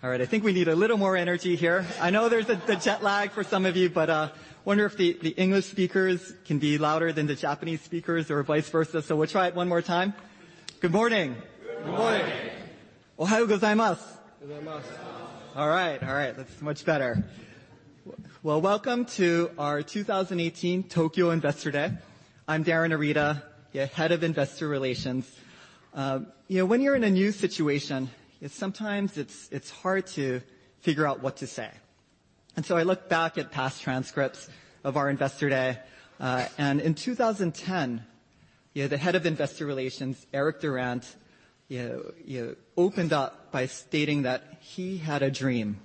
All right. I think we need a little more energy here. I know there's a jet lag for some of you. I wonder if the English speakers can be louder than the Japanese speakers or vice versa. We'll try it one more time. Good morning. Good morning. All right. That's much better. Well, welcome to our 2018 Tokyo Investor Day. I'm Darin Arita, the Head of Investor Relations. When you're in a new situation, sometimes it's hard to figure out what to say. I looked back at past transcripts of our Investor Day. In 2010, the Head of Investor Relations, Eric Durant, opened up by stating that he had a dream.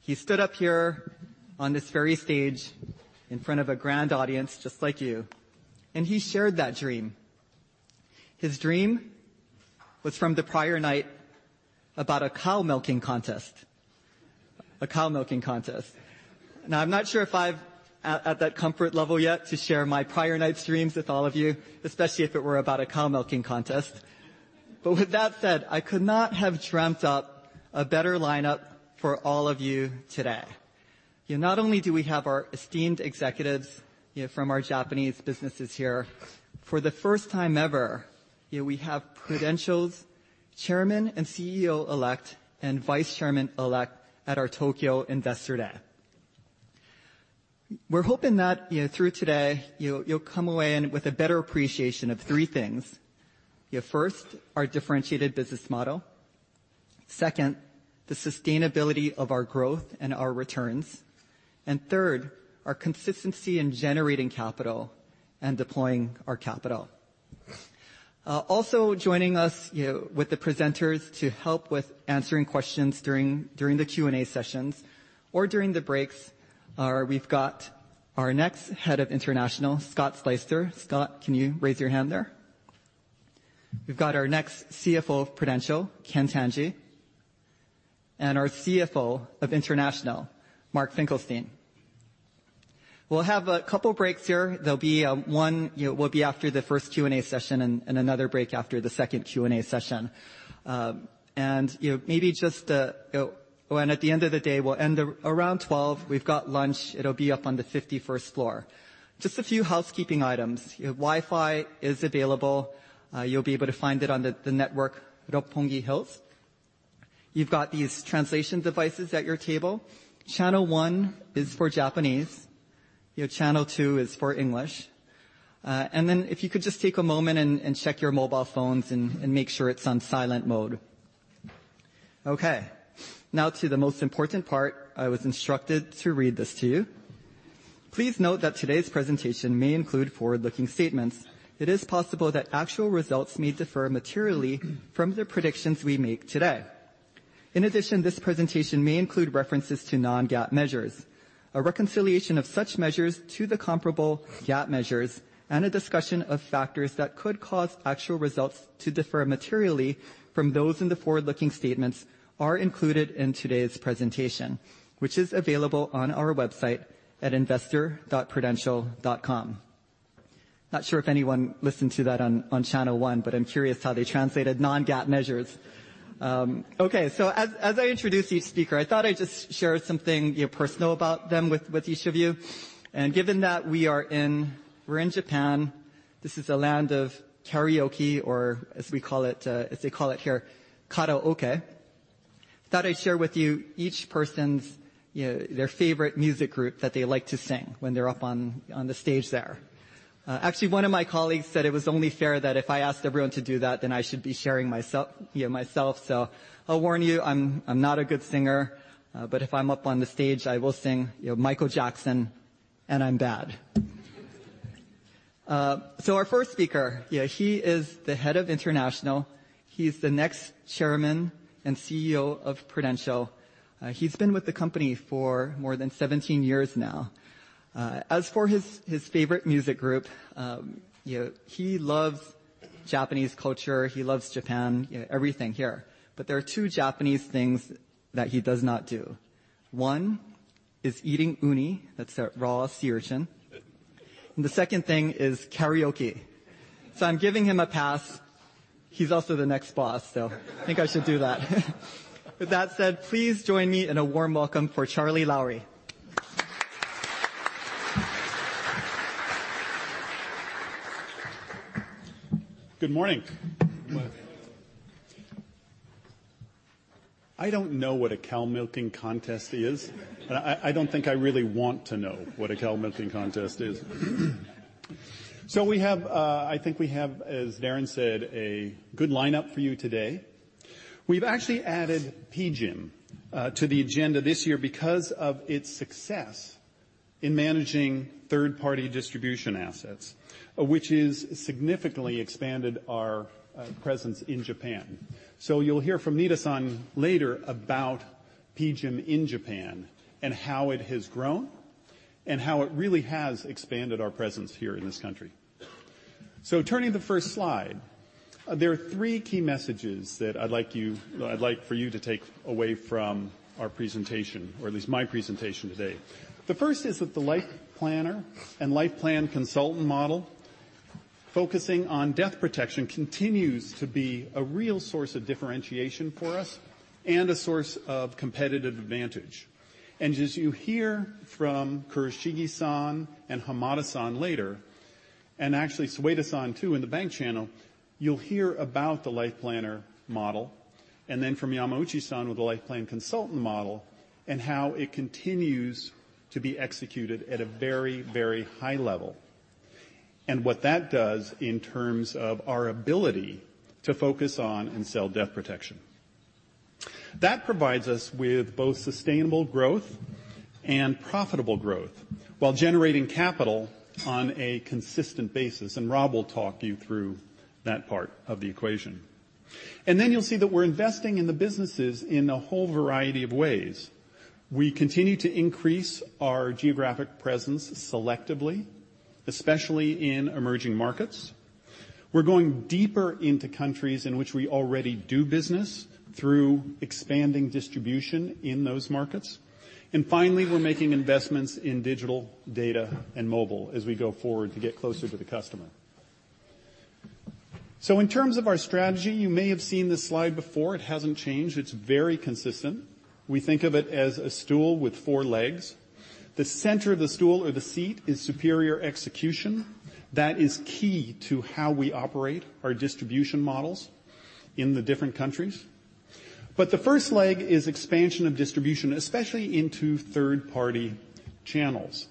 He stood up here on this very stage in front of a grand audience just like you. He shared that dream. His dream was from the prior night about a cow milking contest. Now, I'm not sure if I'm at that comfort level yet to share my prior night's dreams with all of you, especially if it were about a cow milking contest. With that said, I could not have dreamt up a better lineup for all of you today. Not only do we have our esteemed executives from our Japanese businesses here. For the first time ever, we have Prudential's Chairman and CEO elect and Vice Chairman elect at our Tokyo Investor Day. We're hoping that through today, you'll come away with a better appreciation of three things. First, our differentiated business model. Second, the sustainability of our growth and our returns. Third, our consistency in generating capital and deploying our capital. Also joining us with the presenters to help with answering questions during the Q&A sessions or during the breaks, we've got our next Head of International, Scott Sleyster. Scott, can you raise your hand there? We've got our next CFO of Prudential, Ken Tanji, and our CFO of International, Mark Finkelstein. We'll have a couple breaks here. There'll be one after the first Q&A session. Another break after the second Q&A session. At the end of the day, we'll end around 12:00. We've got lunch. It'll be up on the 51st floor. Just a few housekeeping items. Wi-Fi is available. You'll be able to find it on the network, Roppongi Hills. You've got these translation devices at your table. Channel 1 is for Japanese, channel 2 is for English. If you could just take a moment and check your mobile phones and make sure it's on silent mode. Now to the most important part. I was instructed to read this to you. Please note that today's presentation may include forward-looking statements. It is possible that actual results may differ materially from the predictions we make today. In addition, this presentation may include references to non-GAAP measures. A reconciliation of such measures to the comparable GAAP measures and a discussion of factors that could cause actual results to differ materially from those in the forward-looking statements are included in today's presentation, which is available on our website at investor.prudential.com. Not sure if anyone listened to that on channel 1, but I'm curious how they translated non-GAAP measures. As I introduce each speaker, I thought I'd just share something personal about them with each of you. Given that we're in Japan, this is the land of karaoke, or as they call it here, karaoke. Thought I'd share with you each person's their favorite music group that they like to sing when they're up on the stage there. One of my colleagues said it was only fair that if I asked everyone to do that, then I should be sharing myself. I'll warn you, I'm not a good singer, but if I'm up on the stage, I will sing Michael Jackson, and I'm bad. Our first speaker, he is the Head of International. He's the next Chairman and CEO of Prudential. He's been with the company for more than 17 years now. As for his favorite music group, he loves Japanese culture, he loves Japan, everything here. There are two Japanese things that he does not do. One is eating uni. That's raw sea urchin. The second thing is karaoke. I'm giving him a pass. He's also the next boss, though. I think I should do that. With that said, please join me in a warm welcome for Charles Lowrey. Good morning. Good morning. I don't know what a cow milking contest is, but I don't think I really want to know what a cow milking contest is. I think we have, as Darin said, a good lineup for you today. We've actually added PGIM to the agenda this year because of its success in managing third-party distribution assets, which has significantly expanded our presence in Japan. You'll hear from Nitta-san later about PGIM in Japan, and how it has grown, and how it really has expanded our presence here in this country. Turning to the first slide, there are three key messages that I'd like for you to take away from our presentation, or at least my presentation today. The first is that the Life Planner and Life Plan Consultant model Focusing on death protection continues to be a real source of differentiation for us and a source of competitive advantage. As you hear from Kurashige-san and Hamada-san later, and actually Soeda-san too in the bank channel, you'll hear about the Life Planner model, and then from Yamauchi-san with the Life Plan Consultant model and how it continues to be executed at a very high level, and what that does in terms of our ability to focus on and sell death protection. That provides us with both sustainable growth and profitable growth while generating capital on a consistent basis, and Rob will talk you through that part of the equation. You'll see that we're investing in the businesses in a whole variety of ways. We continue to increase our geographic presence selectively, especially in emerging markets. We're going deeper into countries in which we already do business through expanding distribution in those markets. Finally, we're making investments in digital data and mobile as we go forward to get closer to the customer. In terms of our strategy, you may have seen this slide before. It hasn't changed. It's very consistent. We think of it as a stool with four legs. The center of the stool or the seat is superior execution. That is key to how we operate our distribution models in the different countries. The first leg is expansion of distribution, especially into third-party channels.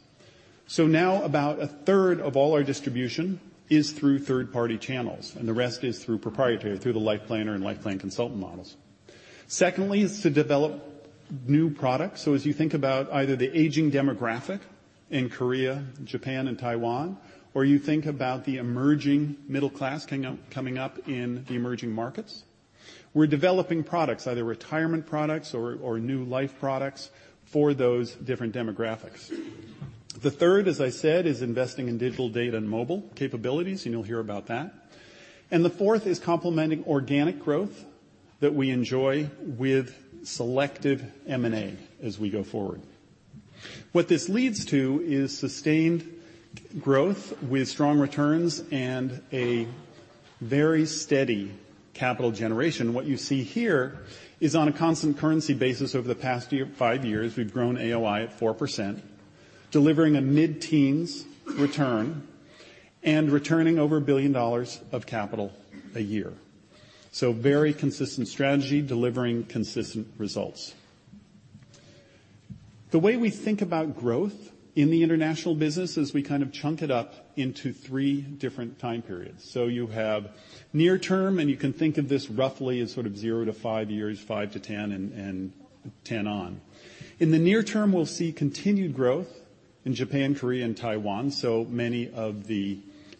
Now about a third of all our distribution is through third-party channels, and the rest is through proprietary, through the Life Planner and Life Plan Consultant models. Secondly is to develop new products. As you think about either the aging demographic in Korea, Japan, and Taiwan, or you think about the emerging middle class coming up in the emerging markets, we're developing products, either retirement products or new life products for those different demographics. The third, as I said, is investing in digital data and mobile capabilities, and you'll hear about that. The fourth is complementing organic growth that we enjoy with selective M&A as we go forward. What this leads to is sustained growth with strong returns and a very steady capital generation. What you see here is on a constant currency basis over the past five years, we've grown AOI at 4%, delivering a mid-teens return and returning over $1 billion of capital a year. Very consistent strategy delivering consistent results. The way we think about growth in the international business is we kind of chunk it up into three different time periods. You have near term, and you can think of this roughly as sort of 0-5 years, 5-10, and 10 on. In the near term, we'll see continued growth in Japan, Korea, and Taiwan, so many of the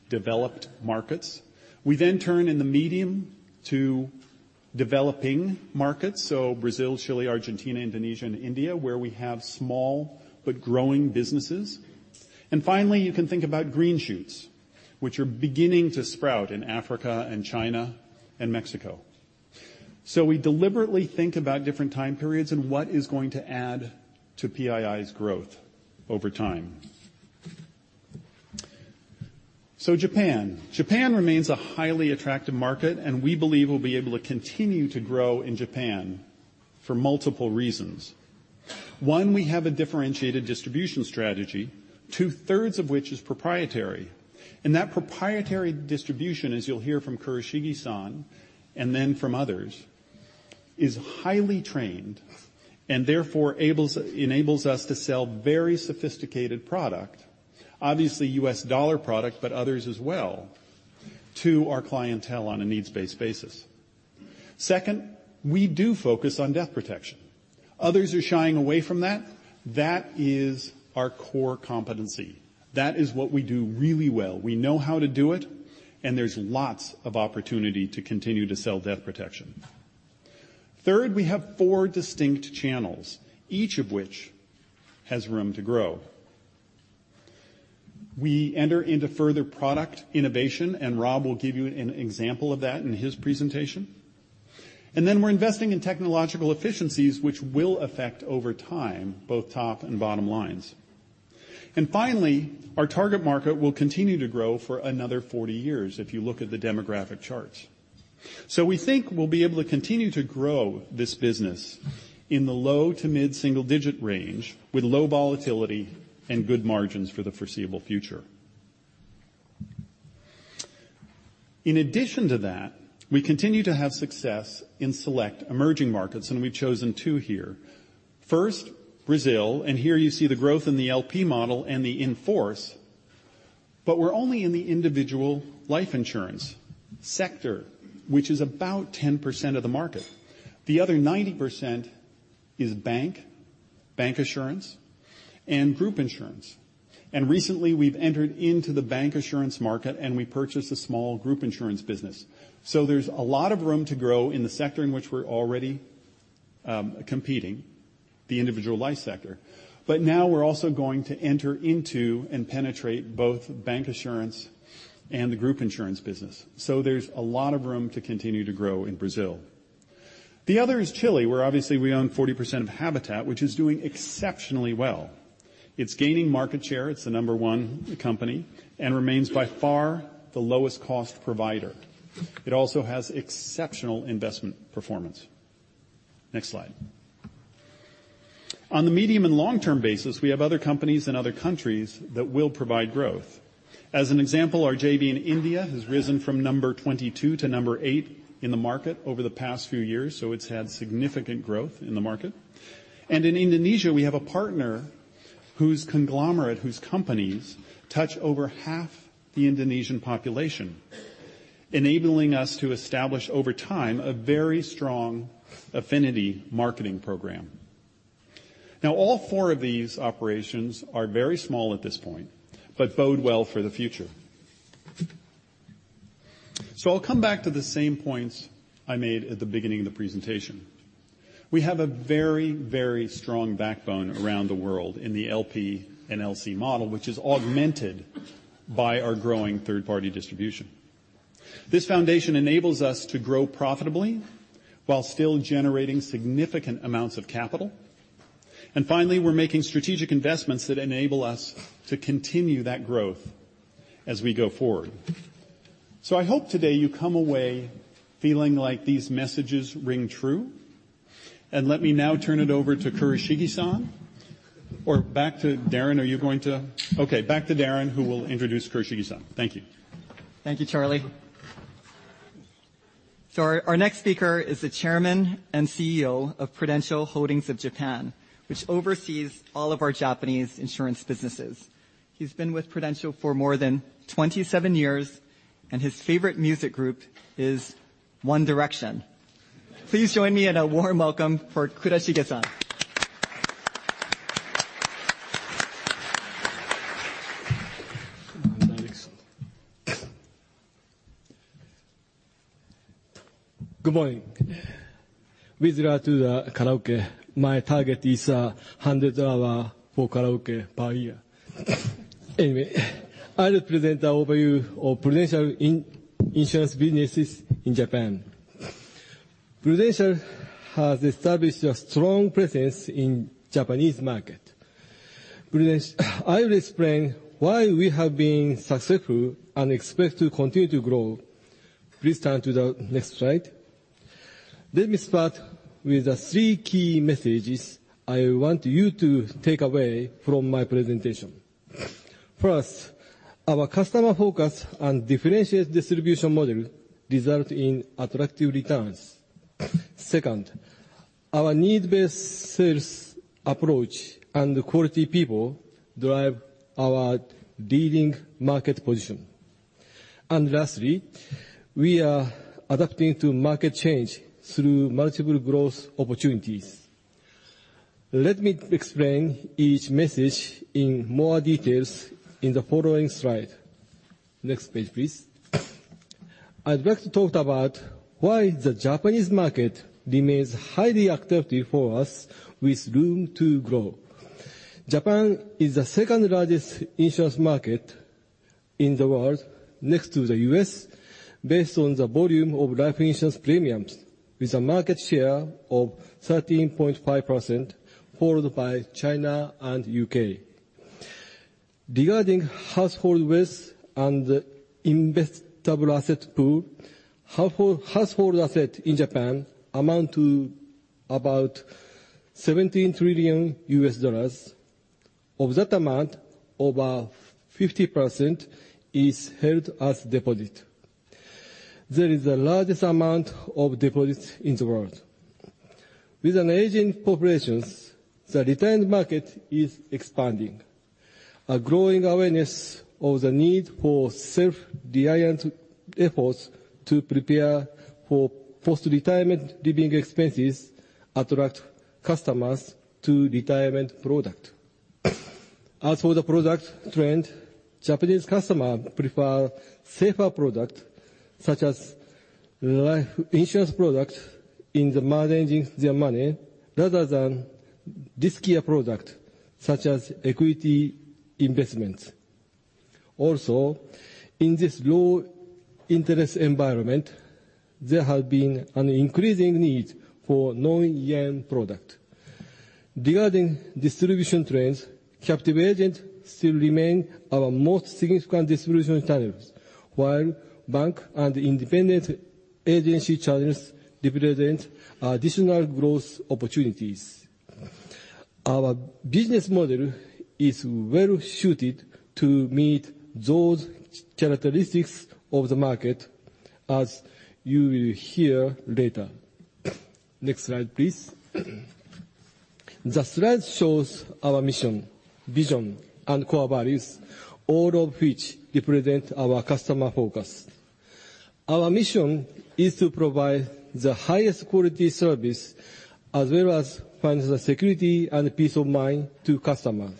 developed markets. We turn in the medium to developing markets, so Brazil, Chile, Argentina, Indonesia, and India, where we have small but growing businesses. Finally, you can think about green shoots, which are beginning to sprout in Africa and China and Mexico. We deliberately think about different time periods and what is going to add to PII's growth over time. Japan. Japan remains a highly attractive market, and we believe we'll be able to continue to grow in Japan for multiple reasons. We have a differentiated distribution strategy, two-thirds of which is proprietary. That proprietary distribution, as you'll hear from Kurashige-san and then from others, is highly trained and therefore enables us to sell very sophisticated product, obviously US dollar product, but others as well, to our clientele on a needs-based basis. We do focus on death protection. Others are shying away from that. That is our core competency. That is what we do really well. We know how to do it, and there's lots of opportunity to continue to sell death protection. We have four distinct channels, each of which has room to grow. We enter into further product innovation, and Rob will give you an example of that in his presentation. We're investing in technological efficiencies, which will affect over time, both top and bottom lines. Finally, our target market will continue to grow for another 40 years if you look at the demographic charts. We think we'll be able to continue to grow this business in the low to mid single-digit range with low volatility and good margins for the foreseeable future. In addition to that, we continue to have success in select emerging markets. We've chosen two here. Brazil, here you see the growth in the LP model and the in-force, but we're only in the individual life insurance sector, which is about 10% of the market. The other 90% is bank insurance, and group insurance. Recently, we've entered into the bank insurance market. We purchased a small group insurance business. There's a lot of room to grow in the sector in which we're already competing, the individual life sector. Now we're also going to enter into and penetrate both bank insurance and the group insurance business. There's a lot of room to continue to grow in Brazil. The other is Chile, where obviously we own 40% of Habitat, which is doing exceptionally well. It's gaining market share, it's the number 1 company, and remains by far the lowest cost provider. It also has exceptional investment performance. Next slide. On the medium- and long-term basis, we have other companies in other countries that will provide growth. As an example, our JV in India has risen from number 22 to number 8 in the market over the past few years. It's had significant growth in the market. In Indonesia, we have a partner whose conglomerate, whose companies touch over half the Indonesian population, enabling us to establish over time a very strong affinity marketing program. All four of these operations are very small at this point, but bode well for the future. I'll come back to the same points I made at the beginning of the presentation. We have a very strong backbone around the world in the LP and LC model, which is augmented by our growing third-party distribution. This foundation enables us to grow profitably while still generating significant amounts of capital. Finally, we're making strategic investments that enable us to continue that growth as we go forward. I hope today you come away feeling like these messages ring true. Let me now turn it over to Kurashige-san, or back to Darin. Back to Darin, who will introduce Kurashige-san. Thank you. Thank you, Charlie. Our next speaker is the Chairman and CEO of Prudential Holdings of Japan, which oversees all of our Japanese insurance businesses. He's been with Prudential for more than 27 years, and his favorite music group is One Direction. Please join me in a warm welcome for Kurashige-san. Good morning. With regard to the karaoke, my target is $100 for karaoke per year. I'll present the overview of Prudential in insurance businesses in Japan. Prudential has established a strong presence in Japanese market. I'll explain why we have been successful and expect to continue to grow. Please turn to the next slide. Let me start with the three key messages I want you to take away from my presentation. First, our customer focus and differentiated distribution model result in attractive returns. Second, our needs-based sales approach and quality people drive our leading market position. Lastly, we are adapting to market change through multiple growth opportunities. Let me explain each message in more details in the following slide. Next page, please. I'd like to talk about why the Japanese market remains highly attractive for us with room to grow. Japan is the second-largest insurance market in the world next to the U.S. based on the volume of life insurance premiums, with a market share of 13.5%, followed by China and U.K. Regarding household wealth and investable asset pool, household asset in Japan amount to about $17 trillion. Of that amount, over 50% is held as deposit. That is the largest amount of deposits in the world. With an aging population, the retirement market is expanding. A growing awareness of the need for self-reliant efforts to prepare for post-retirement living expenses attract customers to retirement product. As for the product trend, Japanese customer prefer safer product, such as life insurance product in the managing their money, rather than riskier product, such as equity investments. Also, in this low interest environment, there has been an increasing need for non-JPY product. Regarding distribution trends, captive agent still remain our most significant distribution channels. While bank and independent agency channels represent additional growth opportunities. Our business model is well suited to meet those characteristics of the market as you will hear later. Next slide, please. The slide shows our mission, vision, and core values, all of which represent our customer focus. Our mission is to provide the highest quality service, as well as financial security and peace of mind to customers.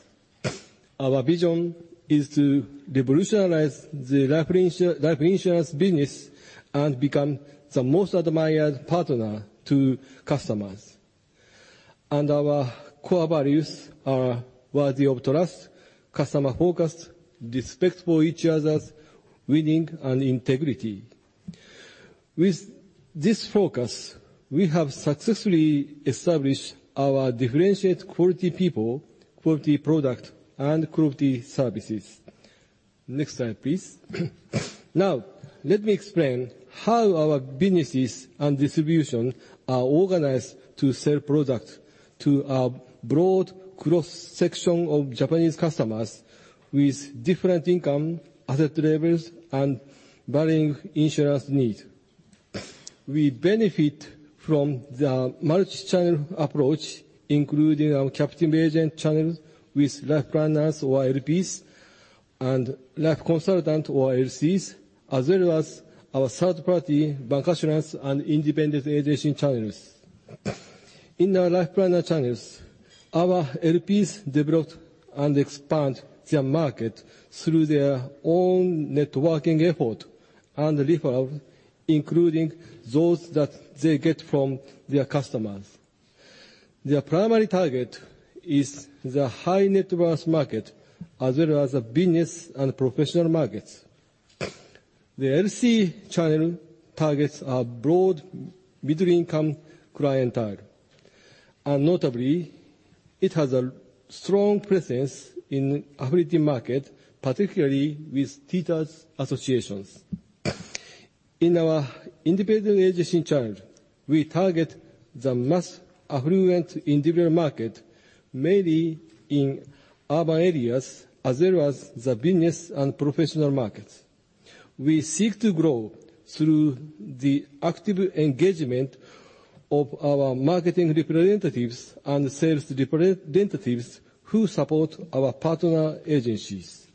Our vision is to revolutionize the life insurance business and become the most admired partner to customers. Our core values are worthy of trust, customer focused, respect for each others, winning and integrity. With this focus, we have successfully established our differentiated quality people, quality product, and quality services. Next slide, please. Let me explain how our businesses and distribution are organized to sell products to a broad cross-section of Japanese customers with different income, asset levels, and varying insurance needs. We benefit from the multi-channel approach, including our captive agent channels with life planners or LPs, and Life Consultant or LCs, as well as our third-party bank insurance and independent agent channels. In our life planner channels, our LPs develop and expand their market through their own networking effort and referral, including those that they get from their customers. Their primary target is the high net worth market, as well as the business and professional markets. The LC channel targets a broad middle income clientele. Notably, it has a strong presence in affiliate market, particularly with teachers associations. In our independent agent channel, we target the mass affluent individual market, mainly in urban areas, as well as the business and professional markets. We seek to grow through the active engagement of our marketing representatives and sales representatives who support our partner agencies.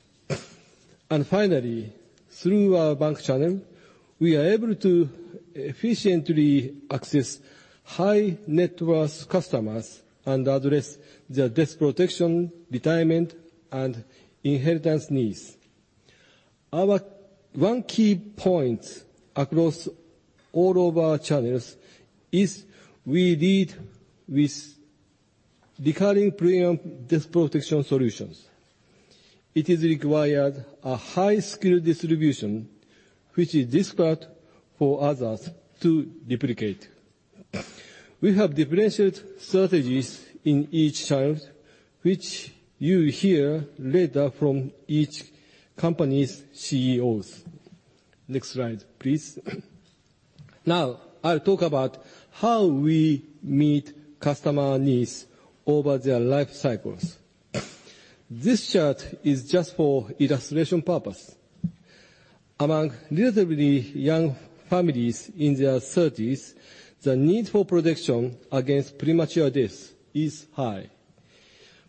Finally, through our bank channel, we are able to efficiently access high net worth customers and address their death protection, retirement, and inheritance needs. Our one key point across all of our channels is we lead with recurring premium death protection solutions. It is required a high-skill distribution, which is difficult for others to replicate. We have differentiated strategies in each channel, which you hear later from each company's CEOs. Next slide, please. I'll talk about how we meet customer needs over their life cycles. This chart is just for illustration purpose. Among relatively young families in their 30s, the need for protection against premature death is high.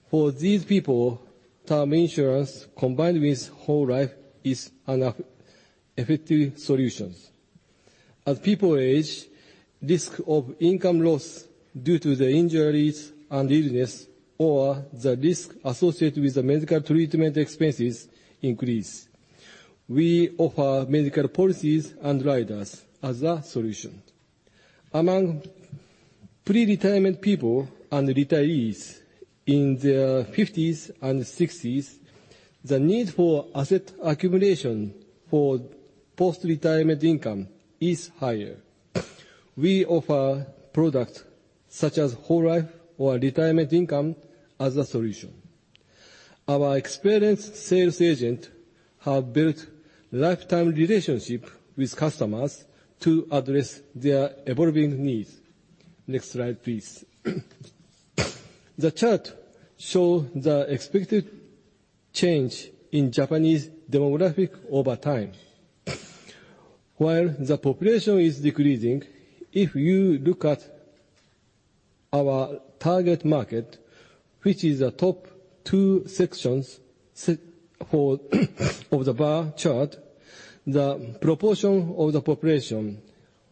For these people, term insurance combined with whole life is an effective solution. As people age, risk of income loss due to the injuries and illness, or the risk associated with the medical treatment expenses increase. We offer medical policies and riders as a solution. Among pre-retirement people and retirees in their 50s and 60s, the need for asset accumulation for post-retirement income is higher. We offer products such as whole life or retirement income as a solution. Our experienced sales agent have built lifetime relationship with customers to address their evolving needs. Next slide, please. The chart show the expected change in Japanese demographic over time. While the population is decreasing, if you look at our target market, which is the top 2 sections set forth of the bar chart, the proportion of the population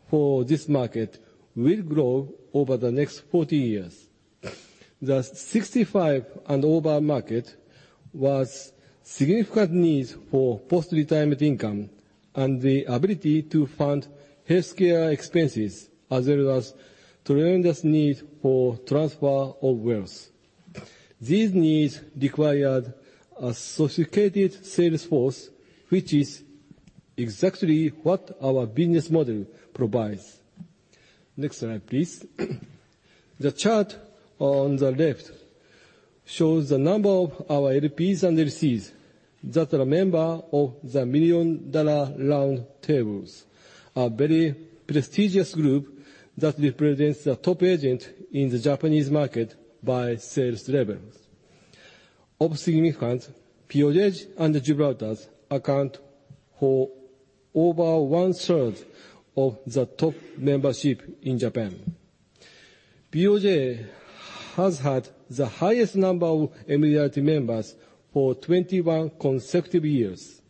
for this market will grow over the next 40 years. The 65 and over market was significant needs for post-retirement income and the ability to fund healthcare expenses, as well as tremendous need for transfer of wealth. These needs required a sophisticated sales force, which is exactly what our business model provides. Next slide, please. The chart on the left shows the number of our LPs and LCs that are member of the Million Dollar Round Table, a very prestigious group that represents the top agent in the Japanese market by sales levels. Of significant, POJ and Gibraltar account for over one-third of the top membership in Japan. POJ has had the highest number of MDRT members for 21 consecutive years.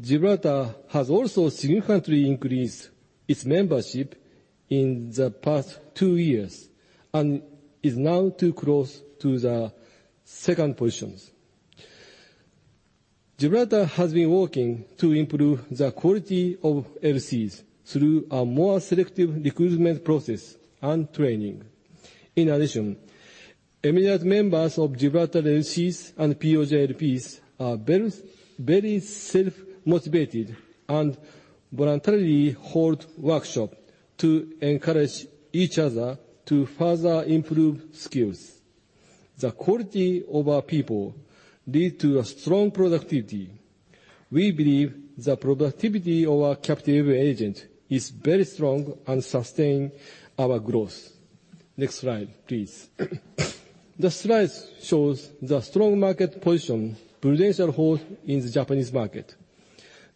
Gibraltar has also significantly increased its membership in the past two years and is now too close to the second positions. Gibraltar has been working to improve the quality of LCs through a more selective recruitment process and training. In addition, eminent members of Gibraltar LCs and POJLPs are very self-motivated and voluntarily hold workshop to encourage each other to further improve skills. The quality of our people lead to a strong productivity. We believe the productivity of our captive agent is very strong and sustain our growth. Next slide, please. This slide shows the strong market position Prudential holds in the Japanese market.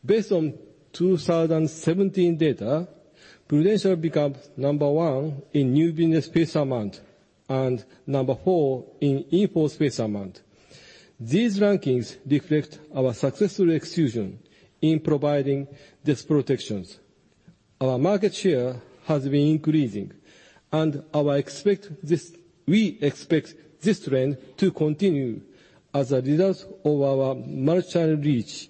Based on 2017 data, Prudential becomes number one in new business face amount and number four in in-force face amount. These rankings reflect our successful execution in providing these protections. Our market share has been increasing, we expect this trend to continue as a result of our multi-channel reach,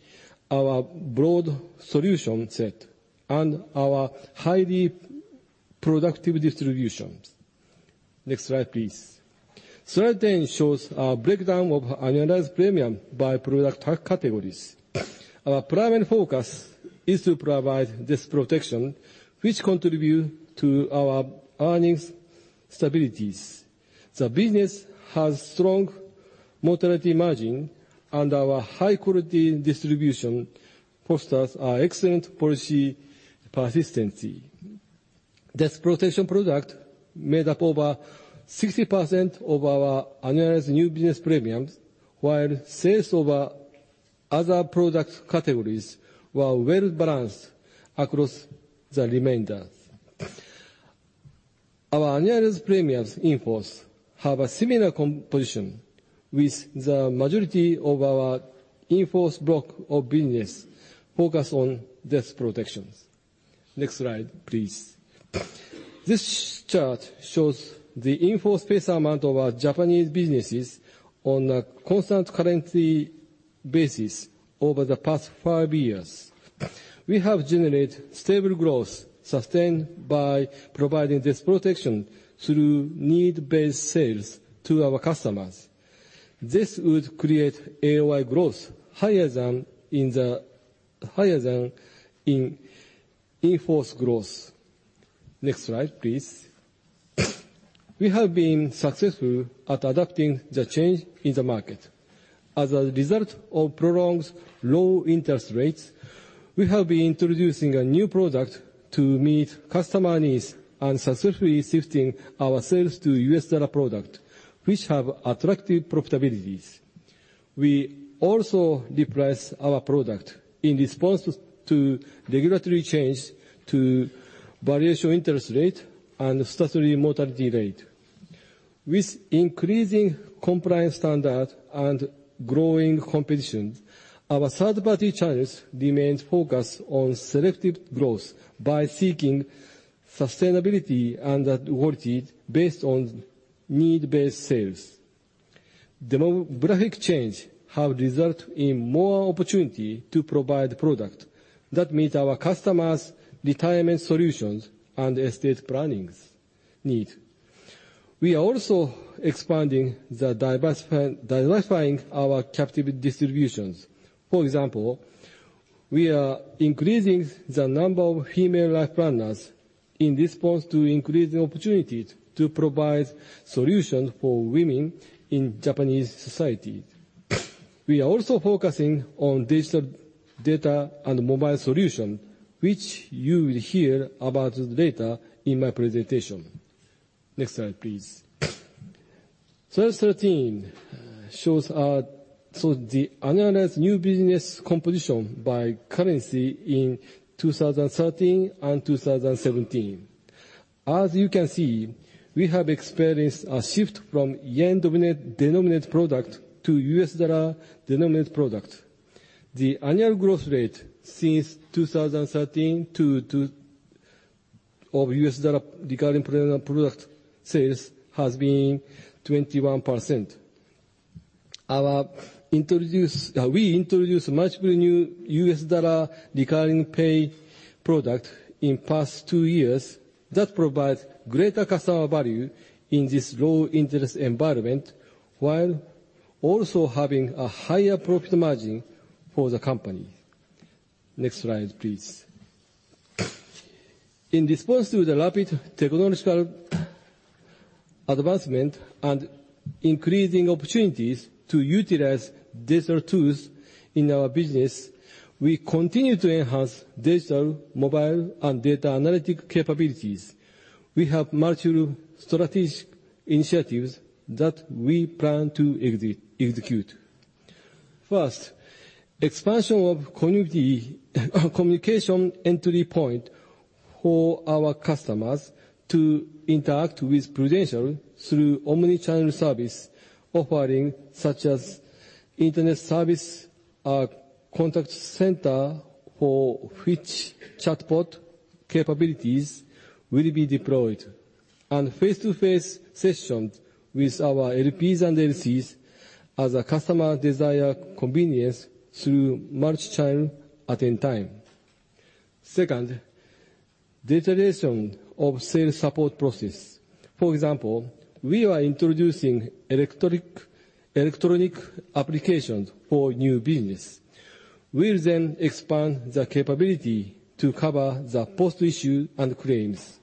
our broad solution set, and our highly productive distributions. Next slide, please. Slide 10 shows a breakdown of annualized premium by product categories. Our primary focus is to provide this protection, which contribute to our earnings stability. The business has strong mortality margin and our high-quality distribution fosters our excellent policy persistency. This protection product made up over 60% of our annualized new business premiums, while sales of our other product categories were well-balanced across the remainder. Our annualized premiums in-force have a similar composition with the majority of our in-force block of business focused on death protections. Next slide, please. This chart shows the in-force face amount of our Japanese businesses on a constant currency basis over the past five years. We have generated stable growth sustained by providing this protection through need-based sales to our customers. This would create AOI growth higher than in in-force growth. Next slide, please. We have been successful at adapting the change in the market. As a result of prolonged low interest rates, we have been introducing a new product to meet customer needs and successfully shifting our sales to US dollar product, which have attractive profitabilities. We also reprice our product in response to regulatory change to variable interest rate and statutory mortality rate. With increasing compliance standard and growing competition, our third-party channels remains focused on selective growth by seeking sustainability and quality based on need-based sales. Demographic change have resulted in more opportunity to provide product that meet our customers' retirement solutions and estate plannings need. We are also expanding the diversifying our captive distributions. For example, we are increasing the number of female life planners in response to increasing opportunities to provide solutions for women in Japanese society. We are also focusing on digital data and mobile solution, which you will hear about later in my presentation. Next slide, please. Slide 13 shows the annualized new business composition by currency in 2013 and 2017. As you can see, we have experienced a shift from yen-denominated product to US dollar-denominated product. The annual growth rate since 2013 of US dollar recurring premium product sales has been 21%. We introduced multiple new US dollar recurring pay product in past two years that provides greater customer value in this low interest environment, while also having a higher profit margin for the company. Next slide, please. In response to the rapid technological advancement and increasing opportunities to utilize digital tools in our business, we continue to enhance digital, mobile, and data analytic capabilities. We have multiple strategic initiatives that we plan to execute. First, expansion of communication entry point for our customers to interact with Prudential through omnichannel service offering such as internet service, contact center for which chatbot capabilities will be deployed. Face-to-face sessions with our LPs and LCs as a customer desire convenience through multichannel at any time. Second, digitization of sales support process. For example, we are introducing electronic applications for new business. We'll then expand the capability to cover the post-issue and claims.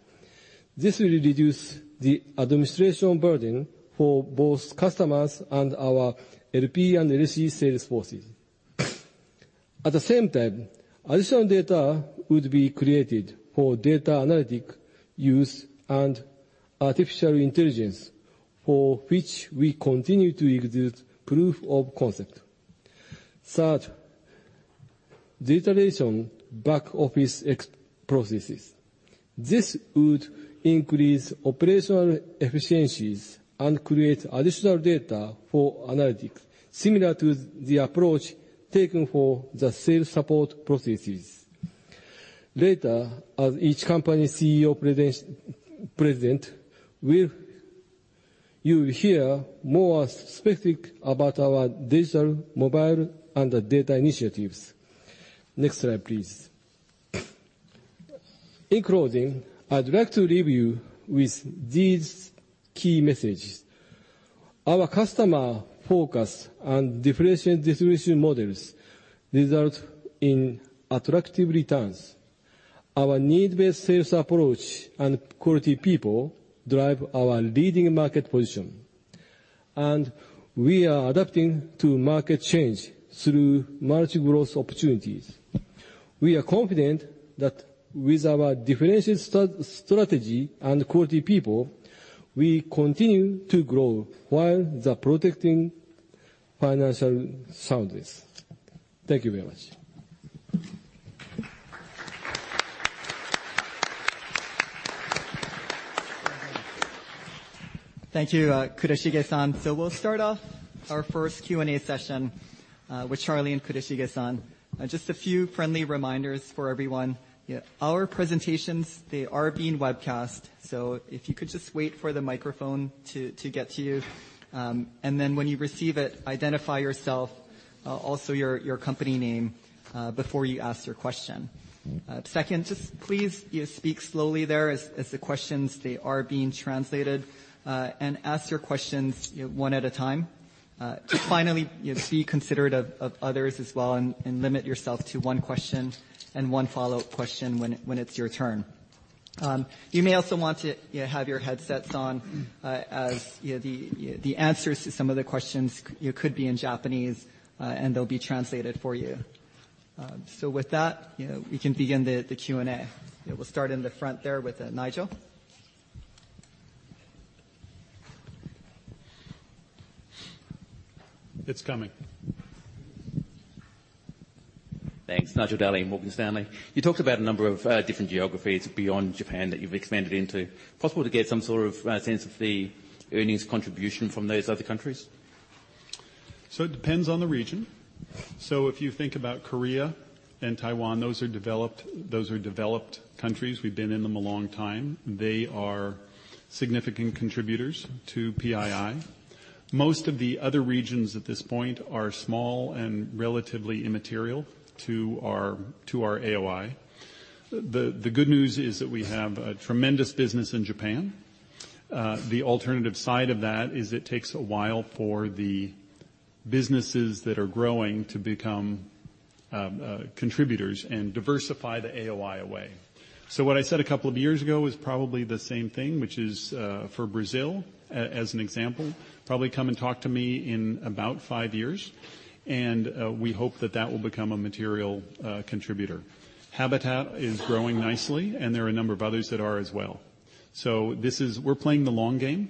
This will reduce the administration burden for both customers and our LP and LC sales forces. At the same time, additional data would be created for data analytic use and artificial intelligence, for which we continue to execute proof of concept. Third, digitization back office processes. This would increase operational efficiencies and create additional data for analytics, similar to the approach taken for the sales support processes. Later, as each company CEO present, you will hear more specific about our digital, mobile, and data initiatives. Next slide, please. In closing, I'd like to leave you with these key messages. Our customer focus on differentiation distribution models result in attractive returns. Our need-based sales approach and quality people drive our leading market position. We are adapting to market change through multi-growth opportunities. We are confident that with our differentiated strategy and quality people, we continue to grow while the protecting financial soundness. Thank you very much. Thank you, Kurashige-san. We'll start off our first Q&A session with Charlie and Kurashige-san. Just a few friendly reminders for everyone. Our presentations, they are being webcast, so if you could just wait for the microphone to get to you. Then when you receive it, identify yourself, also your company name before you ask your question. Second, just please speak slowly there as the questions, they are being translated. Ask your questions one at a time. Finally, be considerate of others as well and limit yourself to one question and one follow-up question when it's your turn. You may also want to have your headsets on as the answers to some of the questions could be in Japanese and they'll be translated for you. With that, we can begin the Q&A. We'll start in the front there with Nigel. It's coming. Thanks. Nigel Dally, Morgan Stanley. You talked about a number of different geographies beyond Japan that you've expanded into. Possible to get some sort of sense of the earnings contribution from those other countries? It depends on the region. If you think about Korea and Taiwan, those are developed countries. We've been in them a long time. They are significant contributors to PII. Most of the other regions at this point are small and relatively immaterial to our AOI. The good news is that we have a tremendous business in Japan. The alternative side of that is it takes a while for the businesses that are growing to become contributors and diversify the AOI away. What I said a couple of years ago is probably the same thing, which is for Brazil, as an example, probably come and talk to me in about five years, and we hope that that will become a material contributor. Habitat is growing nicely, and there are a number of others that are as well. We're playing the long game.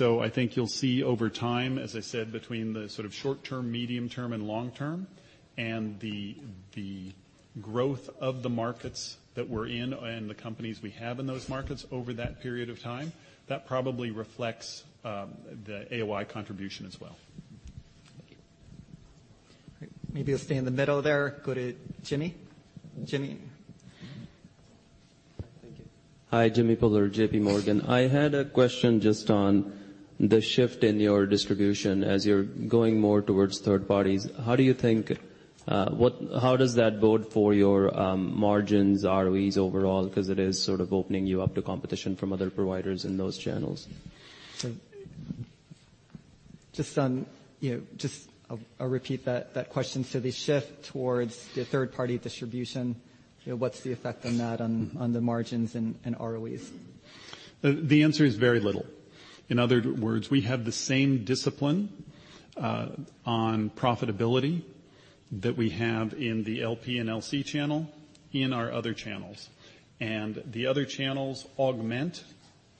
I think you'll see over time, as I said, between the sort of short term, medium term, and long term, and the growth of the markets that we're in and the companies we have in those markets over that period of time, that probably reflects the AOI contribution as well. Thank you. Maybe you'll stay in the middle there. Go to Jimmy. Jimmy. Thank you. Hi, Jimmy Bhullar, J.P. Morgan. I had a question just on the shift in your distribution as you're going more towards third parties. How does that bode for your margins, ROEs overall? It is sort of opening you up to competition from other providers in those channels. Just I'll repeat that question. The shift towards the third party distribution, what's the effect on that on the margins and ROEs? The answer is very little. In other words, we have the same discipline on profitability that we have in the LP and LC channel in our other channels. The other channels augment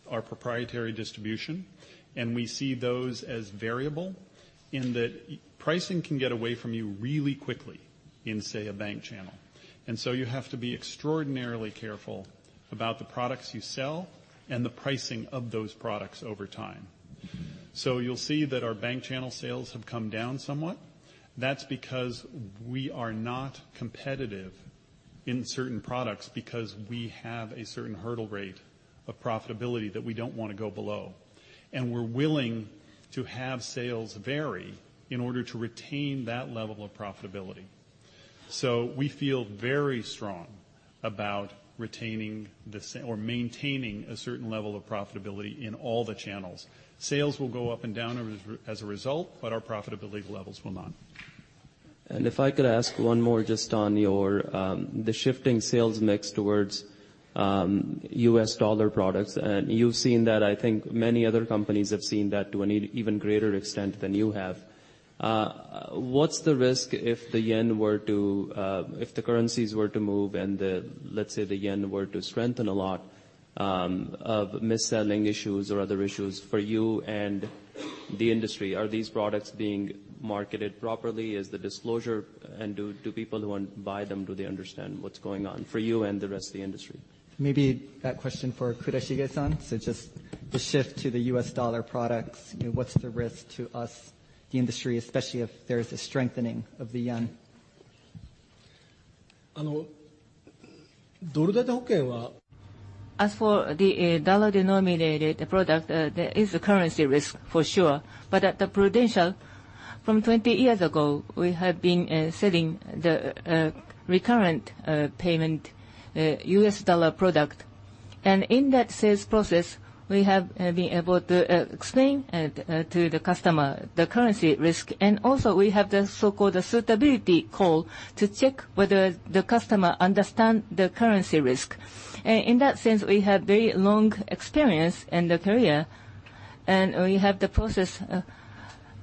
our proprietary distribution, and we see those as variable in that pricing can get away from you really quickly in, say, a bank channel. You have to be extraordinarily careful about the products you sell and the pricing of those products over time. You'll see that our bank channel sales have come down somewhat. That's because we are not competitive in certain products because we have a certain hurdle rate of profitability that we don't want to go below, and we're willing to have sales vary in order to retain that level of profitability. We feel very strong about retaining or maintaining a certain level of profitability in all the channels. Sales will go up and down as a result, but our profitability levels will not. If I could ask one more just on the shifting sales mix towards U.S. dollar products. You've seen that. I think many other companies have seen that to an even greater extent than you have. What's the risk if the currencies were to move and, let's say, the yen were to strengthen a lot of mis-selling issues or other issues for you and the industry? Are these products being marketed properly? Is the disclosure? Do people who want to buy them, do they understand what's going on for you and the rest of the industry? Maybe that question for Kurashige-san. Just the shift to the U.S. dollar products, what's the risk to us, the industry, especially if there is a strengthening of the yen? As for the dollar-denominated product, there is a currency risk for sure. At Prudential, from 20 years ago, we have been selling the recurrent payment U.S. dollar product. In that sales process, we have been able to explain to the customer the currency risk, and also we have the so-called suitability call to check whether the customer understands the currency risk. In that sense, we have very long experience in the career, and we have the process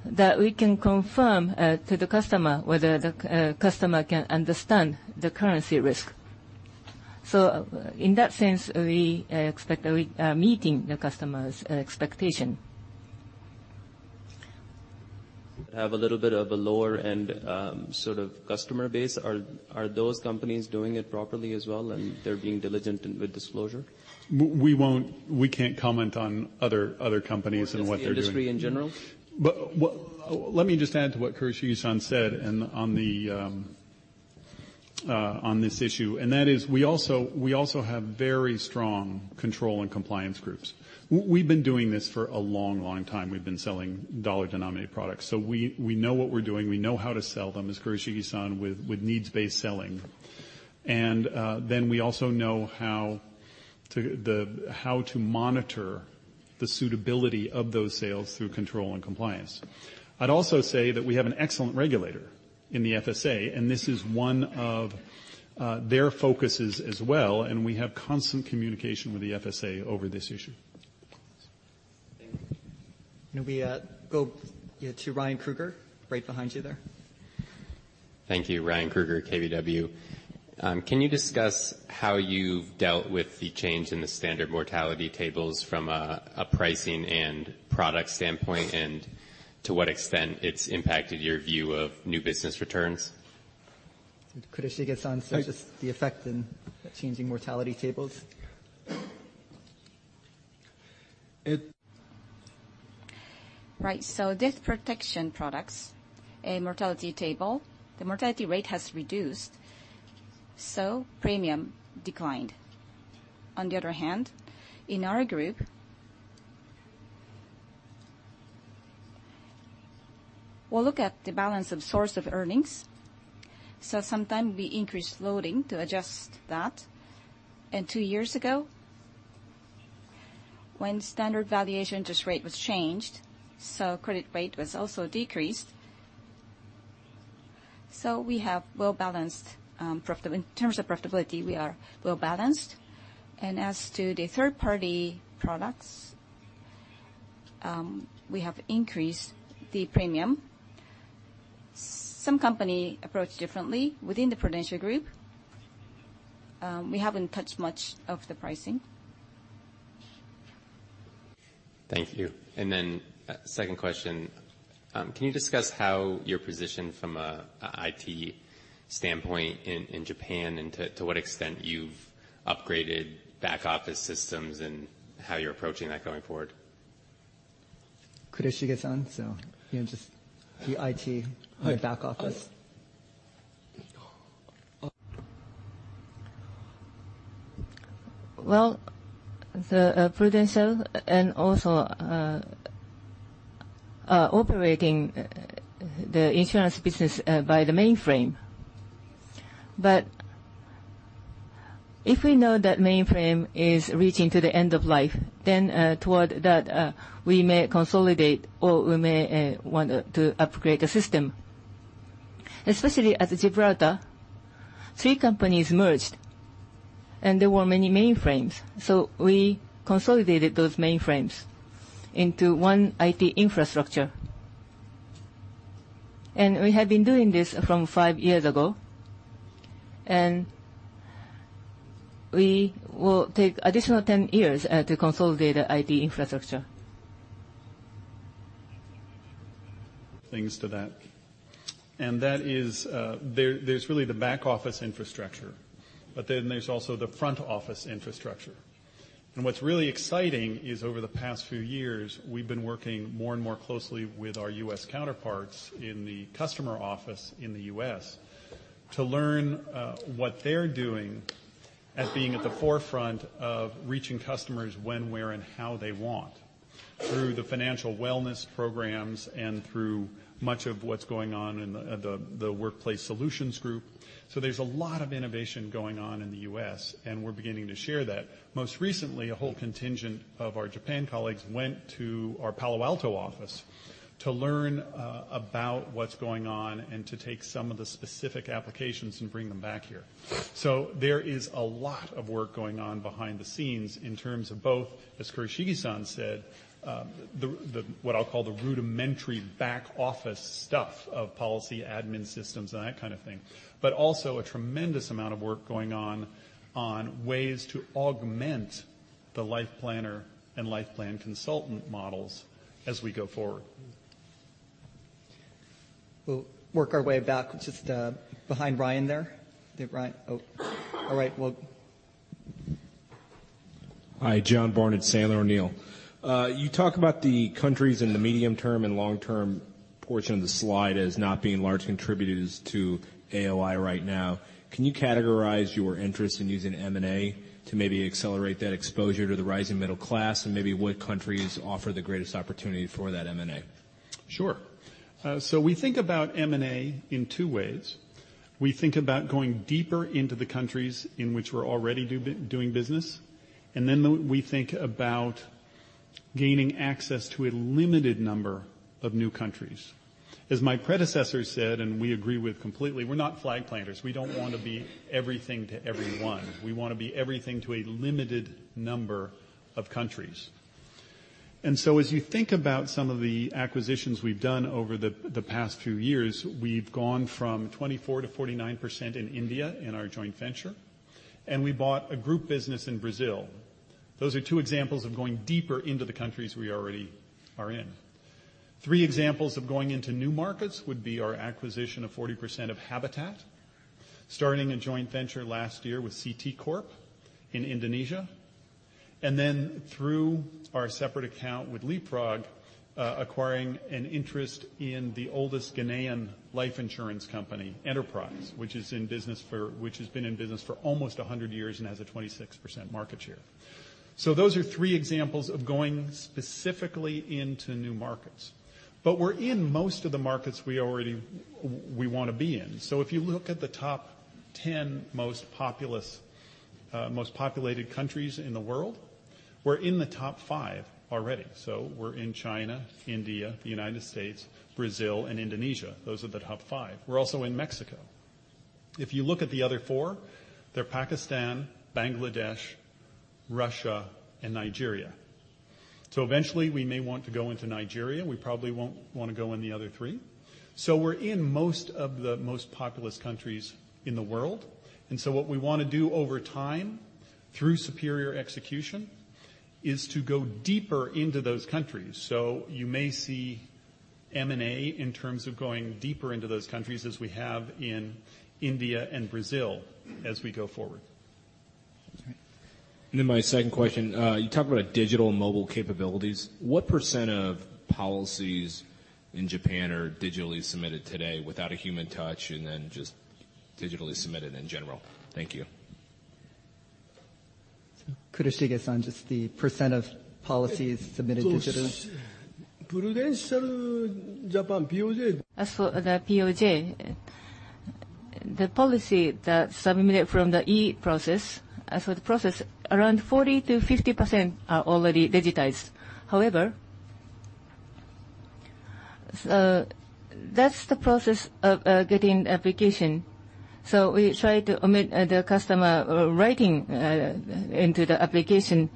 that we can confirm to the customer whether the customer can understand the currency risk. In that sense, we expect meeting the customer's expectation. Have a little bit of a lower-end sort of customer base. Are those companies doing it properly as well, and they're being diligent with disclosure? We can't comment on other companies and what they're doing. Just the industry in general. Let me just add to what Kurashige-san said on this issue, and that is we also have very strong control and compliance groups. We've been doing this for a long, long time. We've been selling dollar-denominated products. We know what we're doing. We know how to sell them, as Kurashige-san, with needs-based selling. We also know how to monitor the suitability of those sales through control and compliance. I'd also say that we have an excellent regulator in the FSA, and this is one of their focuses as well, and we have constant communication with the FSA over this issue. Thank you. We go to Ryan Krueger, right behind you there. Thank you. Ryan Krueger, KBW. Can you discuss how you've dealt with the change in the standard mortality tables from a pricing and product standpoint, and to what extent it's impacted your view of new business returns? Kurashige-san, just the effect in changing mortality tables. Right. Death protection products, a mortality table. The mortality rate has reduced, premium declined. On the other hand, in our group, we'll look at the balance of source of earnings. Sometimes we increase loading to adjust that. Two years ago, when standard valuation interest rate was changed, credit rate was also decreased. In terms of profitability, we are well-balanced. As to the third-party products, we have increased the premium. Some company approach differently. Within the Prudential group, we haven't touched much of the pricing. Thank you. Then second question. Can you discuss how you're positioned from an IT standpoint in Japan, and to what extent you've upgraded back-office systems and how you're approaching that going forward? Kurashige-san. Just the IT back office. Prudential are operating the insurance business by the mainframe. If we know that mainframe is reaching to the end of life, then toward that, we may consolidate, or we may want to upgrade the system. Especially at Gibraltar, three companies merged, and there were many mainframes. We consolidated those mainframes into one IT infrastructure. We have been doing this from five years ago, we will take additional 10 years to consolidate the IT infrastructure. Things to that. That is there's really the back-office infrastructure, but then there's also the front-office infrastructure. What's really exciting is over the past few years, we've been working more and more closely with our U.S. counterparts in the customer office in the U.S. to learn what they're doing at being at the forefront of reaching customers when, where, and how they want through the financial wellness programs and through much of what's going on in the Workplace Solutions group. There's a lot of innovation going on in the U.S., and we're beginning to share that. Most recently, a whole contingent of our Japan colleagues went to our Palo Alto office to learn about what's going on and to take some of the specific applications and bring them back here. There is a lot of work going on behind the scenes in terms of both, as Kurashige-san said, what I'll call the rudimentary back office stuff of policy admin systems and that kind of thing, but also a tremendous amount of work going on on ways to augment the Life Planner and Life Plan Consultant models as we go forward. We'll work our way back, just behind Ryan there. Yeah, Ryan. Oh. All right. Well Hi, John Barnidge, Sandler O'Neill. You talk about the countries in the medium term and long term portion of the slide as not being large contributors to AOI right now. Can you categorize your interest in using M&A to maybe accelerate that exposure to the rising middle class, and maybe what countries offer the greatest opportunity for that M&A? Sure. We think about M&A in two ways. We think about going deeper into the countries in which we're already doing business, then we think about gaining access to a limited number of new countries. As my predecessor said, and we agree with completely, we're not flag planters. We don't want to be everything to everyone. We want to be everything to a limited number of countries. As you think about some of the acquisitions we've done over the past few years, we've gone from 24% to 49% in India in our joint venture, and we bought a group business in Brazil. Those are two examples of going deeper into the countries we already are in. Three examples of going into new markets would be our acquisition of 40% of Habitat, starting a joint venture last year with CT Corp in Indonesia, then through our separate account with Leapfrog, acquiring an interest in the oldest Ghanaian life insurance company, Enterprise, which has been in business for almost 100 years and has a 26% market share. Those are three examples of going specifically into new markets. We're in most of the markets we want to be in. If you look at the top 10 most populated countries in the world, we're in the top five already. We're in China, India, the U.S., Brazil, and Indonesia. Those are the top five. We're also in Mexico. If you look at the other four, they're Pakistan, Bangladesh, Russia, and Nigeria. Eventually we may want to go into Nigeria. We probably won't want to go in the other three. We're in most of the most populous countries in the world, what we want to do over time, through superior execution, is to go deeper into those countries. You may see M&A in terms of going deeper into those countries as we have in India and Brazil as we go forward. Okay. Then my second question, you talk about digital and mobile capabilities. What % of policies in Japan are digitally submitted today without a human touch and then just digitally submitted in general? Thank you. Kurashige-san, just the % of policies submitted digitally. Prudential Japan, POJ. As for the POJ, the policy that submitted from the e-process. As for the process, around 40%-50% are already digitized. However, that's the process of getting application. We try to omit the customer writing into the application.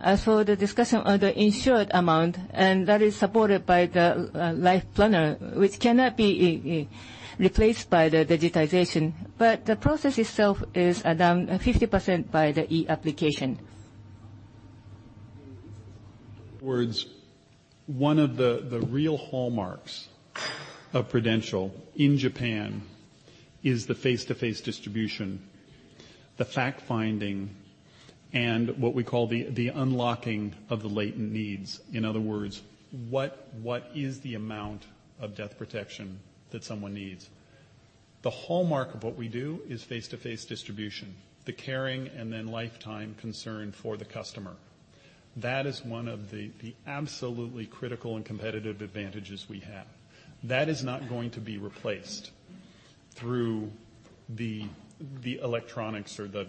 As for the discussion on the insured amount, and that is supported by the Life Planner, which cannot be replaced by the digitization. The process itself is around 50% by the e-application. One of the real hallmarks of Prudential in Japan is the face-to-face distribution, the fact finding, and what we call the unlocking of the latent needs. In other words, what is the amount of death protection that someone needs? The hallmark of what we do is face-to-face distribution, the caring, and then lifetime concern for the customer. That is one of the absolutely critical and competitive advantages we have. That is not going to be replaced through the electronics or the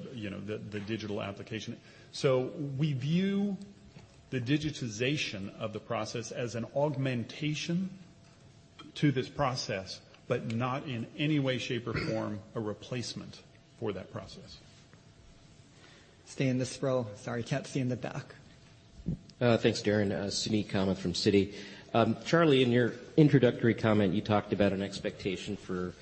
digital application. We view the digitization of the process as an augmentation to this process, not in any way, shape, or form a replacement for that process. Stay in this row. Sorry, can't see in the back. Thanks, Darin. Suneet Kamath from Citi. Charlie, in your introductory comment, you talked about an expectation for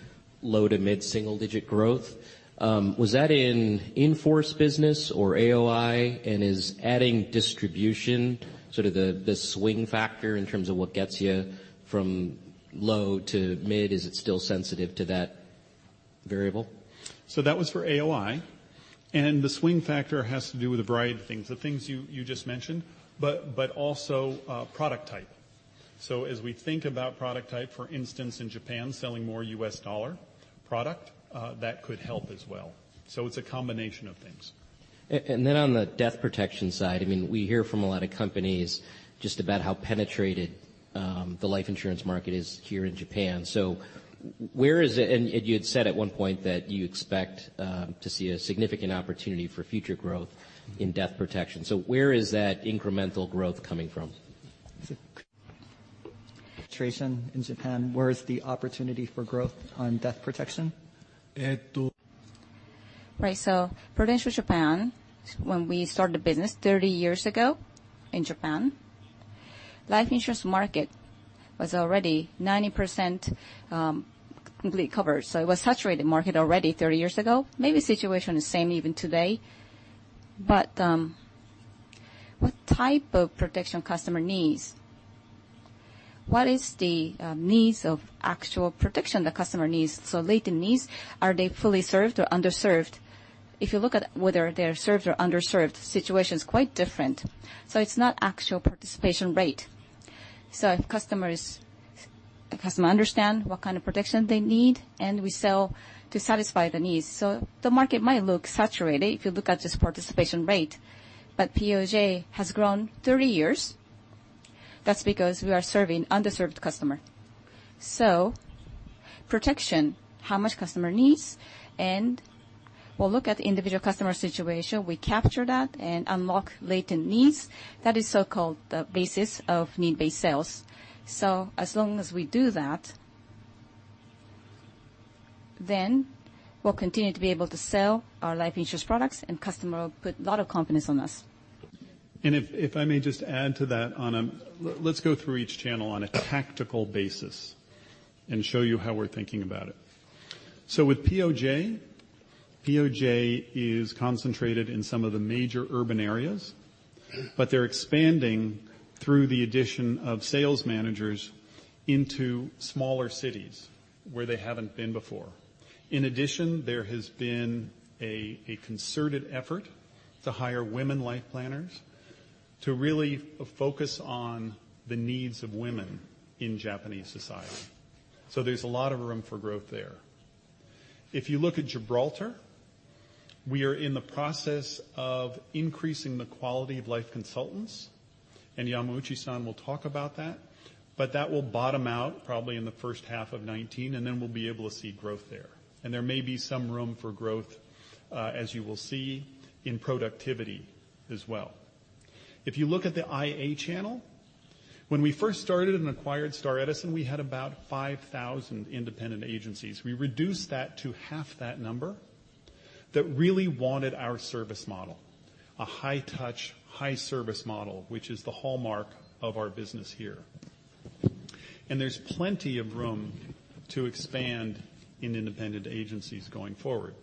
low to mid single digit growth. Was that in in-force business or AOI, is adding distribution sort of the swing factor in terms of what gets you from low to mid? Is it still sensitive to that the variable? That was for AOI, the swing factor has to do with a variety of things. The things you just mentioned, also product type. As we think about product type, for instance, in Japan, selling more U.S. dollar product, that could help as well. It's a combination of things. Then on the death protection side, we hear from a lot of companies just about how penetrated the life insurance market is here in Japan. Where is it? You had said at one point that you expect to see a significant opportunity for future growth in death protection. Where is that incremental growth coming from? Is it? Trace on in Japan, where is the opportunity for growth on death protection? Right. Prudential Japan, when we started the business 30 years ago in Japan, life insurance market was already 90% completely covered. It was saturated market already 30 years ago. Maybe situation is same even today. What type of protection customer needs? What is the needs of actual protection the customer needs? Latent needs, are they fully served or underserved? If you look at whether they are served or underserved, situation's quite different. It's not actual participation rate. If the customer understand what kind of protection they need, we sell to satisfy the needs. The market might look saturated if you look at just participation rate, POJ has grown 30 years. That's because we are serving underserved customer. Protection, how much customer needs, we'll look at individual customer situation. We capture that and unlock latent needs. That is so-called the basis of need-based sales. As long as we do that, we'll continue to be able to sell our life insurance products, customer will put a lot of confidence on us. If I may just add to that, let's go through each channel on a tactical basis and show you how we're thinking about it. With POJ is concentrated in some of the major urban areas, they're expanding through the addition of sales managers into smaller cities where they haven't been before. In addition, there has been a concerted effort to hire women life planners to really focus on the needs of women in Japanese society. There's a lot of room for growth there. If you look at Gibraltar, we are in the process of increasing the quality of lLfe Consultants, Yamauchi-san will talk about that will bottom out probably in the first half of 2019, we'll be able to see growth there. There may be some room for growth, as you will see in productivity as well. If you look at the IA channel, when we first started and acquired Star Edison, we had about 5,000 independent agencies. We reduced that to half that number that really wanted our service model, a high touch, high service model, which is the hallmark of our business here. There's plenty of room to expand in independent agencies going forward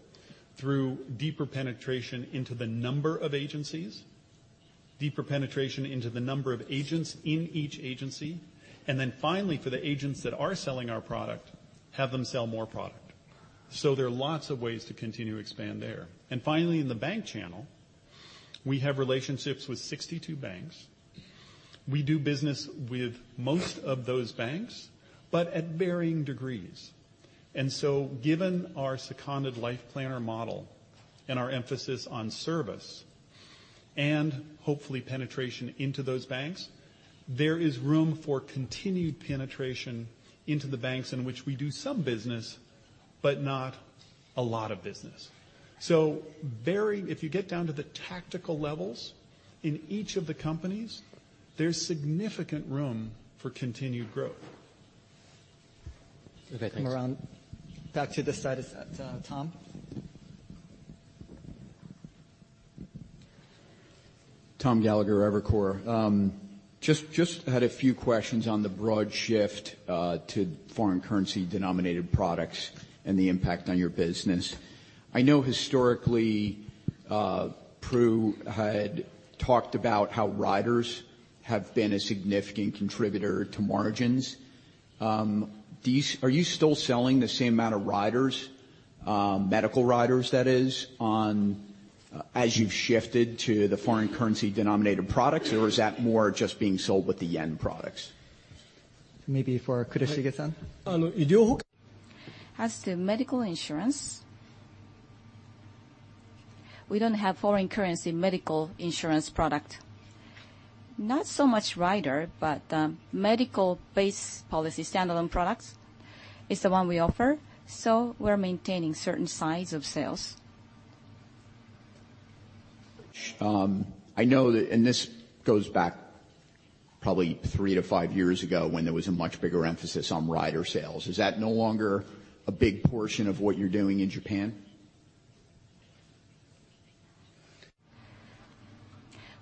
through deeper penetration into the number of agencies, deeper penetration into the number of agents in each agency, then finally, for the agents that are selling our product, have them sell more product. There are lots of ways to continue to expand there. Finally, in the bank channel, we have relationships with 62 banks. We do business with most of those banks, but at varying degrees. Given our seconded life planner model and our emphasis on service and hopefully penetration into those banks, there is room for continued penetration into the banks in which we do some business, but not a lot of business. If you get down to the tactical levels in each of the companies, there's significant room for continued growth. Okay, thanks. We're on back to this side. Is that Tom? Thomas Gallagher, Evercore. Just had a few questions on the broad shift to foreign currency denominated products and the impact on your business. I know historically, Pru had talked about how riders have been a significant contributor to margins. Are you still selling the same amount of riders, medical riders that is, as you've shifted to the foreign currency denominated products, or is that more just being sold with the yen products? Maybe for Kurashige-san. As to medical insurance, we don't have foreign currency medical insurance product. Not so much rider, but medical-based policy standalone products is the one we offer. We're maintaining certain size of sales. I know that. This goes back probably three to five years ago when there was a much bigger emphasis on rider sales. Is that no longer a big portion of what you're doing in Japan?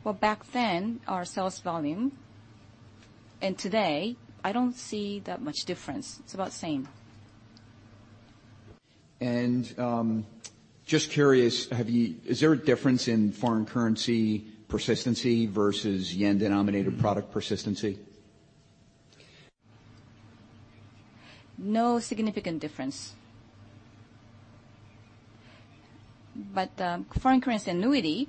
Well, back then, our sales volume and today, I don't see that much difference. It is about same. Just curious, is there a difference in foreign currency persistency versus yen-denominated product persistency? No significant difference. Foreign currency annuity,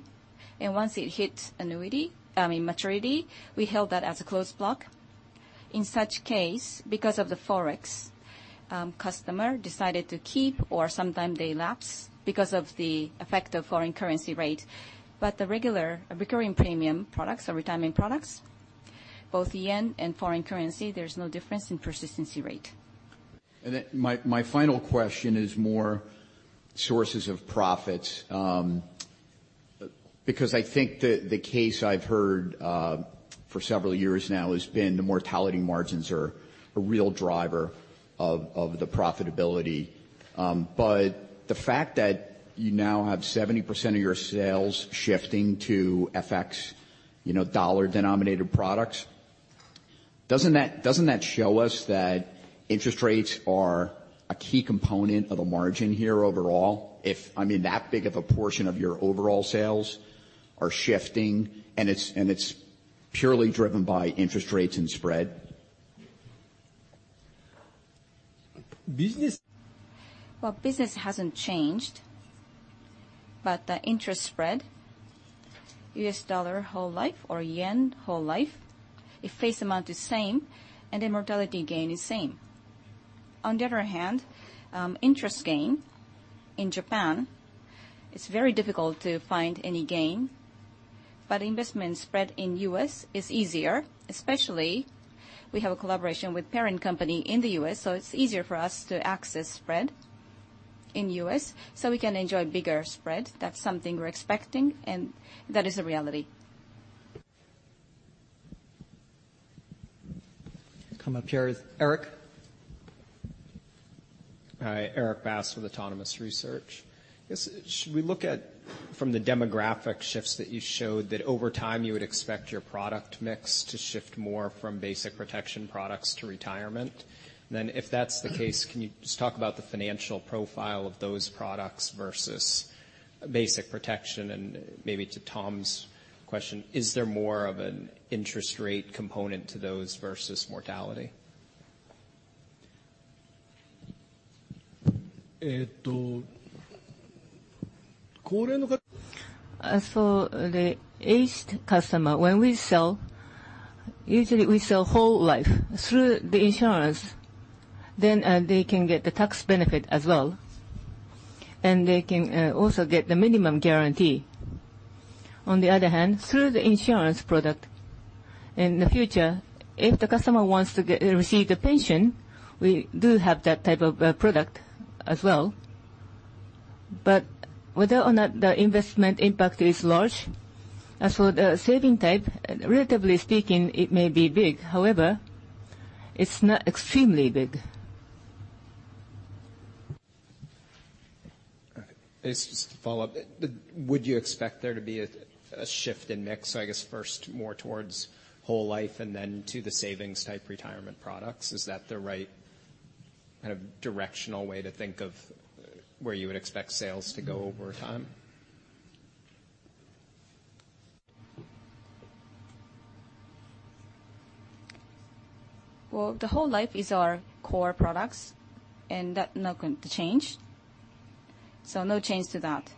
once it hits maturity, we held that as a closed block. In such case, because of the ForEx, customer decided to keep or sometime they lapse because of the effect of foreign currency rate. The recurring premium products or retirement products, both yen and foreign currency, there is no difference in persistency rate. My final question is more sources of profits. I think the case I have heard for several years now has been the mortality margins are a real driver of the profitability. The fact that you now have 70% of your sales shifting to FX, dollar-denominated products, doesn't that show us that interest rates are a key component of a margin here overall? If that big of a portion of your overall sales are shifting, and it is purely driven by interest rates and spread. Business- Business hasn't changed, the interest spread, U.S. dollar whole life or JPY whole life, if face amount is same, the mortality gain is same. Interest gain in Japan, it's very difficult to find any gain, investment spread in the U.S. is easier, especially we have a collaboration with parent company in the U.S., so it's easier for us to access spread in the U.S., so we can enjoy bigger spread. That's something we're expecting, that is a reality. Come up here is Erik. Hi, Erik Bass with Autonomous Research. Should we look at, from the demographic shifts that you showed, that over time you would expect your product mix to shift more from basic protection products to retirement? If that's the case, can you just talk about the financial profile of those products versus basic protection? Maybe to Tom's question, is there more of an interest rate component to those versus mortality? As for the aged customer, when we sell, usually we sell whole life through the insurance, then they can get the tax benefit as well, and they can also get the minimum guarantee. Through the insurance product, in the future, if the customer wants to receive the pension, we do have that type of product as well. Whether or not the investment impact is large, as for the saving type, relatively speaking, it may be big. However, it's not extremely big. All right. Just to follow up, would you expect there to be a shift in mix, I guess first more towards whole life and then to the savings type retirement products? Is that the right kind of directional way to think of where you would expect sales to go over time? Well, the whole life is our core products, and that not going to change. No change to that.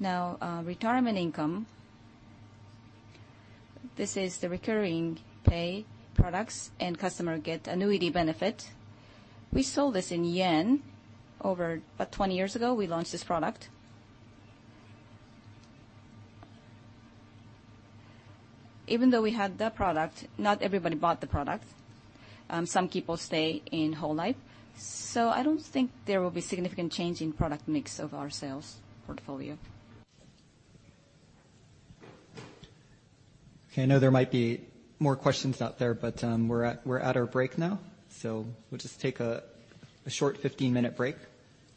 Now, retirement income, this is the recurring pay products and customer get annuity benefit. We sold this in JPY over about 20 years ago, we launched this product. Even though we had that product, not everybody bought the product. Some people stay in whole life. I don't think there will be significant change in product mix of our sales portfolio. Okay. I know there might be more questions out there, we're at our break now, we'll just take a short 15-minute break,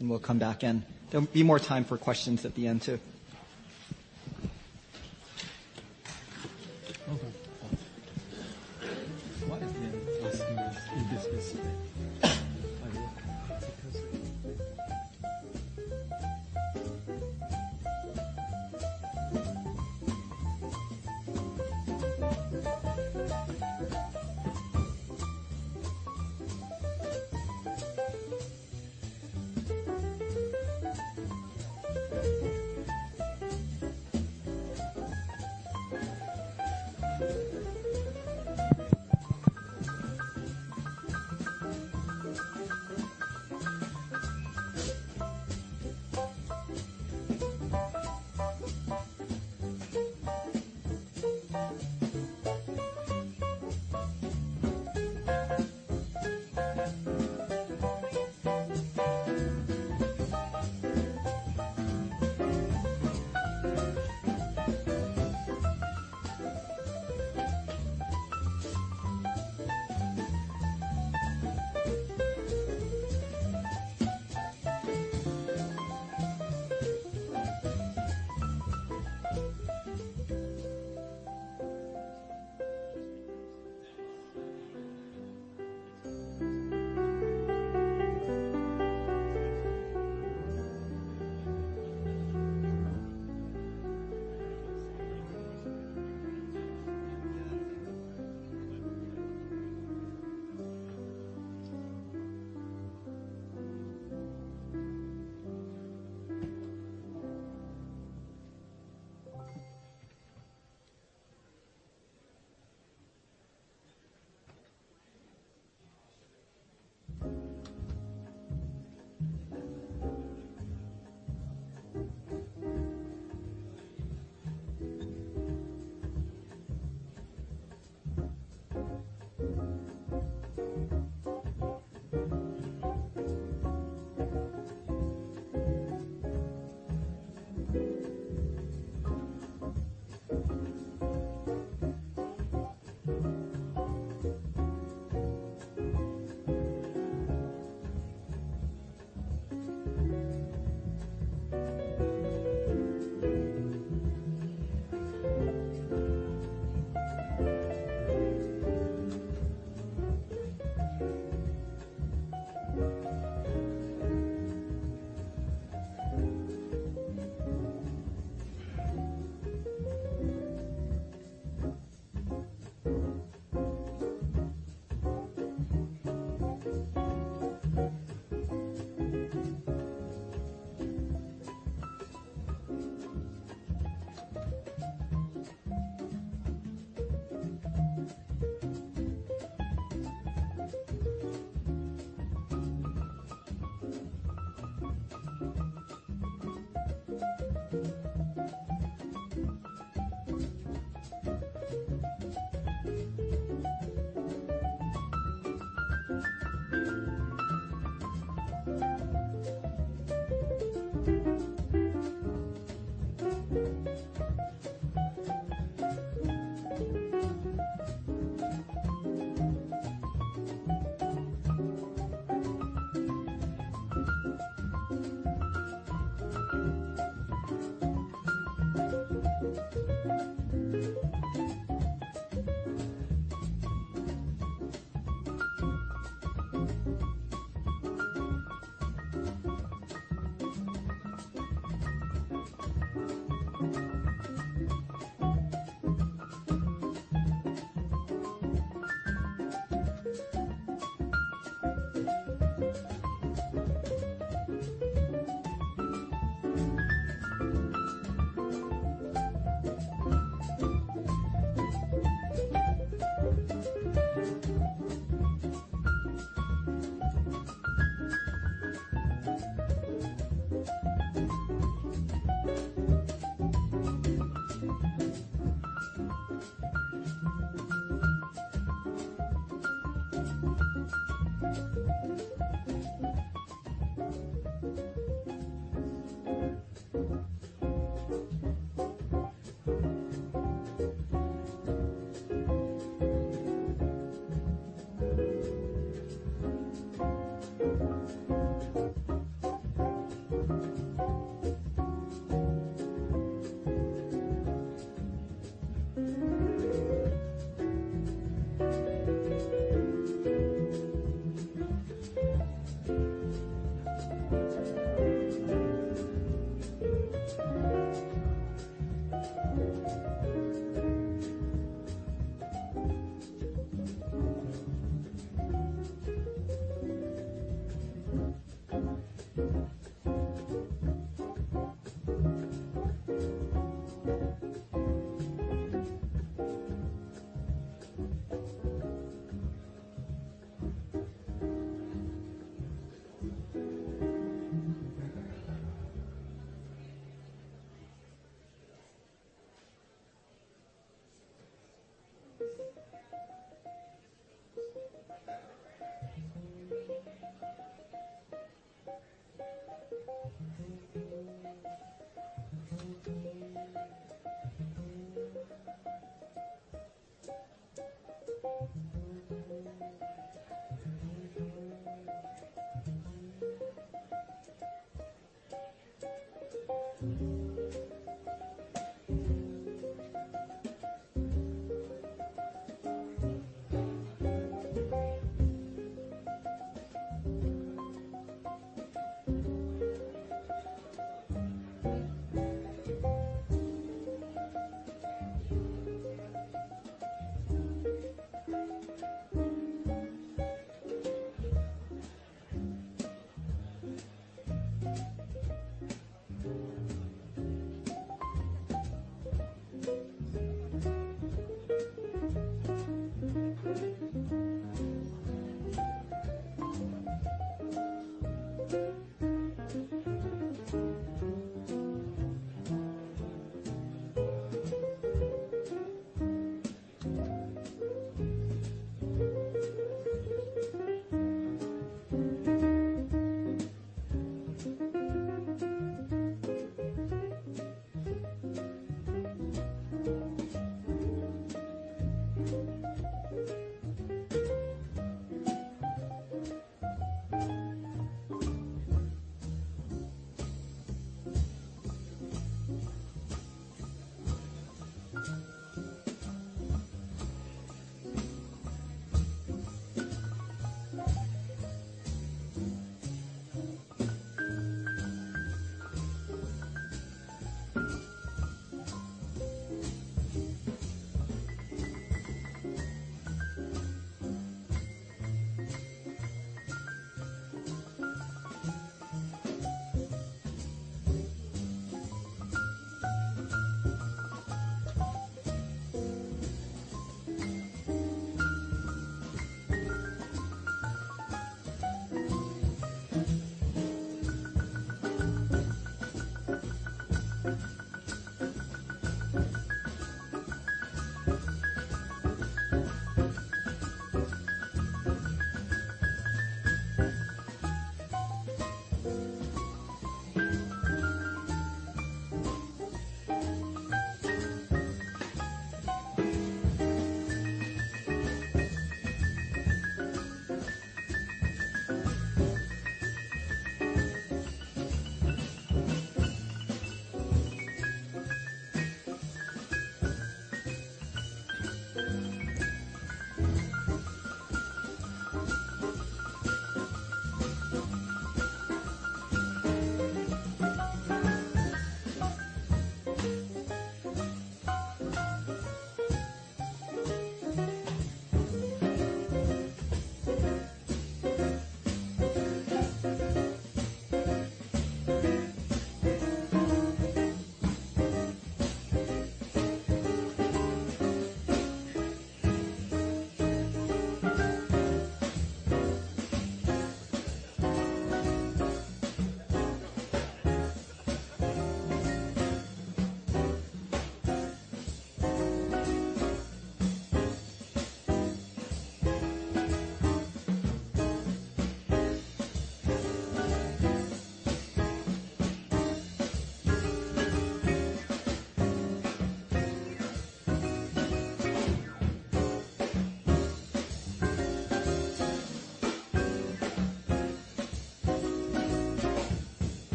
we'll come back, there'll be more time for questions at the end, too.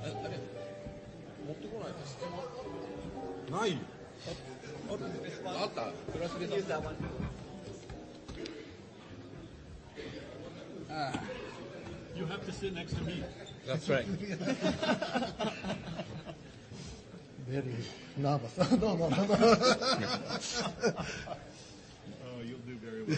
What? Are you okay there? I think. Use that one. You have to sit next to me. That's right. Very nervous. No. Oh, you'll do very well.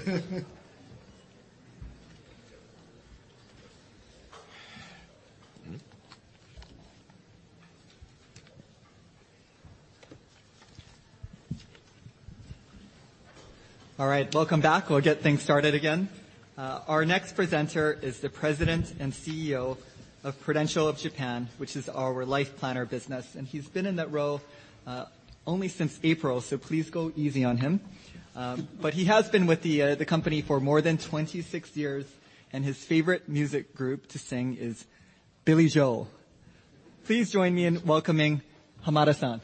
All right, welcome back. We'll get things started again. Our next presenter is the President and CEO of Prudential of Japan, which is our LifePlanner business, and he's been in that role only since April, so please go easy on him. He has been with the company for more than 26 years, and his favorite music group to sing is Billy Joel. Please join me in welcoming Hamada-san.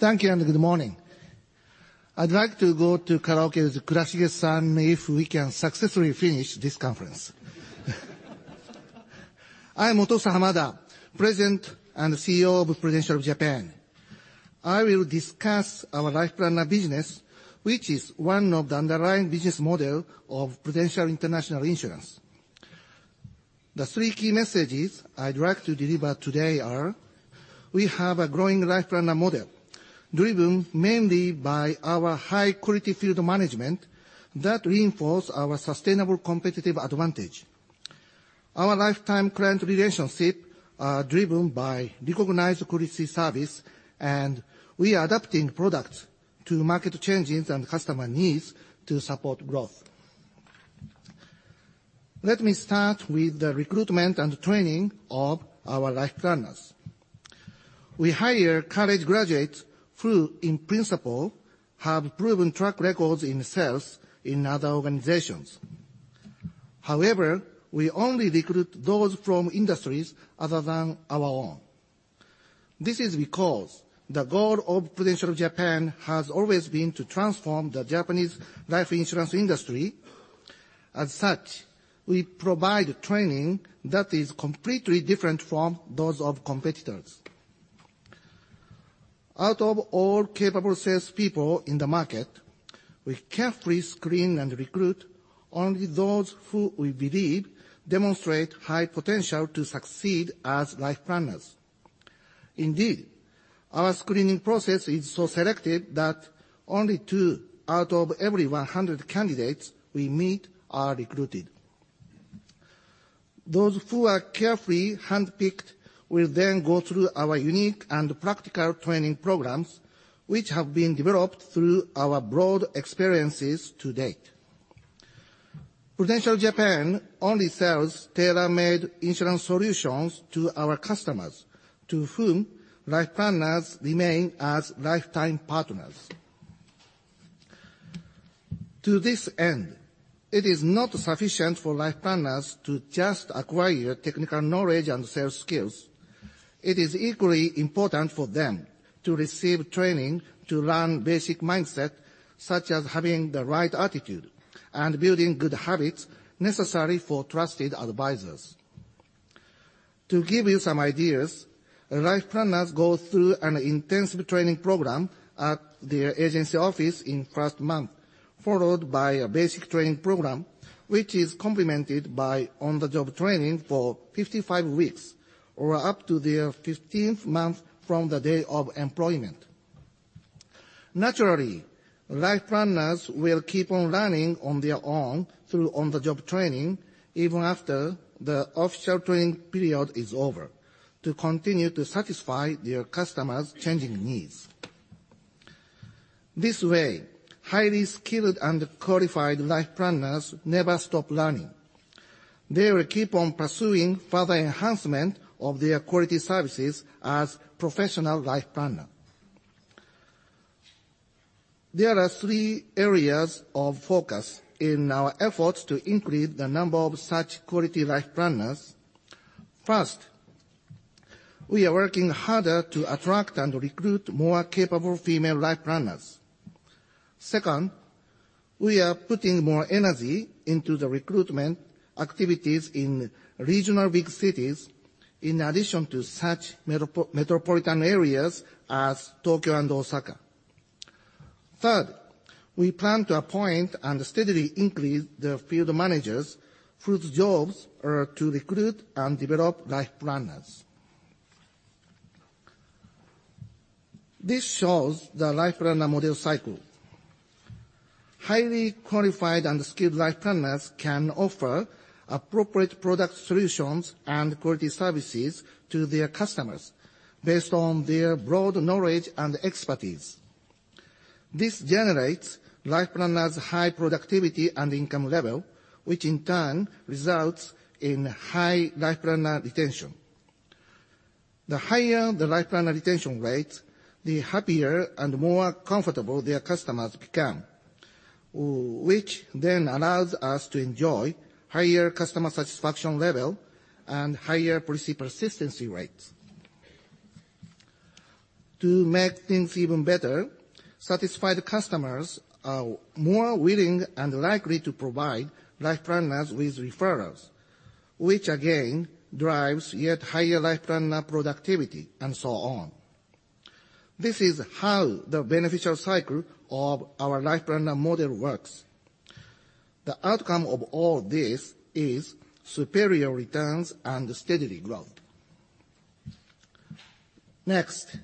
Thank you and good morning. I'd like to go to karaoke with Kurashige-san if we can successfully finish this conference. I am Mtofusa Hamada, President and CEO of Prudential of Japan. I will discuss our LifePlanner business, which is one of the underlying business model of Prudential International Insurance. The three key messages I'd like to deliver today are: We have a growing LifePlanner model driven mainly by our high-quality field management that reinforce our sustainable competitive advantage. Our lifetime client relationship are driven by recognized quality service, and we are adapting products to market changes and customer needs to support growth. Let me start with the recruitment and training of our LifePlanners. We hire college graduates who, in principle, have proven track records in sales in other organizations. However, we only recruit those from industries other than our own. This is because the goal of Prudential of Japan has always been to transform the Japanese life insurance industry. As such, we provide training that is completely different from those of competitors. Out of all capable salespeople in the market, we carefully screen and recruit only those who we believe demonstrate high potential to succeed as LifePlanners. Indeed, our screening process is so selective that only two out of every 100 candidates we meet are recruited. Those who are carefully handpicked will then go through our unique and practical training programs, which have been developed through our broad experiences to date. Prudential Japan only sells tailor-made insurance solutions to our customers, to whom LifePlanners remain as lifetime partners. To this end, it is not sufficient for LifePlanners to just acquire technical knowledge and sales skills. It is equally important for them to receive training to learn basic mindset, such as having the right attitude and building good habits necessary for trusted advisors. To give you some ideas, LifePlanners go through an intensive training program at their agency office in first month, followed by a basic training program, which is complemented by on-the-job training for 55 weeks or up to their fifteenth month from the day of employment. Naturally, LifePlanners will keep on learning on their own through on-the-job training even after the official training period is over, to continue to satisfy their customers' changing needs. This way, highly skilled and qualified LifePlanners never stop learning. They will keep on pursuing further enhancement of their quality services as professional LifePlanner. There are three areas of focus in our efforts to increase the number of such quality LifePlanners. First, we are working harder to attract and recruit more capable female LifePlanners. Second, we are putting more energy into the recruitment activities in regional big cities, in addition to such metropolitan areas as Tokyo and Osaka. Third, we plan to appoint and steadily increase the field managers whose jobs are to recruit and develop LifePlanners. This shows the LifePlanner model cycle. Highly qualified and skilled LifePlanners can offer appropriate product solutions and quality services to their customers based on their broad knowledge and expertise. This generates LifePlanners' high productivity and income level, which in turn results in high LifePlanner retention. The higher the LifePlanner retention rate, the happier and more comfortable their customers become Which then allows us to enjoy higher customer satisfaction level and higher policy persistency rates. To make things even better, satisfied customers are more willing and likely to provide LifePlanners with referrals, which again, drives yet higher LifePlanner productivity, and so on. This is how the beneficial cycle of our LifePlanner model works. The outcome of all this is superior returns and steady growth. Next,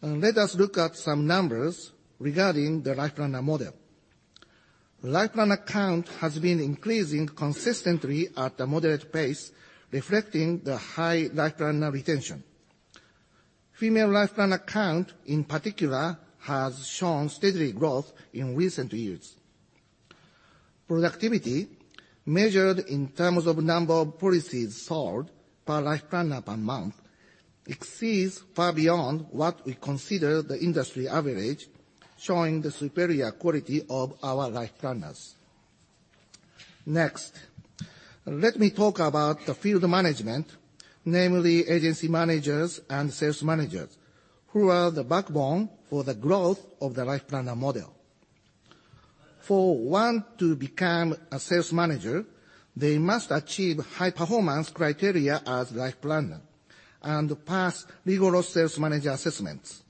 let us look at some numbers regarding the LifePlanner model. LifePlanner count has been increasing consistently at a moderate pace, reflecting the high LifePlanner retention. Female LifePlanner count, in particular, has shown steady growth in recent years. Productivity, measured in terms of number of policies sold per LifePlanner per month, exceeds far beyond what we consider the industry average, showing the superior quality of our LifePlanners. Next, let me talk about the field management, namely agency managers and sales managers, who are the backbone for the growth of the Life Planner model. For one to become a sales manager, they must achieve high performance criteria as Life Planner and pass rigorous sales manager assessments.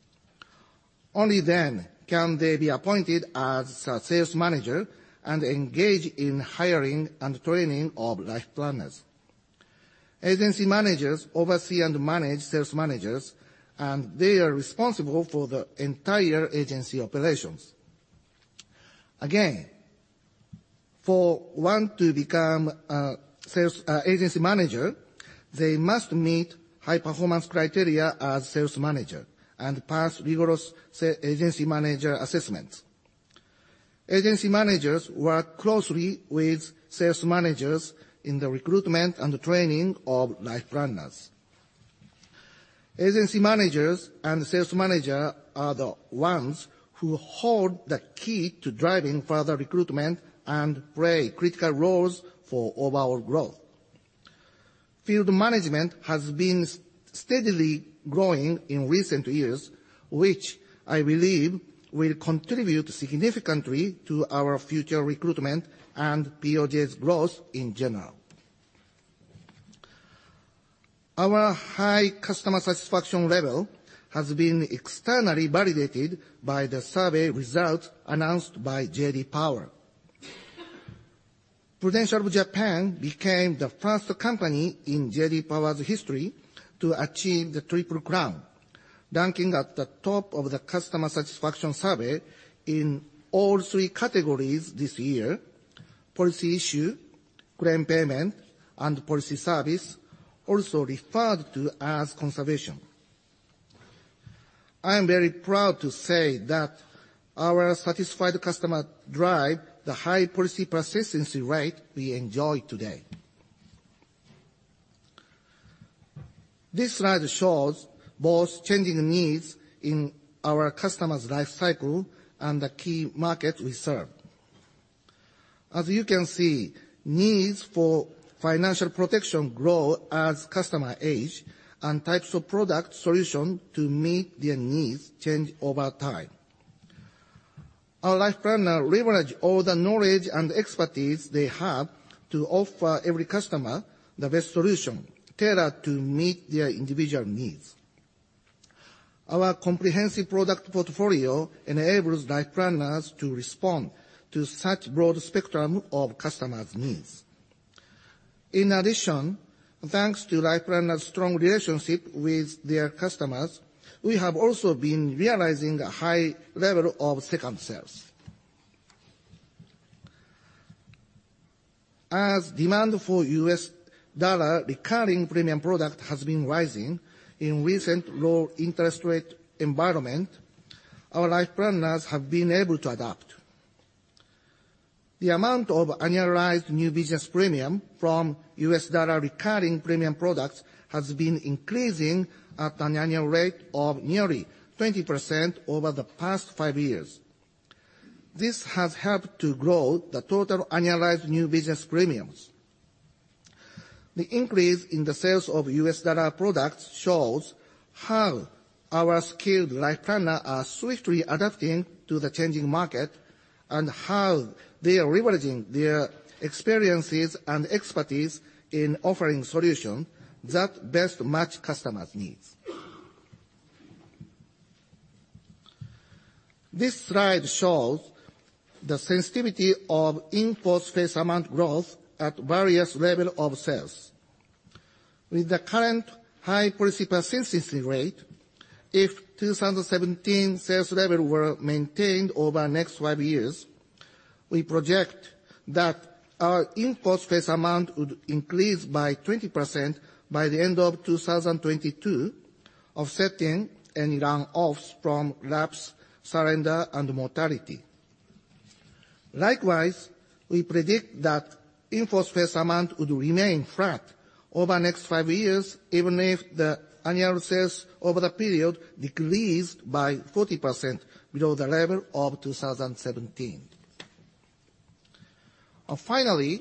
Only then can they be appointed as a sales manager and engage in hiring and training of Life Planners. Agency managers oversee and manage sales managers. They are responsible for the entire agency operations. Again, for one to become an agency manager, they must meet high performance criteria as sales manager and pass rigorous agency manager assessments. Agency managers work closely with sales managers in the recruitment and training of Life Planners. Agency managers and sales manager are the ones who hold the key to driving further recruitment and play critical roles for overall growth. Field management has been steadily growing in recent years, which I believe will contribute significantly to our future recruitment and POJ's growth in general. Our high customer satisfaction level has been externally validated by the survey results announced by J.D. Power. Prudential Japan became the first company in J.D. Power's history to achieve the Triple Crown, ranking at the top of the customer satisfaction survey in all 3 categories this year, policy issue, claim payment, and policy service, also referred to as conservation. I am very proud to say that our satisfied customer drive the high policy persistency rate we enjoy today. This slide shows both changing needs in our customer's life cycle and the key market we serve. As you can see, needs for financial protection grow as customer age and types of product solution to meet their needs change over time. Our life planner leverage all the knowledge and expertise they have to offer every customer the best solution tailored to meet their individual needs. Our comprehensive product portfolio enables Life Planners' to respond to such broad spectrum of customers' needs. Thanks to Life Planners' strong relationship with their customers, we have also been realizing a high level of second sales. As demand for USD recurring premium product has been rising in recent low interest rate environment, our life planners have been able to adapt. The amount of annualized new business premium from USD recurring premium products has been increasing at an annual rate of nearly 20% over the past five years. This has helped to grow the total annualized new business premiums. The increase in the sales of USD products shows how our skilled life planner are swiftly adapting to the changing market and how they are leveraging their experiences and expertise in offering solution that best match customers' needs. This slide shows the sensitivity of in-force face amount growth at various level of sales. With the current high policy persistency rate, if 2017 sales level were maintained over the next five years, we project that our in-force face amount would increase by 20% by the end of 2022, offsetting any run-offs from lapse, surrender, and mortality. Likewise, we predict that in-force face amount would remain flat over the next five years, even if the annual sales over the period decrease by 40% below the level of 2017. Finally,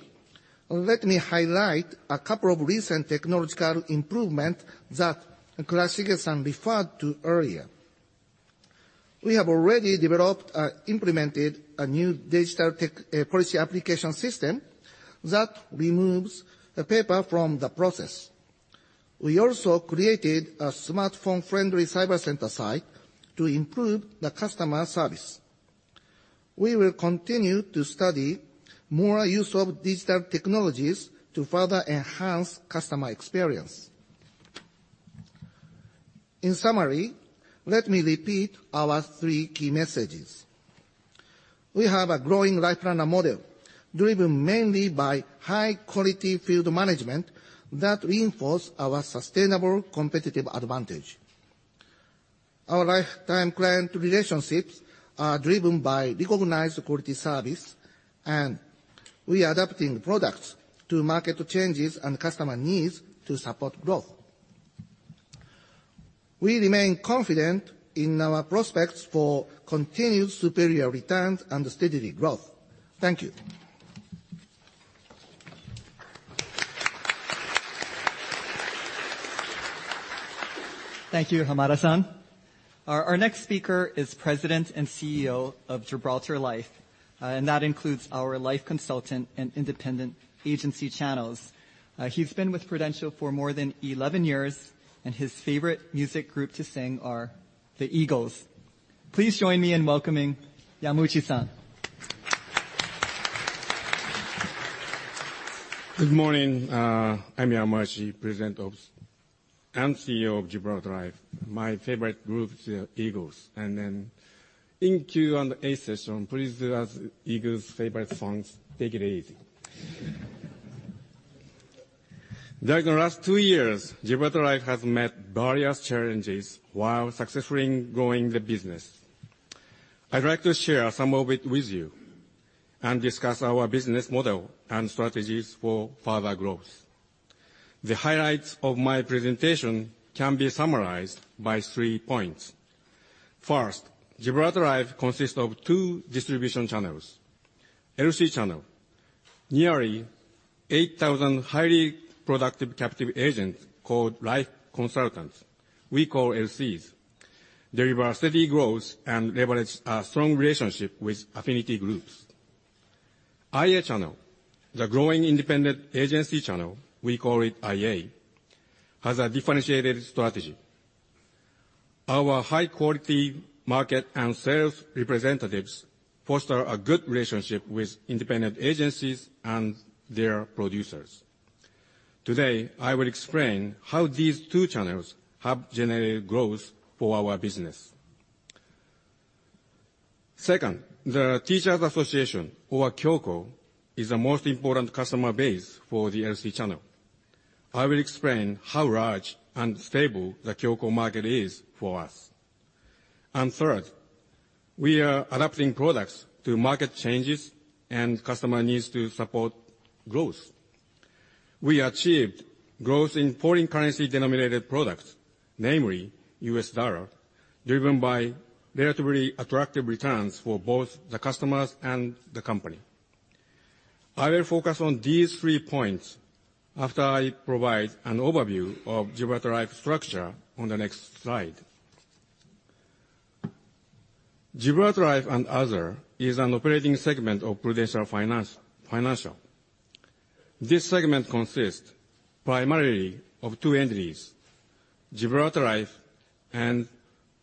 let me highlight a couple of recent technological improvement that Kurashige-san referred to earlier. We have already developed and implemented a new Digital Life Planner Model application system that removes the paper from the process. We also created a smartphone-friendly cyber center site to improve the customer service. We will continue to study more use of digital technologies to further enhance customer experience. In summary, let me repeat our three key messages. We have a growing Life Planner Model driven mainly by high-quality field management that reinforce our sustainable competitive advantage. Our lifetime client relationships are driven by recognized quality service, and we are adapting products to market changes and customer needs to support growth. We remain confident in our prospects for continued superior returns and steady growth. Thank you. Thank you, Hamada-san. Our next speaker is President and CEO of Gibraltar Life, and that includes our Life Consultant and Independent Agency channels. He's been with Prudential for more than 11 years, and his favorite music group to sing are the Eagles. Please join me in welcoming Yamauchi-san. Good morning. I'm Yamauchi, President and CEO of Gibraltar Life. My favorite group is the Eagles, and in Q&A session, please ask Eagles favorite songs. Take it easy. During the last two years, Gibraltar Life has met various challenges while successfully growing the business. I'd like to share some of it with you and discuss our business model and strategies for further growth. The highlights of my presentation can be summarized by three points. First, Gibraltar Life consists of two distribution channels. LC channel. Nearly 8,000 highly productive captive agents called Life Consultants, we call LCs, deliver steady growth and leverage a strong relationship with affinity groups. IA channel. The growing Independent Agency channel, we call it IA, has a differentiated strategy. Our high-quality market and sales representatives foster a good relationship with independent agencies and their producers. Today, I will explain how these two channels have generated growth for our business. Second, the Teachers Association, or Kyoiku, is the most important customer base for the LC channel. I will explain how large and stable the Kyoiku market is for us. Third, we are adapting products to market changes and customer needs to support growth. We achieved growth in foreign currency denominated products, namely U.S. dollar, driven by relatively attractive returns for both the customers and the company. I will focus on these three points after I provide an overview of Gibraltar Life structure on the next slide. Gibraltar Life & Other is an operating segment of Prudential Financial. This segment consists primarily of two entities, Gibraltar Life and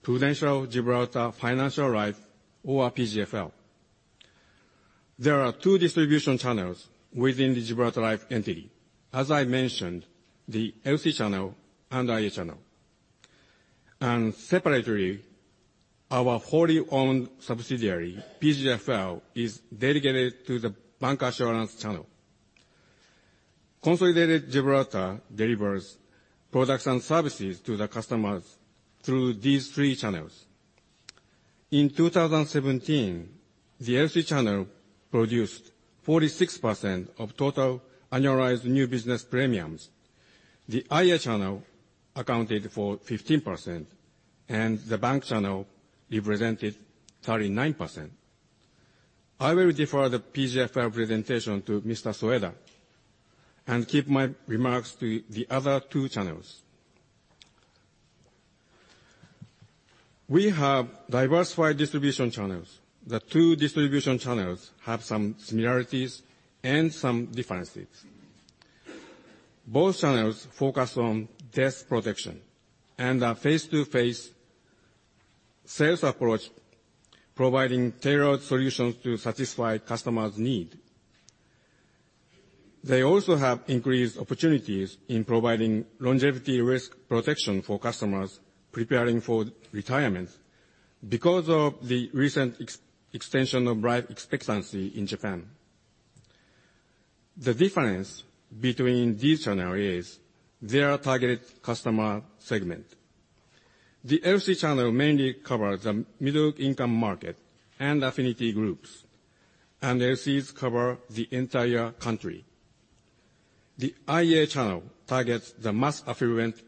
Prudential Gibraltar Financial Life, or PGFL. There are two distribution channels within the Gibraltar Life entity. As I mentioned, the LC channel and IA channel. Separately, our fully owned subsidiary, PGFL, is dedicated to the bank assurance channel. Consolidated Gibraltar delivers products and services to the customers through these three channels. In 2017, the LC channel produced 46% of total annualized new business premiums. The IA channel accounted for 15%, and the bank channel represented 39%. I will defer the PGFL presentation to Mr. Soeda and keep my remarks to the other two channels. We have diversified distribution channels. The two distribution channels have some similarities and some differences. Both channels focus on death protection and a face-to-face sales approach providing tailored solutions to satisfy customers' need. They also have increased opportunities in providing longevity risk protection for customers preparing for retirement because of the recent extension of life expectancy in Japan. The difference between these channel is their targeted customer segment. The LC channel mainly covers the middle income market and affinity groups, and LCs cover the entire country. The IA channel targets the mass affluent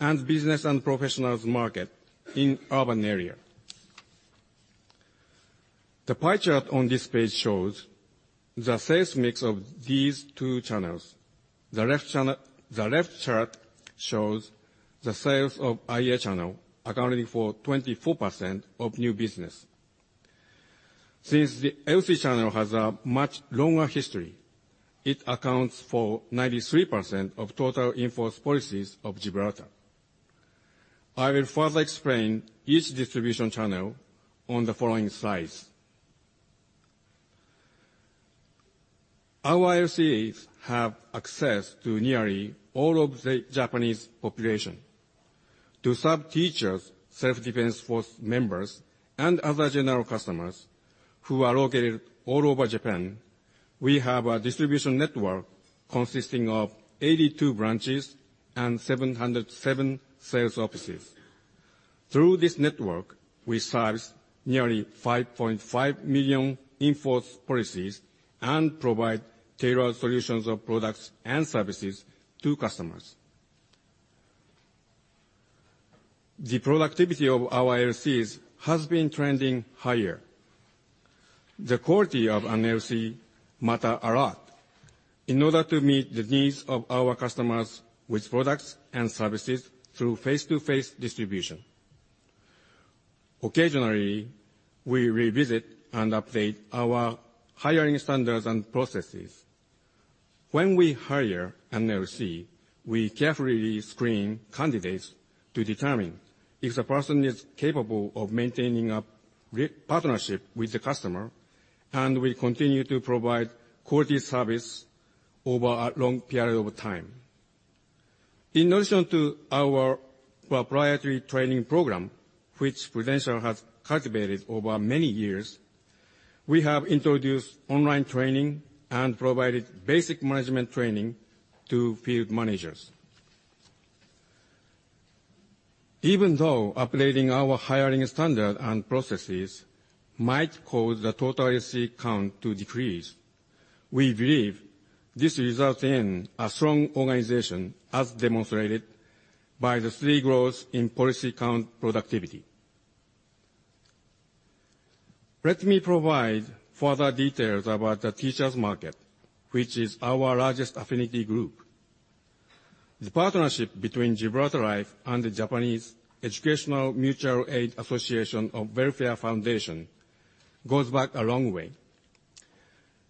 and business and professionals market in urban area. The pie chart on this page shows the sales mix of these two channels. The left chart shows the sales of IA channel accounting for 24% of new business. Since the LC channel has a much longer history, it accounts for 93% of total in-force policies of Gibraltar. I will further explain each distribution channel on the following slides. Our LCs have access to nearly all of the Japanese population. To serve teachers, self-defense force members, and other general customers who are located all over Japan, we have a distribution network consisting of 82 branches and 707 sales offices. Through this network, we service nearly 5.5 million in-force policies and provide tailored solutions of products and services to customers. The productivity of our LCs has been trending higher. The quality of an LC matter a lot in order to meet the needs of our customers with products and services through face-to-face distribution. Occasionally, we revisit and update our hiring standards and processes. When we hire an LC, we carefully screen candidates to determine if the person is capable of maintaining a partnership with the customer, and will continue to provide quality service over a long period of time. In addition to our proprietary training program, which Prudential has cultivated over many years, we have introduced online training and provided basic management training to field managers. Even though upgrading our hiring standard and processes might cause the total LC count to decrease, we believe this results in a strong organization as demonstrated by the steady growth in policy count productivity. Let me provide further details about the teachers market, which is our largest affinity group. The partnership between Gibraltar Life and the Japanese Educational Mutual Aid Association of Welfare Foundation goes back a long way.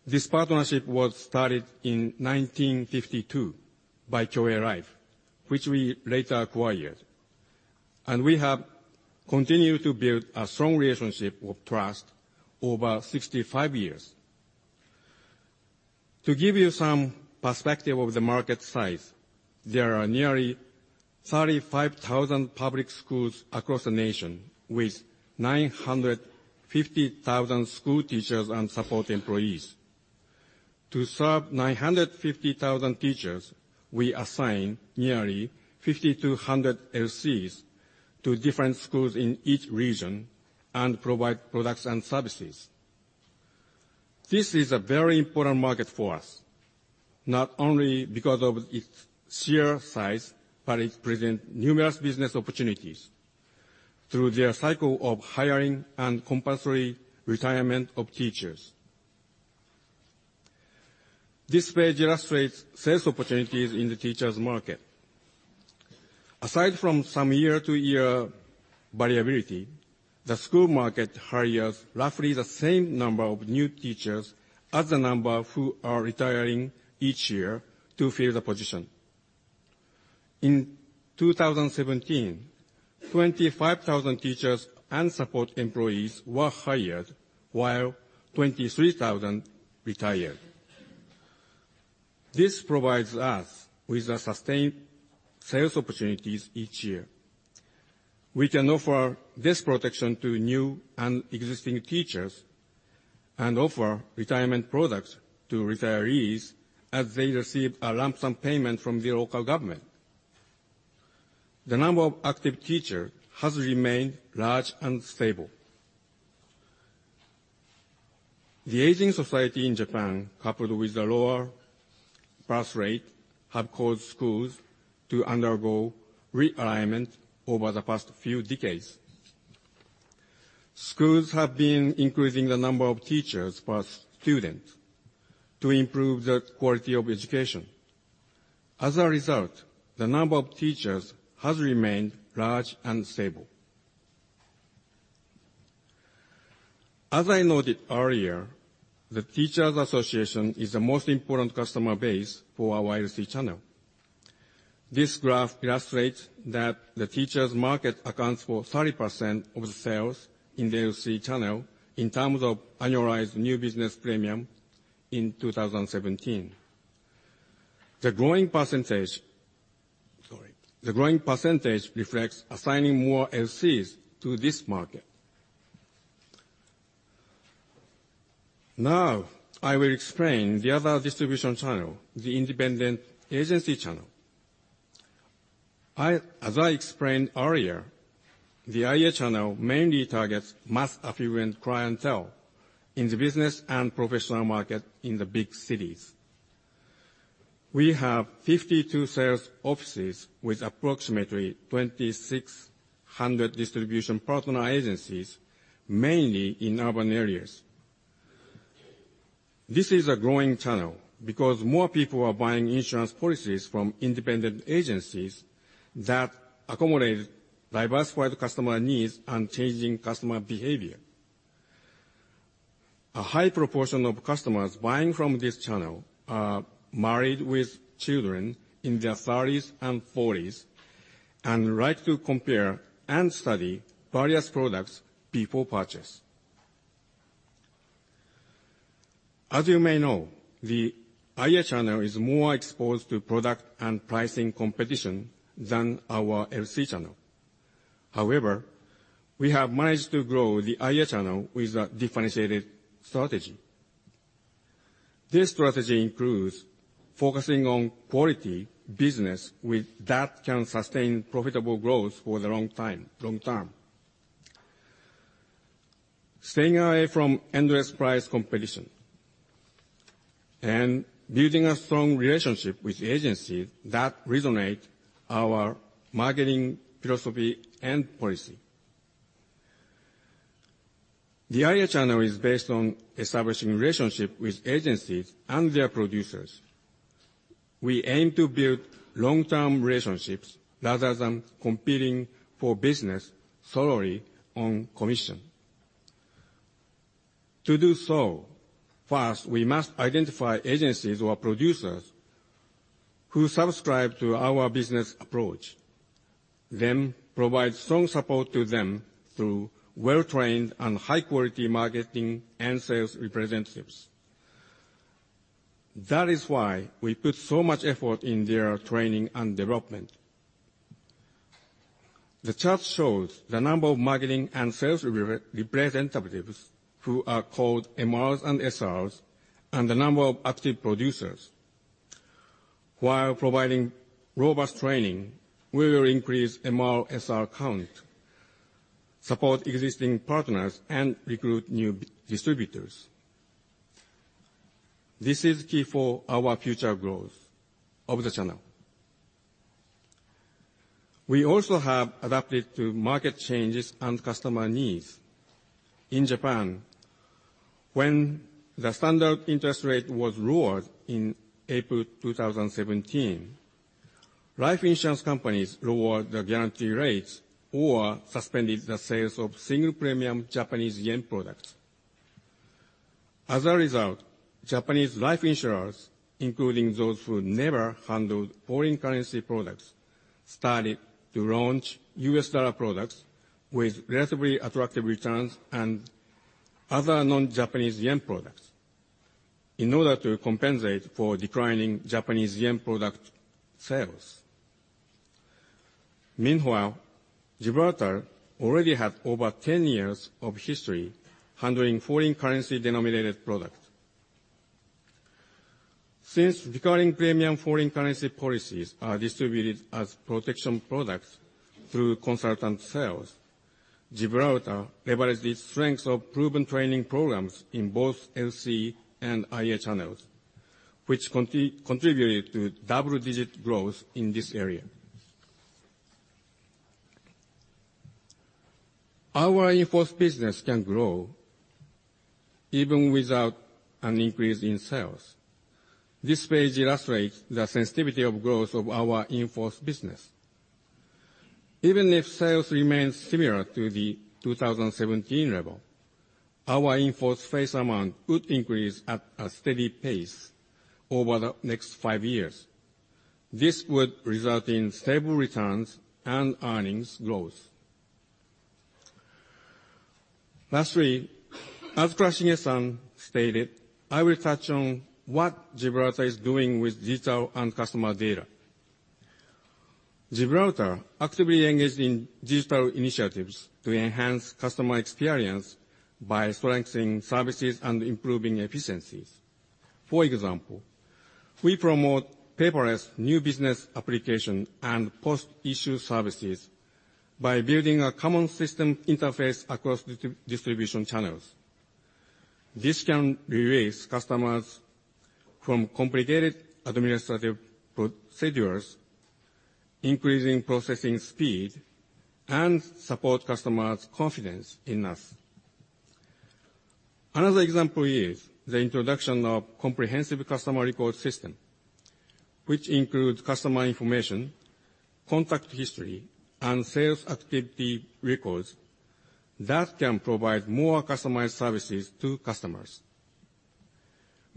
This partnership was started in 1952 by Kyoei Life, which we later acquired, and we have continued to build a strong relationship of trust over 65 years. To give you some perspective of the market size, there are nearly 35,000 public schools across the nation, with 950,000 school teachers and support employees. To serve 950,000 teachers, we assign nearly 5,200 LCs to different schools in each region and provide products and services. This is a very important market for us, not only because of its sheer size, but it presents numerous business opportunities through the cycle of hiring and compulsory retirement of teachers. This page illustrates sales opportunities in the teachers market. Aside from some year-to-year variability, the school market hires roughly the same number of new teachers as the number who are retiring each year to fill the position. In 2017, 25,000 teachers and support employees were hired while 23,000 retired. This provides us with sustained sales opportunities each year. We can offer this protection to new and existing teachers and offer retirement products to retirees as they receive a lump sum payment from the local government. The number of active teachers has remained large and stable. The aging society in Japan, coupled with the lower birth rate, has caused schools to undergo realignment over the past few decades. Schools have been increasing the number of teachers per student to improve the quality of education. As a result, the number of teachers has remained large and stable. As I noted earlier, the Teachers Association is the most important customer base for our LC channel. This graph illustrates that the teachers market accounts for 30% of the sales in the LC channel in terms of annualized new business premium in 2017. The growing percentage reflects assigning more LCs to this market. Now I will explain the other distribution channel, the independent agency channel. As I explained earlier, the IA channel mainly targets mass affluent clientele in the business and professional market in the big cities. We have 52 sales offices with approximately 2,600 distribution partner agencies, mainly in urban areas. This is a growing channel because more people are buying insurance policies from independent agencies that accommodate diversified customer needs and changing customer behavior. A high proportion of customers buying from this channel are married with children in their 30s and 40s, and like to compare and study various products before purchase. As you may know, the IA channel is more exposed to product and pricing competition than our LC channel. However, we have managed to grow the IA channel with a differentiated strategy. This strategy includes focusing on quality business that can sustain profitable growth for the long term, staying away from endless price competition and building a strong relationship with the agency that resonates our marketing philosophy and policy. The IA channel is based on establishing relationships with agencies and their producers. We aim to build long-term relationships rather than competing for business solely on commission. To do so, first, we must identify agencies or producers who subscribe to our business approach, then provide strong support to them through well-trained and high-quality marketing and sales representatives. That is why we put so much effort in their training and development. The chart shows the number of marketing and sales representatives, who are called MRs and SRs, and the number of active producers. While providing robust training, we will increase MR, SR count, support existing partners, and recruit new distributors. This is key for our future growth of the channel. We also have adapted to market changes and customer needs. In Japan, when the standard interest rate was lowered in April 2017, life insurance companies lowered the guarantee rates or suspended the sales of single premium Japanese yen products. As a result, Japanese life insurers, including those who never handled foreign currency products, started to launch U.S. dollar products with relatively attractive returns and other non-Japanese yen products in order to compensate for declining Japanese yen product sales. Meanwhile, Gibraltar already had over 10 years of history handling foreign currency denominated product. Since recurring premium foreign currency policies are distributed as protection products through consultant sales, Gibraltar leveraged its strengths of proven training programs in both LC and IA channels, which contributed to double-digit growth in this area. Our in-force business can grow even without an increase in sales. This page illustrates the sensitivity of growth of our in-force business. Even if sales remains similar to the 2017 level, our in-force face amount would increase at a steady pace over the next five years. This would result in stable returns and earnings growth. Lastly, as Kurashige-san stated, I will touch on what Gibraltar is doing with digital and customer data. Gibraltar actively engaged in digital initiatives to enhance customer experience by strengthening services and improving efficiencies. For example, we promote paperless new business application and post-issue services by building a common system interface across distribution channels. This can release customers from complicated administrative procedures, increasing processing speed, and support customers' confidence in us. Another example is the introduction of comprehensive customer record system, which includes customer information, contact history, and sales activity records that can provide more customized services to customers.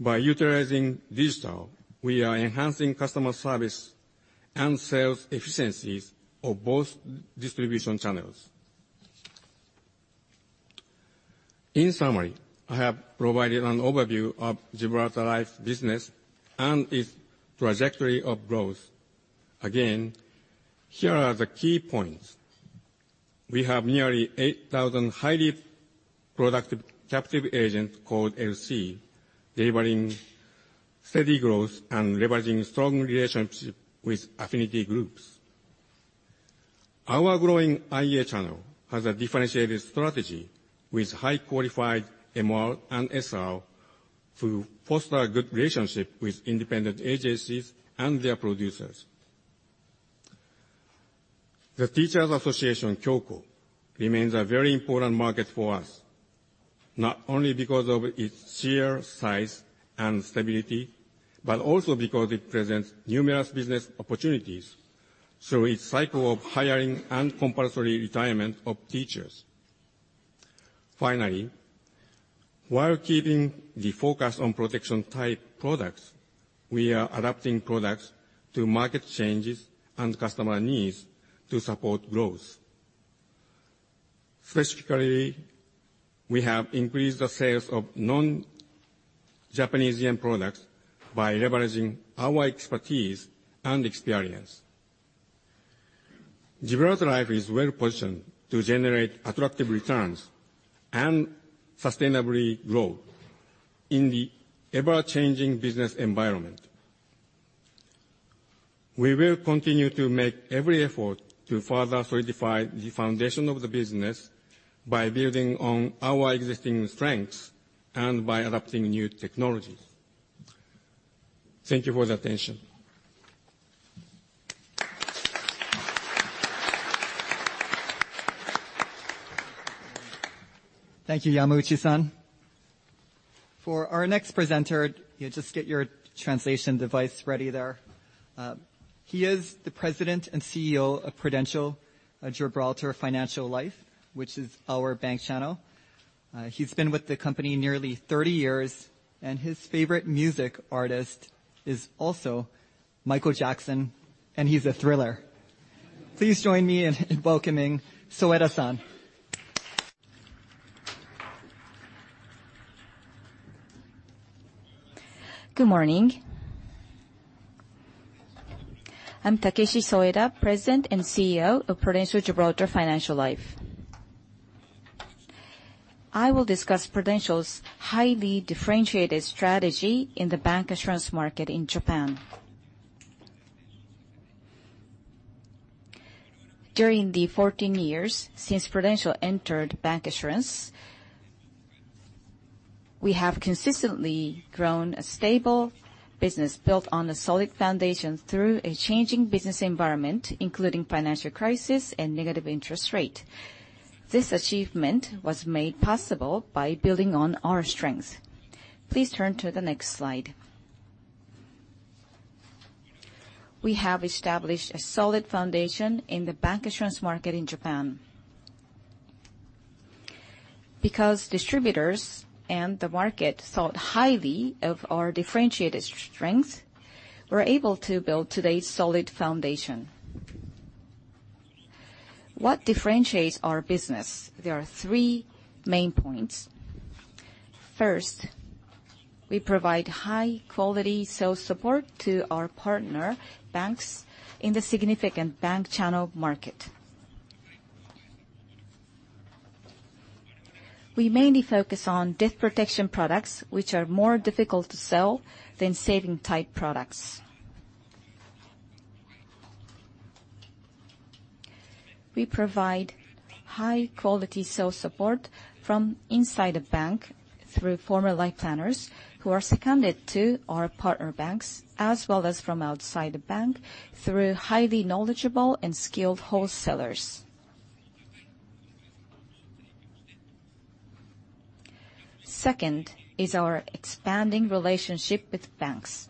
By utilizing digital, we are enhancing customer service and sales efficiencies of both distribution channels. In summary, I have provided an overview of Gibraltar Life's business and its trajectory of growth. Again, here are the key points. We have nearly 8,000 highly productive captive agents called LC, delivering steady growth and leveraging strong relationships with affinity groups. Our growing IA channel has a differentiated strategy with high-qualified MDRT and SRs to foster a good relationship with independent agencies and their producers. The Teachers' Association, Kyoiku, remains a very important market for us, not only because of its sheer size and stability, but also because it presents numerous business opportunities through its cycle of hiring and compulsory retirement of teachers. Finally, while keeping the focus on protection-type products, we are adapting products to market changes and customer needs to support growth. Specifically, we have increased the sales of non-Japanese yen products by leveraging our expertise and experience. Gibraltar Life is well-positioned to generate attractive returns and sustainably grow in the ever-changing business environment. We will continue to make every effort to further solidify the foundation of the business by building on our existing strengths and by adapting new technology. Thank you for your attention. Thank you, Yamauchi-san. For our next presenter, just get your translation device ready there. He is the President and CEO of Prudential Gibraltar Financial Life, which is our bank channel. He has been with the company nearly 30 years, and his favorite music artist is also Michael Jackson, and he is a Thriller. Please join me in welcoming Soeda-san. Good morning. I am Takeshi Soeda, President and CEO of Prudential Gibraltar Financial Life. I will discuss Prudential's highly differentiated strategy in the bank insurance market in Japan. During the 14 years since Prudential entered bank insurance, we have consistently grown a stable business built on a solid foundation through a changing business environment, including financial crisis and negative interest rate. This achievement was made possible by building on our strengths. Please turn to the next slide. We have established a solid foundation in the bank insurance market in Japan. Because distributors and the market thought highly of our differentiated strength, we were able to build today's solid foundation. What differentiates our business? There are three main points. First, we provide high-quality sales support to our partner banks in the significant bank channel market. We mainly focus on debt protection products, which are more difficult to sell than saving-type products. We provide high-quality sales support from inside the bank through former Life Planners who are seconded to our partner banks, as well as from outside the bank through highly knowledgeable and skilled wholesalers. Second is our expanding relationship with banks.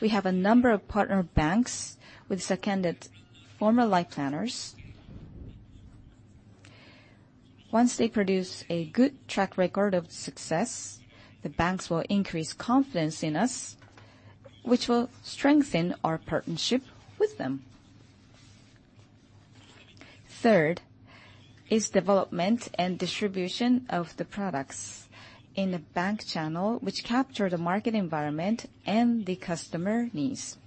We have a number of partner banks with seconded former Life Planners. Once they produce a good track record of success, the banks will increase confidence in us, which will strengthen our partnership with them. Third is development and distribution of the products in the bank channel, which capture the market environment and the customer needs.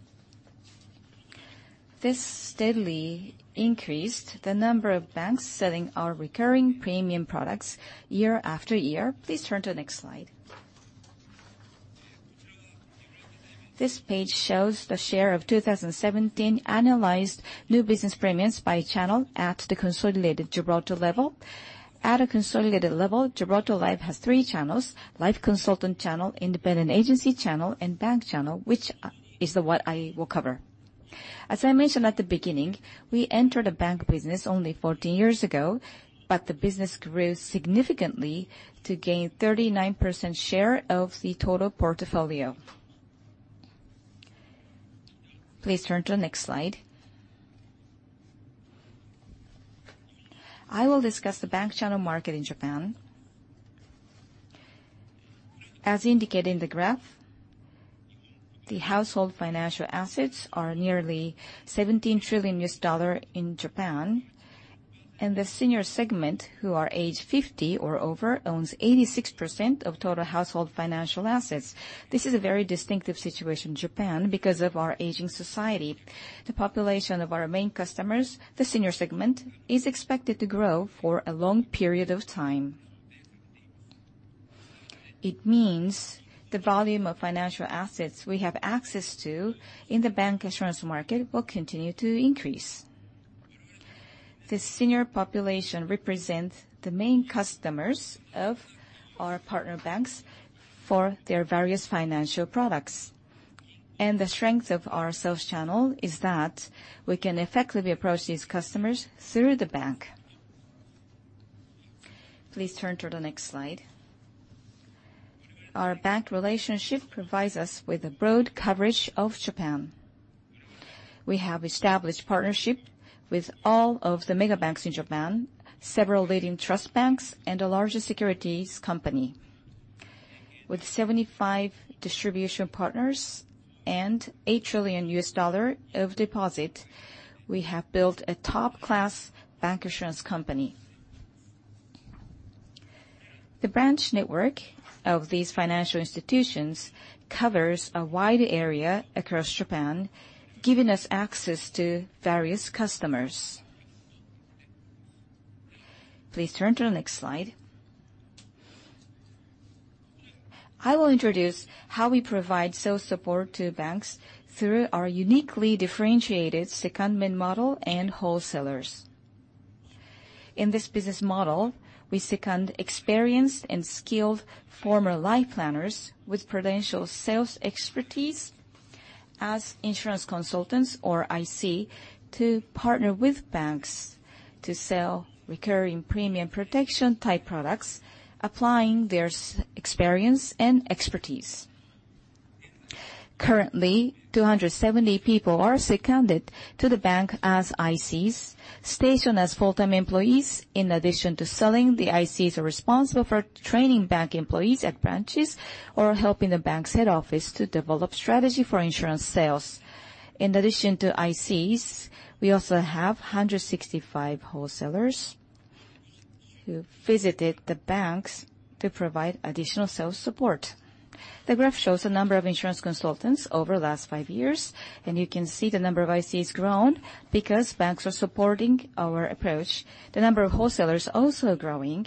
This steadily increased the number of banks selling our recurring premium products year after year. Please turn to the next slide. This page shows the share of 2017 annualized new business premiums by channel at the consolidated Gibraltar level. At a consolidated level, Gibraltar Life has three channels, Life Consultant channel, independent agency channel, and bank channel, which is what I will cover. As I mentioned at the beginning, we entered the bank business only 14 years ago, but the business grew significantly to gain 39% share of the total portfolio. Please turn to the next slide. I will discuss the bank channel market in Japan. As indicated in the graph, the household financial assets are nearly $17 trillion in Japan, and the senior segment, who are age 50 or over, owns 86% of total household financial assets. This is a very distinctive situation in Japan because of our aging society. The population of our main customers, the senior segment, is expected to grow for a long period of time. It means the volume of financial assets we have access to in the bancassurance market will continue to increase. The senior population represents the main customers of our partner banks for their various financial products. The strength of our sales channel is that we can effectively approach these customers through the bank. Please turn to the next slide. Our bank relationship provides us with a broad coverage of Japan. We have established partnership with all of the mega banks in Japan, several leading trust banks, and a large securities company. With 75 distribution partners and $8 trillion of deposit, we have built a top-class bancassurance company. The branch network of these financial institutions covers a wide area across Japan, giving us access to various customers. Please turn to the next slide. I will introduce how we provide sales support to banks through our uniquely differentiated secondment model and wholesalers. In this business model, we second experienced and skilled former life planners with Prudential sales expertise as Insurance Consultants, or IC, to partner with banks to sell recurring premium protection type products, applying their experience and expertise. Currently, 270 people are seconded to the bank as ICs, stationed as full-time employees. In addition to selling, the ICs are responsible for training bank employees at branches or helping the bank's head office to develop strategy for insurance sales. In addition to ICs, we also have 165 wholesalers who visited the banks to provide additional sales support. The graph shows the number of Insurance Consultants over the last five years. You can see the number of ICs grown because banks are supporting our approach. The number of wholesalers also growing.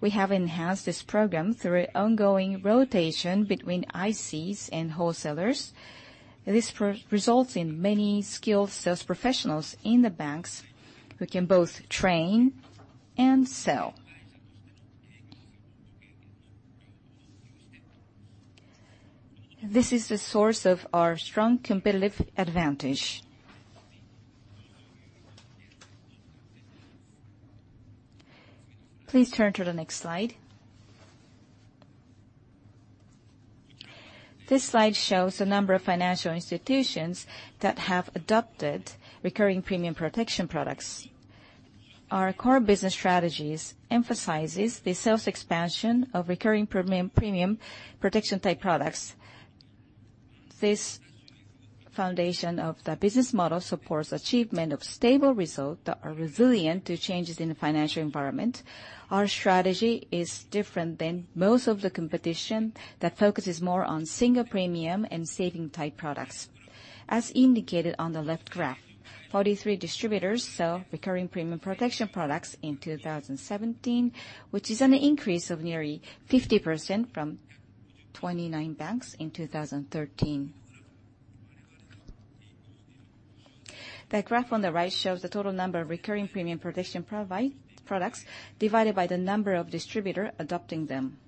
We have enhanced this program through ongoing rotation between ICs and wholesalers. This results in many skilled sales professionals in the banks who can both train and sell. This is the source of our strong competitive advantage. Please turn to the next slide. This slide shows the number of financial institutions that have adopted recurring premium protection products. Our core business strategies emphasizes the sales expansion of recurring premium protection type products. This foundation of the business model supports achievement of stable results that are resilient to changes in the financial environment. Our strategy is different than most of the competition that focuses more on single premium and saving type products. As indicated on the left graph, 43 distributors sell recurring premium protection products in 2017, which is an increase of nearly 50% from 29 banks in 2013. The graph on the right shows the total number of recurring premium protection products divided by the number of distributors adopting them.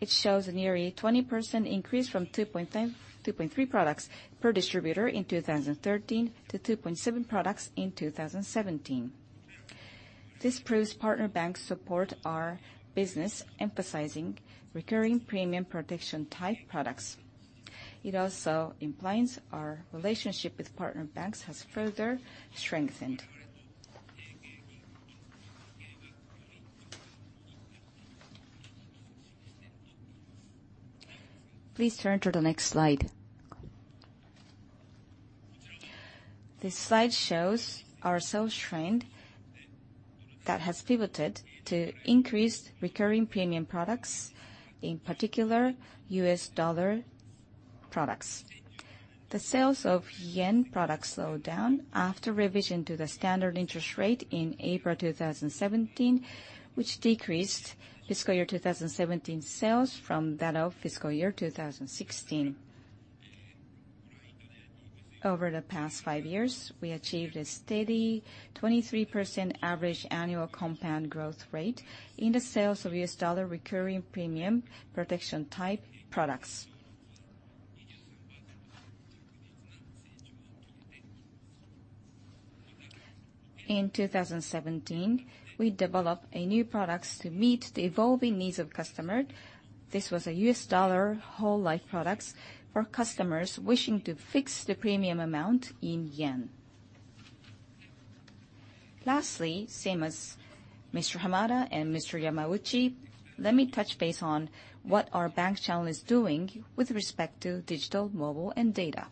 It shows a nearly 20% increase from 2.3 products per distributor in 2013 to 2.7 products in 2017. This proves partner banks support our business, emphasizing recurring premium protection type products. It also implies our relationship with partner banks has further strengthened. Please turn to the next slide. This slide shows our sales trend that has pivoted to increased recurring premium products, in particular US dollar products. The sales of JPY products slowed down after revision to the standard interest rate in April 2017, which decreased fiscal year 2017 sales from that of fiscal year 2016. Over the past five years, we achieved a steady 23% average annual compound growth rate in the sales of US dollar recurring premium protection type products. In 2017, we developed new products to meet the evolving needs of customers. This was a US dollar whole life products for customers wishing to fix the premium amount in JPY. Lastly, same as Mr. Hamada and Mr. Yamauchi, let me touch base on what our bank channel is doing with respect to digital, mobile, and data.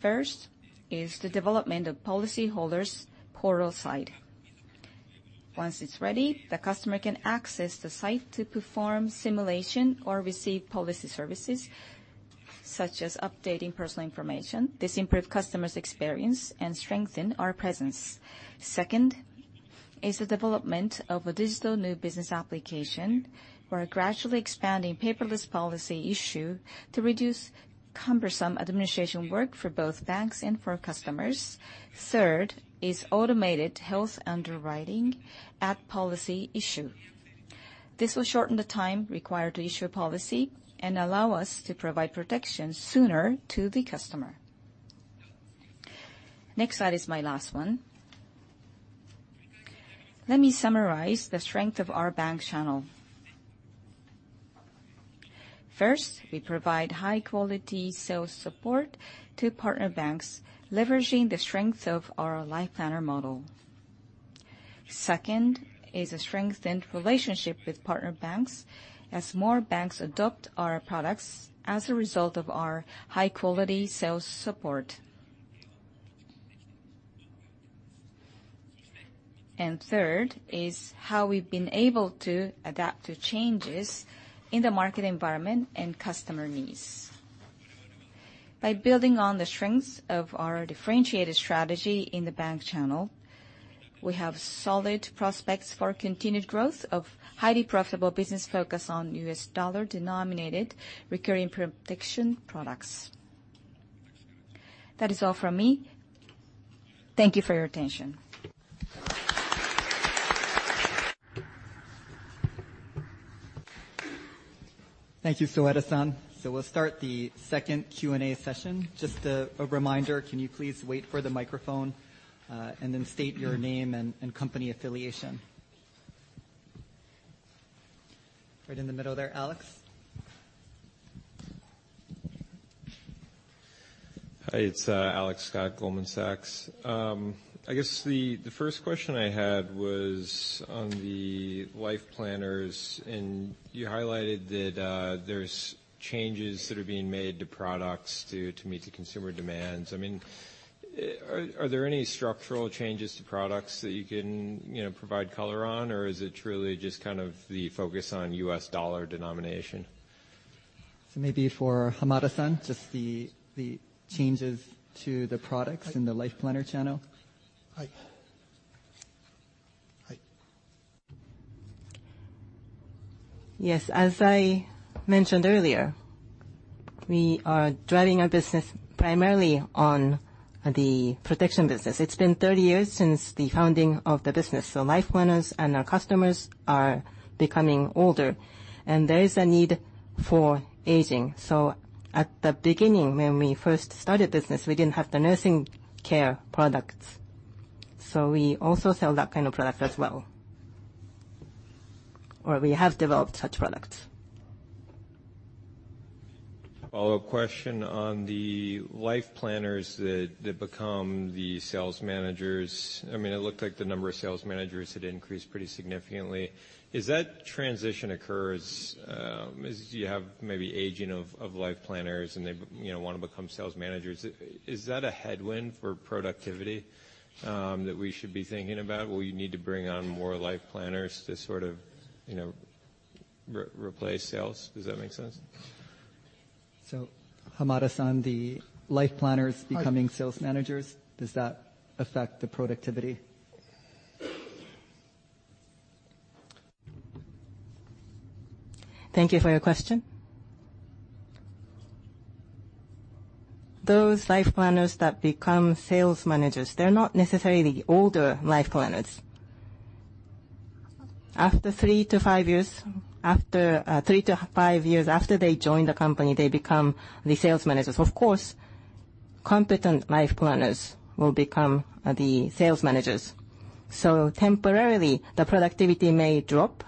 First is the development of policyholders portal site. Once it's ready, the customer can access the site to perform simulation or receive policy services, such as updating personal information. This improves customers' experience and strengthens our presence. Second is the development of a digital new business application. We're gradually expanding paperless policy issue to reduce cumbersome administration work for both banks and for our customers. Third is automated health underwriting at policy issue. This will shorten the time required to issue a policy and allow us to provide protection sooner to the customer. Next slide is my last one. Let me summarize the strength of our bank channel. First, we provide high-quality sales support to partner banks, leveraging the strength of our life planner model. Second is a strengthened relationship with partner banks as more banks adopt our products as a result of our high-quality sales support. Third is how we've been able to adapt to changes in the market environment and customer needs. By building on the strengths of our differentiated strategy in the bank channel, we have solid prospects for continued growth of highly profitable business focused on US dollar-denominated recurring protection products. That is all from me. Thank you for your attention. Thank you, Soeda-san. We'll start the second Q&A session. Just a reminder, can you please wait for the microphone, and then state your name and company affiliation. Right in the middle there, Alex. Hi, it's Alex Scott, Goldman Sachs. I guess the first question I had was on the life planners. You highlighted that there's changes that are being made to products to meet the consumer demands. Are there any structural changes to products that you can provide color on, or is it truly just the focus on US dollar denomination? Maybe for Hamada-san, just the changes to the products in the life planner channel. Hi. Yes, as I mentioned earlier, we are driving our business primarily on the protection business. It's been 30 years since the founding of the business, life planners and our customers are becoming older, and there is a need for aging. At the beginning, when we first started the business, we didn't have the nursing care products. We also sell that kind of product as well. We have developed such products. Follow-up question on the life planners that become the sales managers. It looked like the number of sales managers had increased pretty significantly. As that transition occurs, as you have maybe aging of life planners and they want to become sales managers, is that a headwind for productivity that we should be thinking about? Will you need to bring on more life planners to sort of replace sales? Does that make sense? Hamada-san, the life planners becoming sales managers, does that affect the productivity? Thank you for your question. Those life planners that become sales managers, they're not necessarily older life planners. Three to five years after they join the company, they become the sales managers. Of course, competent life planners will become the sales managers. Temporarily, the productivity may drop,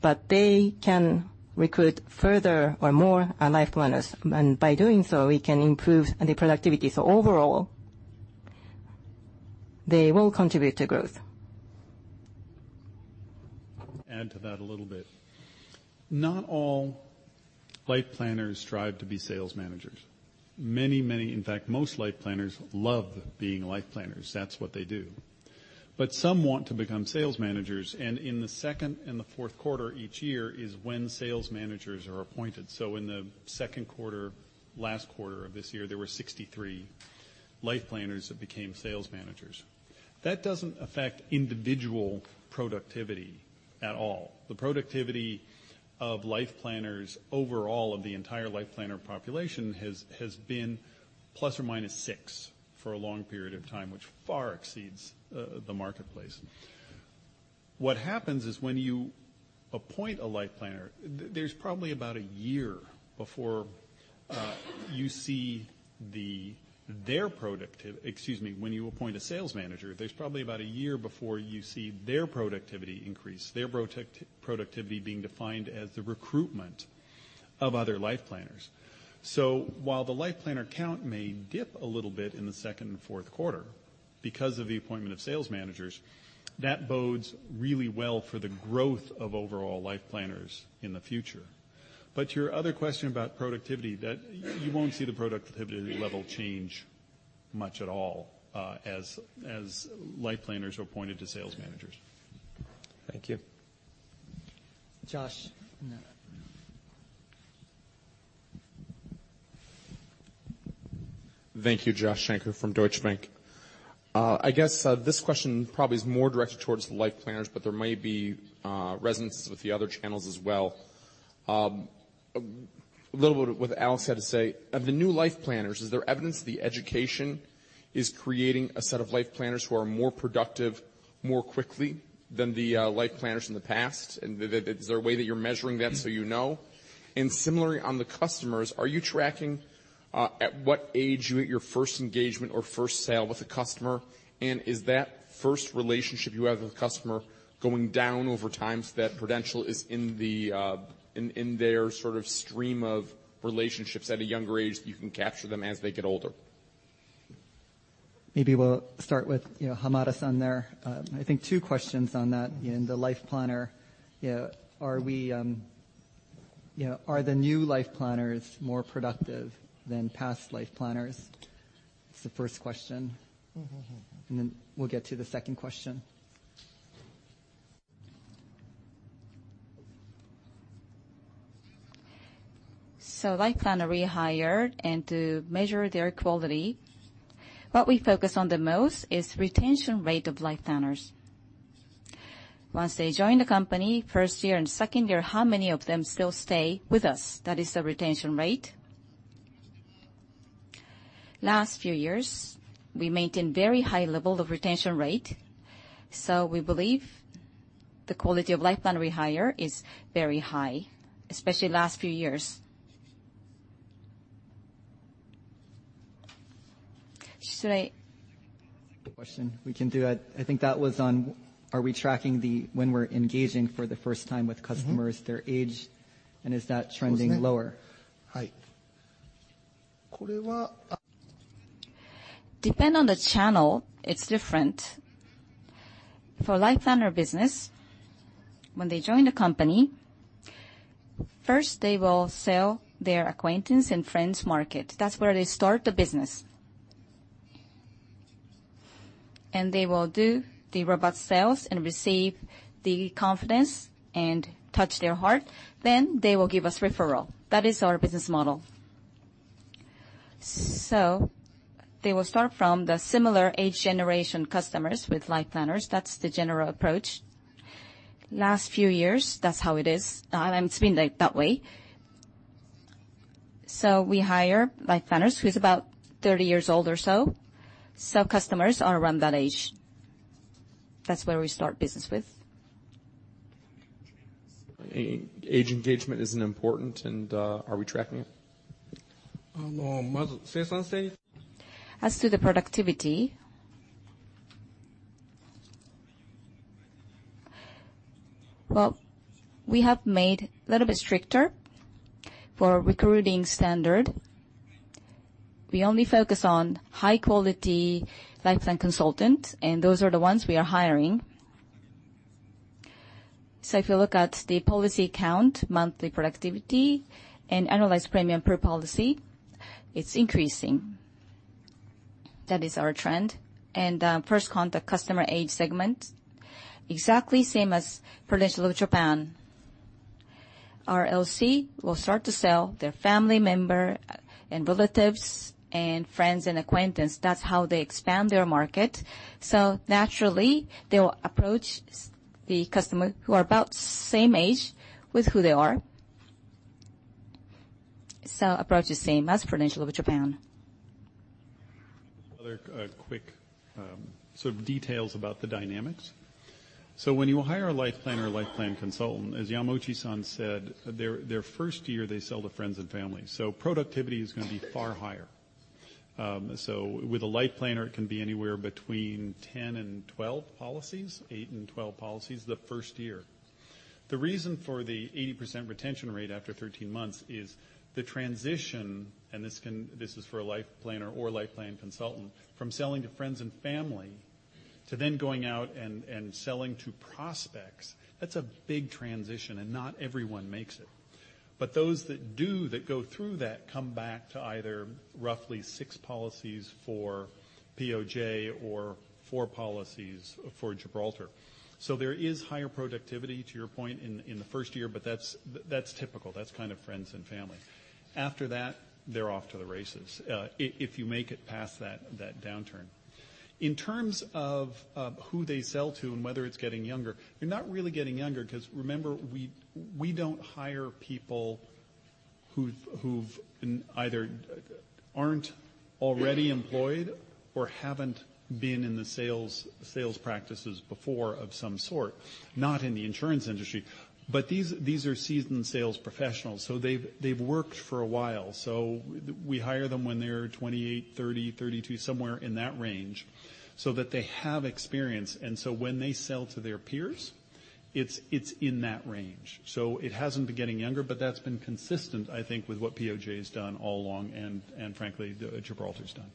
but they can recruit further or more life planners. By doing so, we can improve the productivity. Overall, they will contribute to growth. Add to that a little bit. Not all life planners strive to be sales managers. Many, in fact, most life planners love being life planners. That's what they do. Some want to become sales managers, and in the second and the fourth quarter each year is when sales managers are appointed. In the second quarter, last quarter of this year, there were 63 life planners that became sales managers. That doesn't affect individual productivity at all. The productivity of life planners overall of the entire life planner population has been ± six for a long period of time, which far exceeds the marketplace. What happens is when you appoint a life planner, there's probably about a year before you see their productivity. Excuse me. When you appoint a sales manager, there's probably about a year before you see their productivity increase, their productivity being defined as the recruitment of other life planners. While the life planner count may dip a little bit in the second and fourth quarter because of the appointment of sales managers, that bodes really well for the growth of overall life planners in the future. To your other question about productivity, you won't see the productivity level change much at all as life planners are appointed to sales managers. Thank you. Josh, in the middle. Thank you. Joshua Shanker from Deutsche Bank. I guess this question probably is more directed towards life planners, but there may be resonances with the other channels as well. A little bit with what Alex had to say. Of the new life planners, is there evidence the education is creating a set of life planners who are more productive more quickly than the life planners in the past? Is there a way that you're measuring that so you know? Similarly, on the customers, are you tracking at what age you hit your first engagement or first sale with a customer? Is that first relationship you have with a customer going down over time so that Prudential is in their sort of stream of relationships at a younger age, that you can capture them as they get older? Maybe we'll start with Hamada-san there. I think two questions on that in the life planner. Are the new life planners more productive than past life planners? That's the first question. Then we'll get to the second question. Life Planner we hire, and to measure their quality, what we focus on the most is retention rate of Life Planners. Once they join the company, first year and second year, how many of them still stay with us? That is the retention rate. Last few years, we maintain very high level of retention rate. We believe the quality of Life Planner we hire is very high, especially last few years. Should I The question. We can do it. I think that was on, are we tracking when we're engaging for the first time with customers, their age, and is that trending lower? Depend on the channel, it's different. For Life Planner business, when they join the company, first they will sell their acquaintance and friends market. That's where they start the business. They will do the robust sales and receive the confidence and touch their heart, then they will give us referral. That is our business model. They will start from the similar age generation customers with Life Planners. That's the general approach. Last few years, that's how it is. It's been that way. We hire Life Planners who's about 30 years old or so. Customers are around that age. That's where we start business with. Age engagement isn't important and are we tracking it? As to the productivity, we have made a little bit stricter for recruiting standard. We only focus on high-quality life plan consultant, and those are the ones we are hiring. If you look at the policy count, monthly productivity, and analyze premium per policy, it's increasing. That is our trend. First contact customer age segment, exactly same as Prudential Japan. Our LC will start to sell their family member and relatives and friends and acquaintance. That's how they expand their market. Naturally, they will approach the customer who are about same age with who they are. Approach is same as Prudential Japan. Other quick sort of details about the dynamics. When you hire a life planner or life plan consultant, as Yamauchi-san said, their first year, they sell to friends and family. Productivity is going to be far higher. With a life planner, it can be anywhere between 10 and 12 policies, eight and 12 policies the first year. The reason for the 80% retention rate after 13 months is the transition, and this is for a life planner or life plan consultant, from selling to friends and family to then going out and selling to prospects. That's a big transition, and not everyone makes it. Those that do, that go through that, come back to either roughly six policies for POJ or four policies for Gibraltar. There is higher productivity, to your point, in the first year, but that's typical. That's kind of friends and family. After that, they're off to the races, if you make it past that downturn. In terms of who they sell to and whether it's getting younger, they're not really getting younger because remember, we don't hire people who either aren't already employed or haven't been in the sales practices before of some sort, not in the insurance industry. These are seasoned sales professionals, so they've worked for a while. We hire them when they're 28, 30, 32, somewhere in that range so that they have experience, and so when they sell to their peers, it's in that range. It hasn't been getting younger, but that's been consistent, I think, with what POJ has done all along and frankly, Gibraltar's done.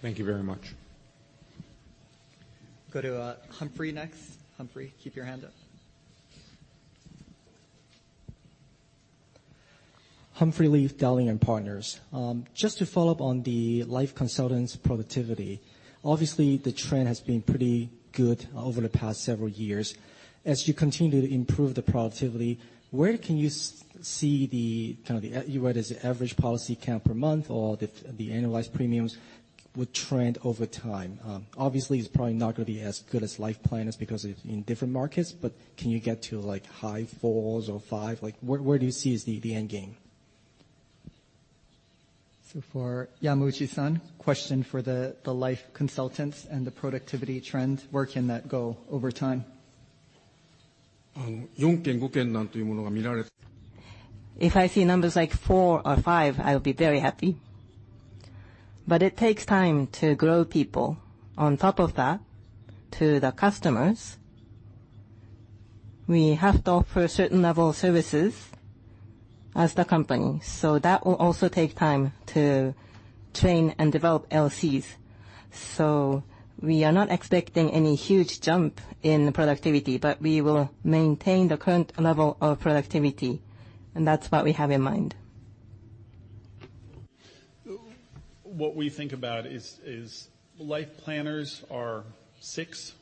Thank you very much. Go to Humphrey next. Humphrey, keep your hand up Humphrey Lee, Dallian Partners. Just to follow up on the life consultants' productivity. Obviously, the trend has been pretty good over the past several years. As you continue to improve the productivity, where can you see the average policy count per month or the annualized premiums would trend over time? Obviously, it's probably not going to be as good as life planners because it's in different markets, but can you get to high fours or five? Where do you see is the end game? For Yamauchi-san, question for the life consultants and the productivity trend. Where can that go over time? If I see numbers like four or five, I'll be very happy. It takes time to grow people. On top of that, to the customers, we have to offer a certain level of services as the company. That will also take time to train and develop LCs. We are not expecting any huge jump in productivity, but we will maintain the current level of productivity, and that's what we have in mind. What we think about is life planners are six,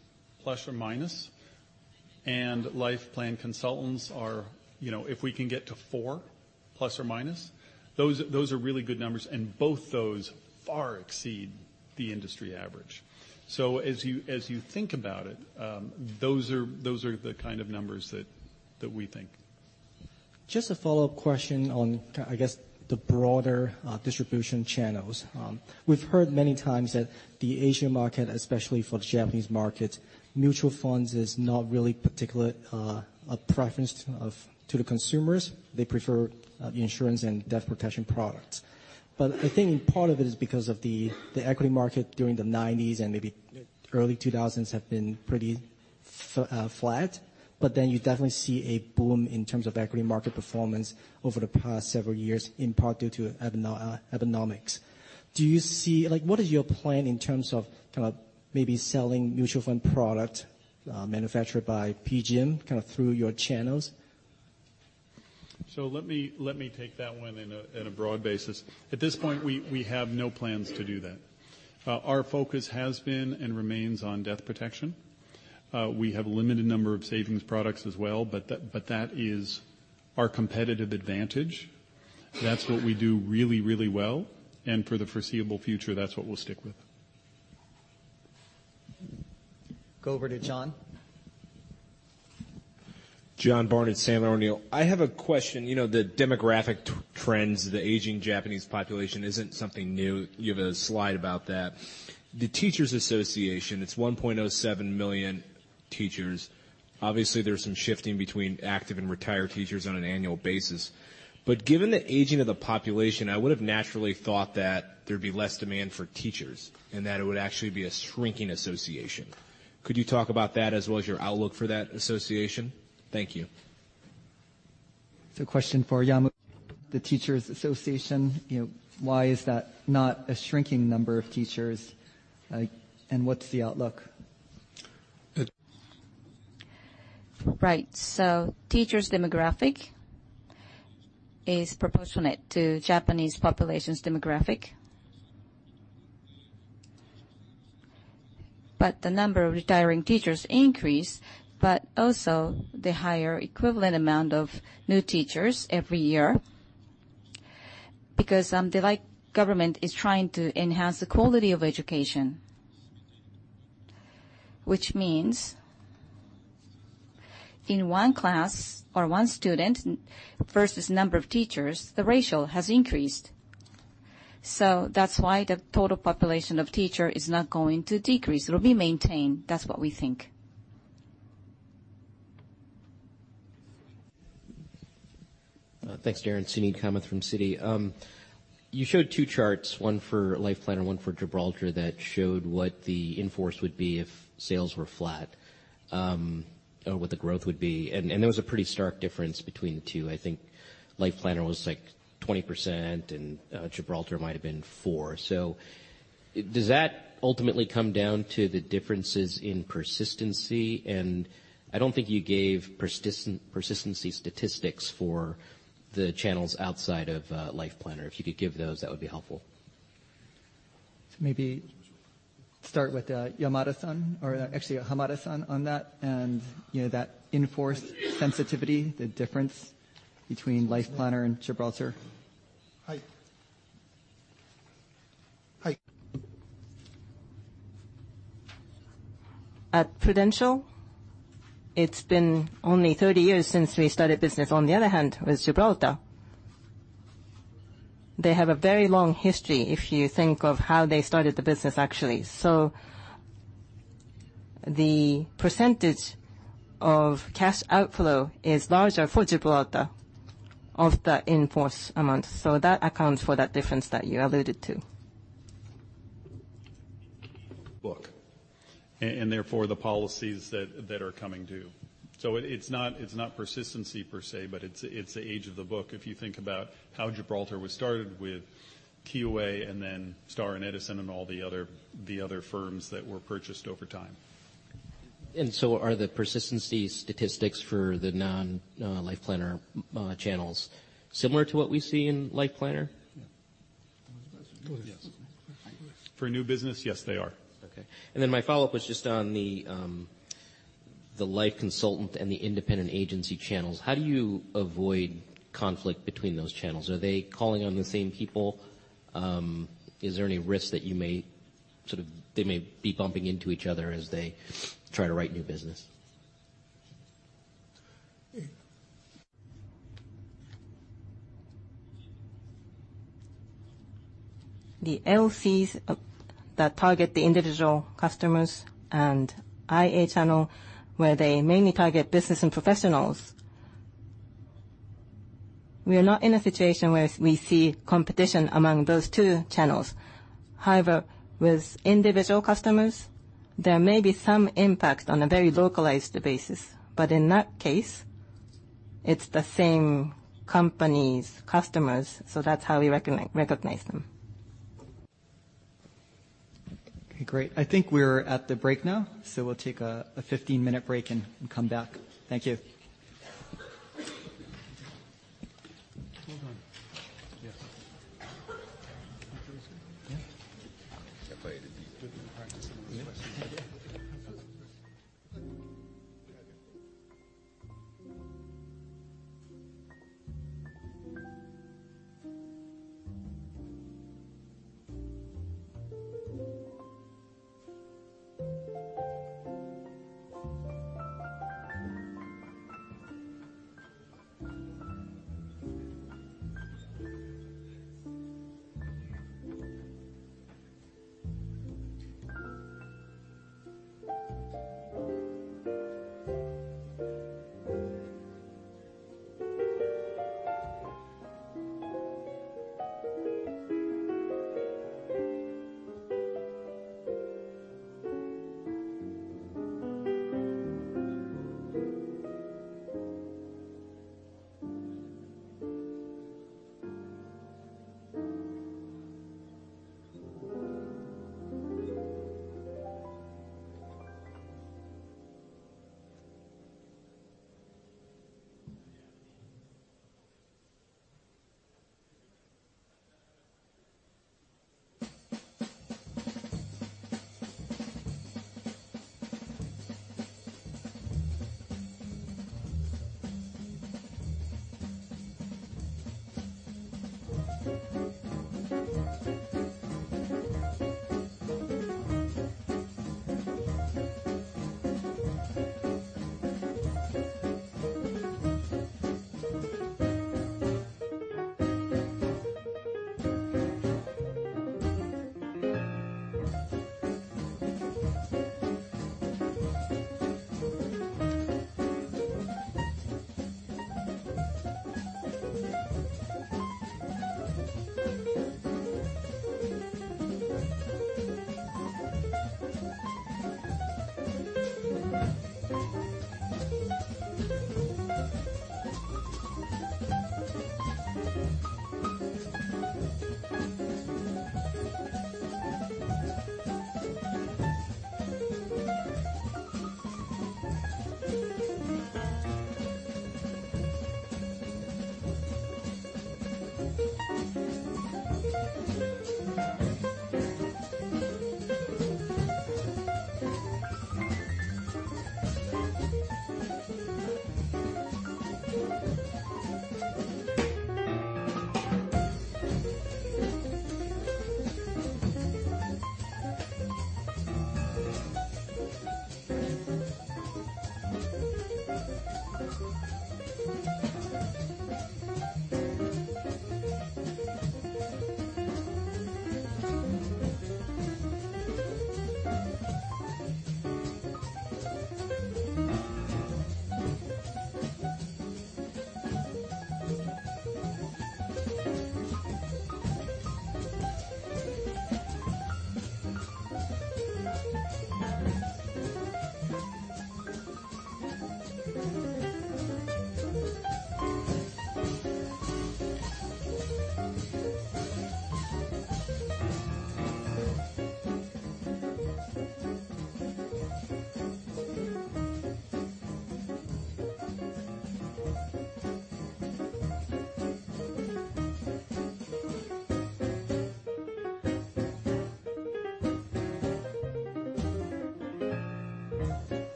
plus or minus, and life plan consultants are. If we can get to four, plus or minus, those are really good numbers. Both those far exceed the industry average. As you think about it, those are the kind of numbers that we think. Just a follow-up question on, I guess, the broader distribution channels. We've heard many times that the Asian market, especially for the Japanese market, mutual funds is not really particular a preference to the consumers. They prefer insurance and death protection products. I think part of it is because of the equity market during the 1990s and maybe early 2000s have been pretty flat. You definitely see a boom in terms of equity market performance over the past several years, in part due to Abenomics. What is your plan in terms of maybe selling mutual fund product manufactured by PGIM through your channels? Let me take that one in a broad basis. At this point, we have no plans to do that. Our focus has been and remains on death protection. We have a limited number of savings products as well, but that is our competitive advantage. That's what we do really, really well, and for the foreseeable future, that's what we'll stick with. Go over to John. John Barnidge, Sandler O'Neill. I have a question. The demographic trends, the aging Japanese population isn't something new. You have a slide about that. The Teachers Association, it's 1.07 million teachers. Obviously, there's some shifting between active and retired teachers on an annual basis. Given the aging of the population, I would have naturally thought that there'd be less demand for teachers, and that it would actually be a shrinking association. Could you talk about that as well as your outlook for that association? Thank you. It's a question for Yamauchi. The Teachers Association, why is that not a shrinking number of teachers? What's the outlook? Teachers demographic is proportionate to Japanese population's demographic. The number of retiring teachers increase, but also the higher equivalent amount of new teachers every year because the government is trying to enhance the quality of education. In one class or one student versus number of teachers, the ratio has increased. That's why the total population of teacher is not going to decrease. It'll be maintained. That's what we think. Thanks, Darin. Suneet Kamath from Citi. You showed two charts, one for Life Planner, one for Gibraltar, that showed what the in-force would be if sales were flat or what the growth would be. There was a pretty stark difference between the two. I think Life Planner was 20% and Gibraltar might have been 4%. Does that ultimately come down to the differences in persistency? I don't think you gave persistency statistics for the channels outside of Life Planner. If you could give those, that would be helpful. Maybe start with Yamada-san, or actually Hamada-san on that in-force sensitivity, the difference between Life Planner and Gibraltar. At Prudential, it's been only 30 years since we started business. On the other hand, with Gibraltar, they have a very long history, if you think of how they started the business, actually. The percentage of cash outflow is larger for Gibraltar of the in-force amounts. That accounts for that difference that you alluded to. Book. Therefore, the policies that are coming due. It's not persistency per se, but it's the age of the book. If you think about how Gibraltar was started with Kyoei and then Star & Edison and all the other firms that were purchased over time. Are the persistency statistics for the non-Life Planner channels similar to what we see in Life Planner? Yes. For new business, yes, they are. Okay. Then my follow-up was just on the Life Consultant and the independent agency channels. How do you avoid conflict between those channels? Are they calling on the same people? Is there any risk that they may be bumping into each other as they try to write new business? The LCs that target the individual customers and IA channel, where they mainly target business and professionals. We are not in a situation where we see competition among those two channels. However, with individual customers, there may be some impact on a very localized basis, but in that case, it's the same company's customers, so that's how we recognize them. Okay, great. I think we're at the break now, so we'll take a 15-minute break and come back. Thank you.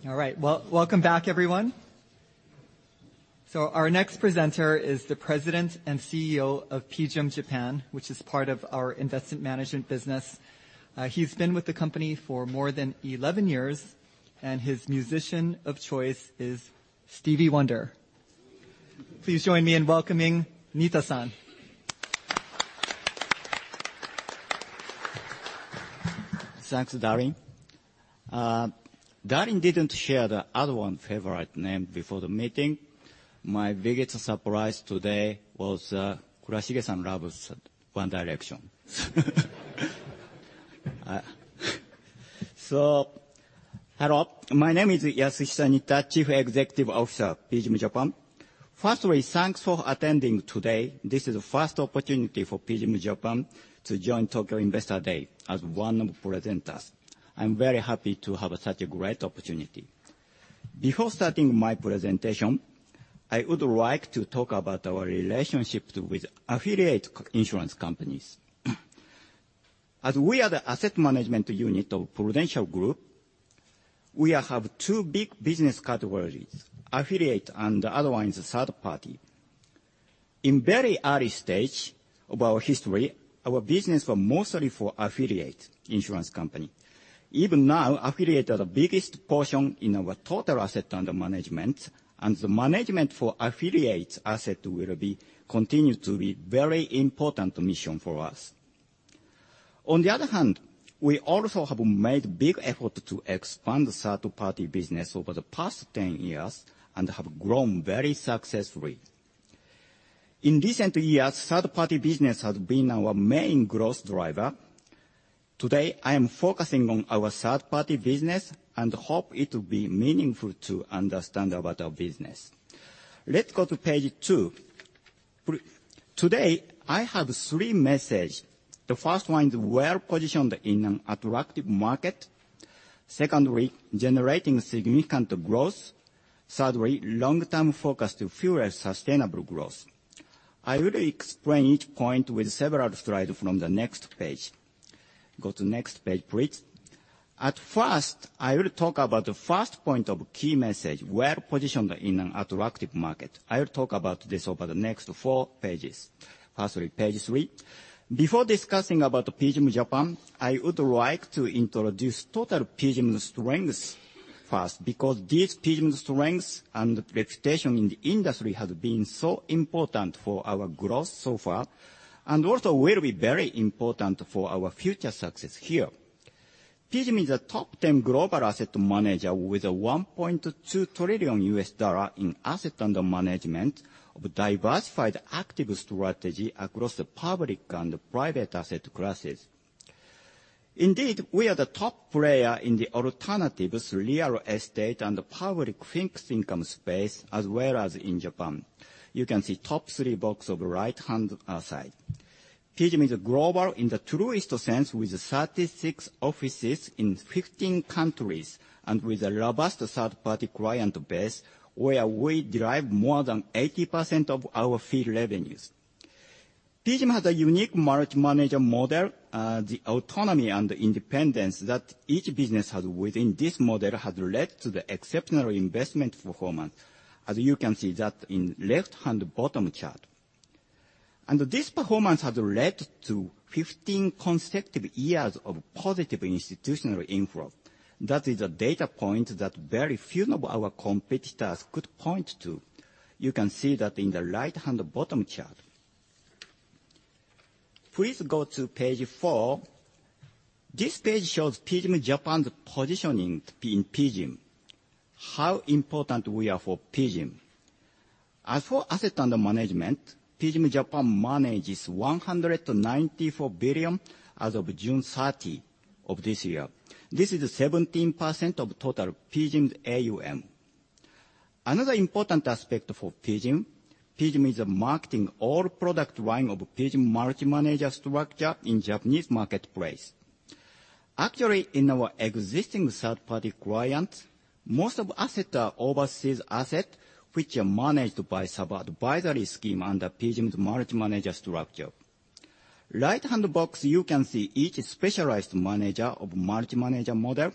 It's your first time, Nita-san. Yeah. Debut. Debut. Well, welcome back, everyone. Our next presenter is the President and CEO of PGIM Japan, which is part of our investment management business. He's been with the company for more than 11 years, and his musician of choice is Stevie Wonder. Please join me in welcoming Nita-san. Thanks, Darin. Darin didn't share the other one favorite name before the meeting. My biggest surprise today was Kurashige-san loves One Direction. Hello. My name is Yasuhisa Nitta, Chief Executive Officer, PGIM Japan. Firstly, thanks for attending today. This is the first opportunity for PGIM Japan to join Tokyo Investor Day as one of the presenters. I'm very happy to have such a great opportunity. Before starting my presentation, I would like to talk about our relationship with affiliate insurance companies. As we are the asset management unit of Prudential Group, we have two big business categories, affiliate and the other one is third party. In very early stage of our history, our business was mostly for affiliate insurance company. Even now, affiliate are the biggest portion in our total asset under management, and the management for affiliates asset will continue to be very important mission for us. On the other hand, we also have made big effort to expand the third-party business over the past 10 years and have grown very successfully. In recent years, third-party business has been our main growth driver. Today, I am focusing on our third-party business and hope it will be meaningful to understand about our business. Let's go to page two. Today, I have three message. The first one is well-positioned in an attractive market. Secondly, generating significant growth. Thirdly, long-term focus to fuel sustainable growth. I will explain each point with several slides from the next page. Go to next page, please. At first, I will talk about the first point of key message, well-positioned in an attractive market. I will talk about this over the next four pages. Firstly, page three. Before discussing about PGIM Japan, I would like to introduce total PGIM strengths first, because these PGIM strengths and reputation in the industry has been so important for our growth so far, and also will be very important for our future success here. PGIM is a top 10 global asset manager with a $1.2 trillion in asset under management of diversified active strategy across the public and private asset classes. Indeed, we are the top player in the alternatives real estate and public fixed income space, as well as in Japan. You can see top three box of right-hand side. PGIM is global in the truest sense, with 36 offices in 15 countries, with a robust third-party client base, where we derive more than 80% of our fee revenues. PGIM has a unique multi-manager model. The autonomy and independence that each business has within this model has led to the exceptional investment performance, as you can see that in left-hand bottom chart. This performance has led to 15 consecutive years of positive institutional inflow. That is a data point that very few of our competitors could point to. You can see that in the right-hand bottom chart. Please go to page four. This page shows PGIM Japan's positioning in PGIM, how important we are for PGIM. As for asset under management, PGIM Japan manages $194 billion as of June 30 of this year. This is 17% of total PGIM's AUM. Another important aspect for PGIM is marketing all product line of PGIM multi-manager structure in Japanese marketplace. Actually, in our existing third-party clients, most of assets are overseas asset, which are managed by sub-advisory scheme under PGIM's multi-manager structure. Right-hand box, you can see each specialized manager of multi-manager model.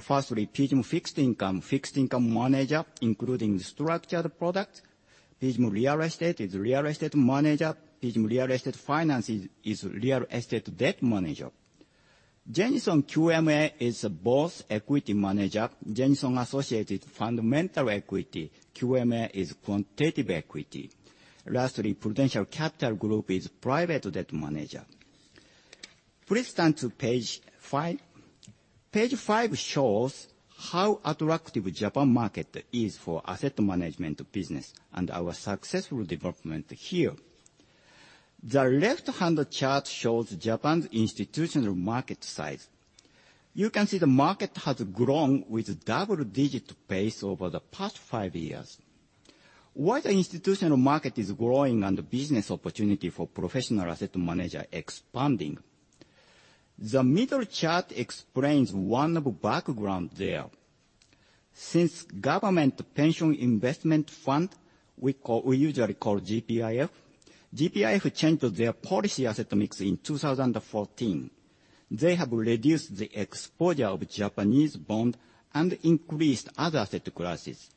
Firstly, PGIM Fixed Income, fixed income manager, including structured product. PGIM Real Estate is real estate manager. PGIM Real Estate Finance is real estate debt manager. Jennison QMA is both equity manager. Jennison Associates Fundamental Equity, QMA is quantitative equity. Lastly, PGIM Private Capital is private debt manager. Please turn to page five. Page five shows how attractive Japan market is for asset management business and our successful development here. The left-hand chart shows Japan's institutional market size. You can see the market has grown with double-digit pace over the past five years. Why the institutional market is growing and business opportunity for professional asset manager expanding? The middle chart explains one of the background there. Since Government Pension Investment Fund, we usually call GPIF. GPIF changed their policy asset mix in 2014. They have reduced the exposure of Japanese bond and increased other asset classes.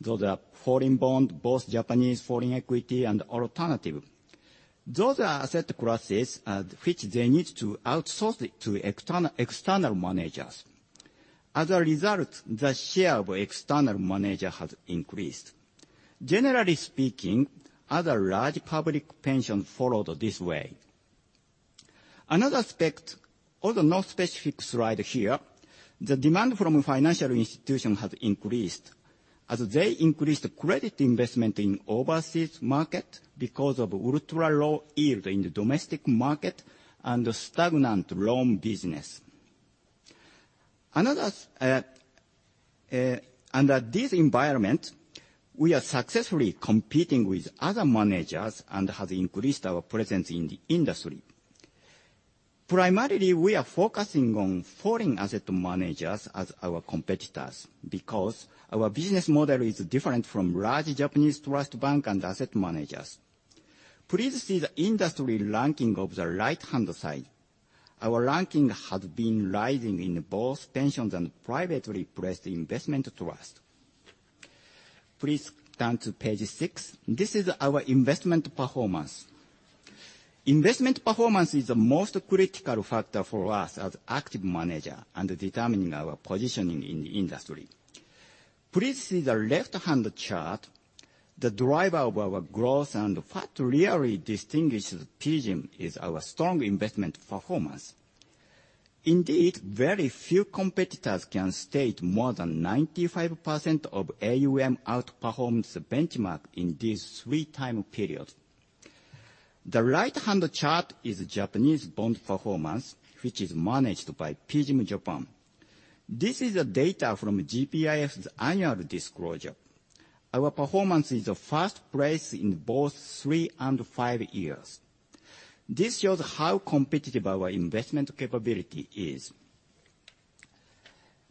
Those are foreign bond, both Japanese foreign equity and alternative. Those are asset classes at which they need to outsource it to external managers. As a result, the share of external manager has increased. Generally speaking, other large public pension followed this way. Another aspect, although no specific slide here, the demand from financial institution has increased. As they increased credit investment in overseas market because of ultra-low yield in the domestic market and stagnant loan business. Under this environment, we are successfully competing with other managers and has increased our presence in the industry. Primarily, we are focusing on foreign asset managers as our competitors because our business model is different from large Japanese trust bank and asset managers. Please see the industry ranking of the right-hand side. Our ranking has been rising in both pensions and privately placed investment trust. Please turn to page six. This is our investment performance. Investment performance is the most critical factor for us as active manager and determining our positioning in the industry. Please see the left-hand chart. The driver of our growth and what really distinguishes PGIM is our strong investment performance. Indeed, very few competitors can state more than 95% of AUM outperforms the benchmark in these three time periods. The right-hand chart is Japanese bond performance, which is managed by PGIM Japan. This is the data from GPIF's annual disclosure. Our performance is first place in both three and five years. This shows how competitive our investment capability is.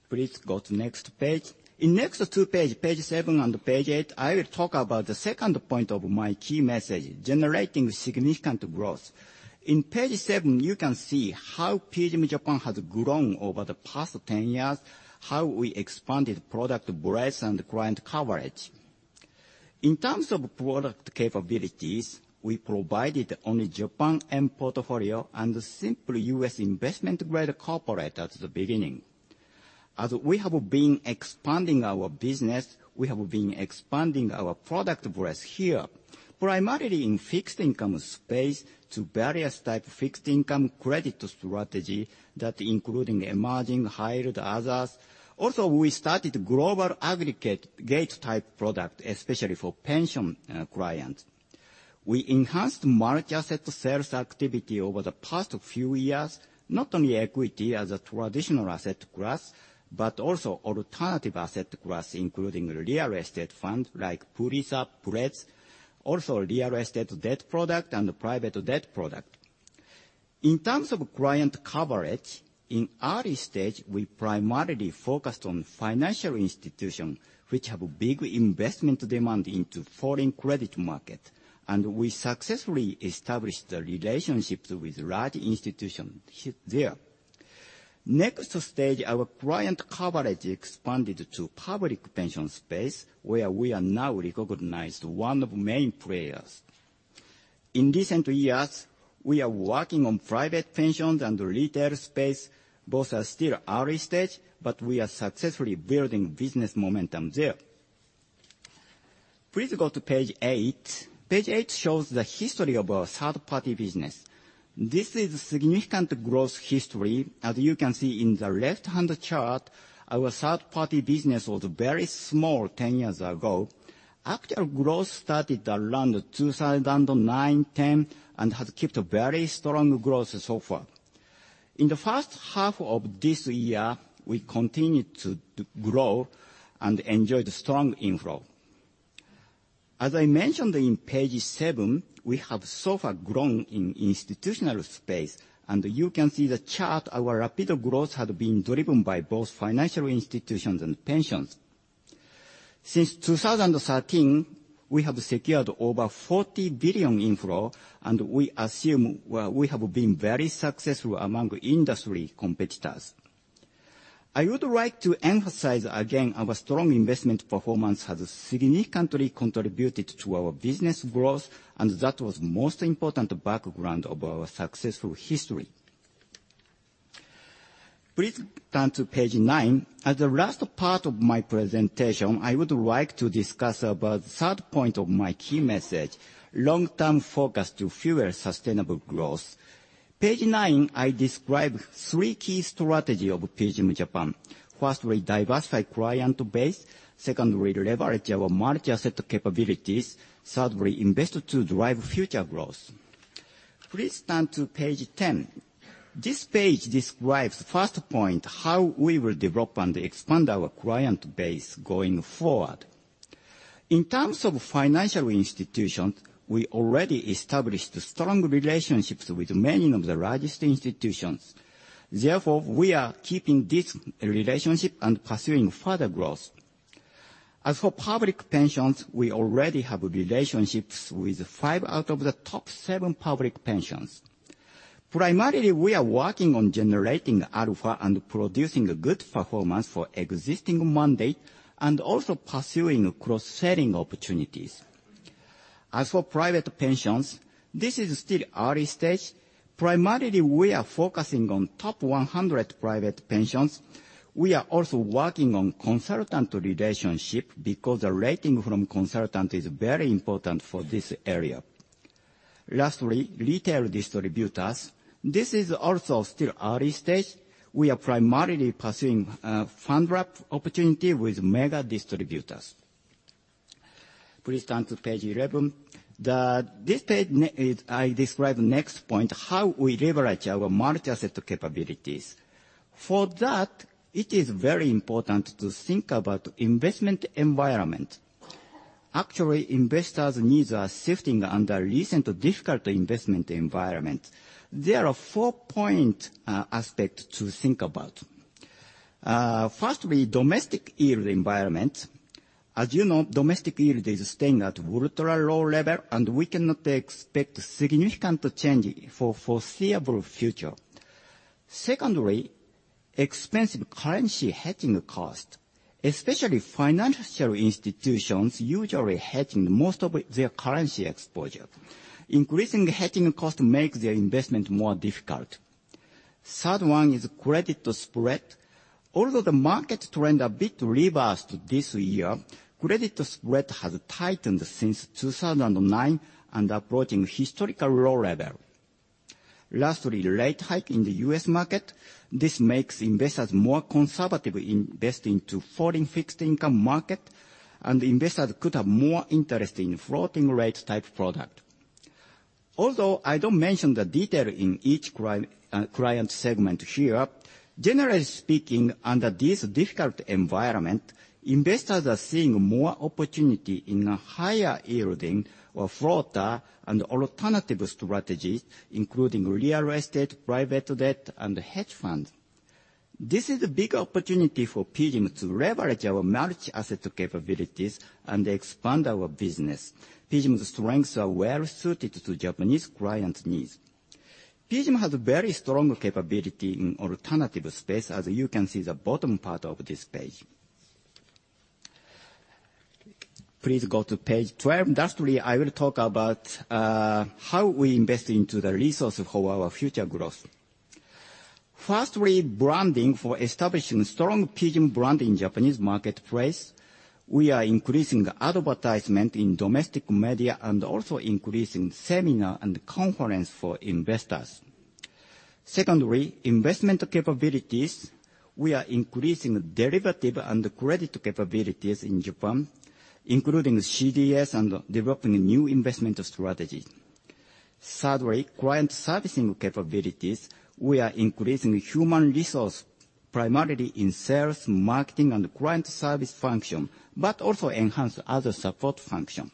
Please go to next page. In next two page seven and page eight, I will talk about the second point of my key message, generating significant growth. In page seven, you can see how PGIM Japan has grown over the past 10 years, how we expanded product breadth and client coverage. In terms of product capabilities, we provided only Japan M portfolio and simply U.S. investment-grade corporate at the beginning. As we have been expanding our business, we have been expanding our product breadth here, primarily in fixed income space to various type fixed income credit strategy that including emerging high yield others. Also, we started global aggregate gatetype product, especially for pension clients. We enhanced managed asset sales activity over the past few years, not only equity as a traditional asset class, but also alternative asset class, including real estate fund like PRISA, BREP, also real estate debt product, and private debt product. In terms of client coverage, in early stage, we primarily focused on financial institution, which have big investment demand into foreign credit market, and we successfully established the relationships with large institutions there. Next stage, our client coverage expanded to public pension space, where we are now recognized one of main players. In recent years, we are working on private pensions and retail space. Both are still early stage, but we are successfully building business momentum there. Please go to page eight. Page eight shows the history of our third-party business. This is significant growth history. As you can see in the left-hand chart, our third-party business was very small 10 years ago. Actual growth started around 2009, 2010, and has kept a very strong growth so far. In the first half of this year, we continued to grow and enjoyed strong inflow. As I mentioned in page seven, we have so far grown in institutional space, and you can see the chart, our rapid growth has been driven by both financial institutions and pensions. Since 2013, we have secured over 40 billion inflow, and we assume we have been very successful among industry competitors. I would like to emphasize again, our strong investment performance has significantly contributed to our business growth, and that was most important background of our successful history. Please turn to page nine. As the last part of my presentation, I would like to discuss about third point of my key message, long-term focus to fuel sustainable growth. Page nine, I describe three key strategy of PGIM Japan. Firstly, diversify client base. Secondly, leverage our multi-asset capabilities. Thirdly, invest to drive future growth. Please turn to page 10. This page describes first point, how we will develop and expand our client base going forward. In terms of financial institutions, we already established strong relationships with many of the largest institutions. Therefore, we are keeping this relationship and pursuing further growth. As for public pensions, we already have relationships with five out of the top seven public pensions. Primarily, we are working on generating alpha and producing good performance for existing mandate, and also pursuing cross-selling opportunities. As for private pensions, this is still early stage. Primarily, we are focusing on top 100 private pensions. We are also working on consultant relationship because the rating from consultant is very important for this area. Lastly, retail distributors. This is also still early stage. We are primarily pursuing fund wrap opportunity with mega distributors. Please turn to page 11. This page I describe next point, how we leverage our multi-asset capabilities. For that, it is very important to think about investment environment. Actually, investors' needs are shifting under recent difficult investment environment. There are four point aspect to think about. Firstly, domestic yield environment. As you know, domestic yield is staying at ultra-low level, and we cannot expect significant change for foreseeable future. Secondly, expensive currency hedging cost, especially financial institutions usually hedging most of their currency exposure. Increasing hedging cost makes their investment more difficult. Third one is credit spread. Although the market trend a bit reversed this year, credit spread has tightened since 2009 and approaching historical low level. Lastly, rate hike in the U.S. market. This makes investors more conservative investing to foreign fixed income market, and investors could have more interest in floating rate type product. Although I don't mention the detail in each client segment here, generally speaking, under this difficult environment, investors are seeing more opportunity in a higher yielding or floater and alternative strategy, including real estate, private debt, and hedge fund. This is a big opportunity for PGIM to leverage our multi-asset capabilities and expand our business. PGIM's strengths are well-suited to Japanese clients' needs. PGIM has a very strong capability in alternative space, as you can see the bottom part of this page. Please go to page 12. Lastly, I will talk about how we invest into the resource for our future growth. Firstly, branding for establishing strong PGIM brand in Japanese marketplace. We are increasing advertisement in domestic media and also increasing seminar and conference for investors. Secondly, investment capabilities. We are increasing derivative and credit capabilities in Japan, including CDS and developing new investment strategy. Thirdly, client servicing capabilities. We are increasing human resource primarily in sales, marketing, and client service function, but also enhance other support function.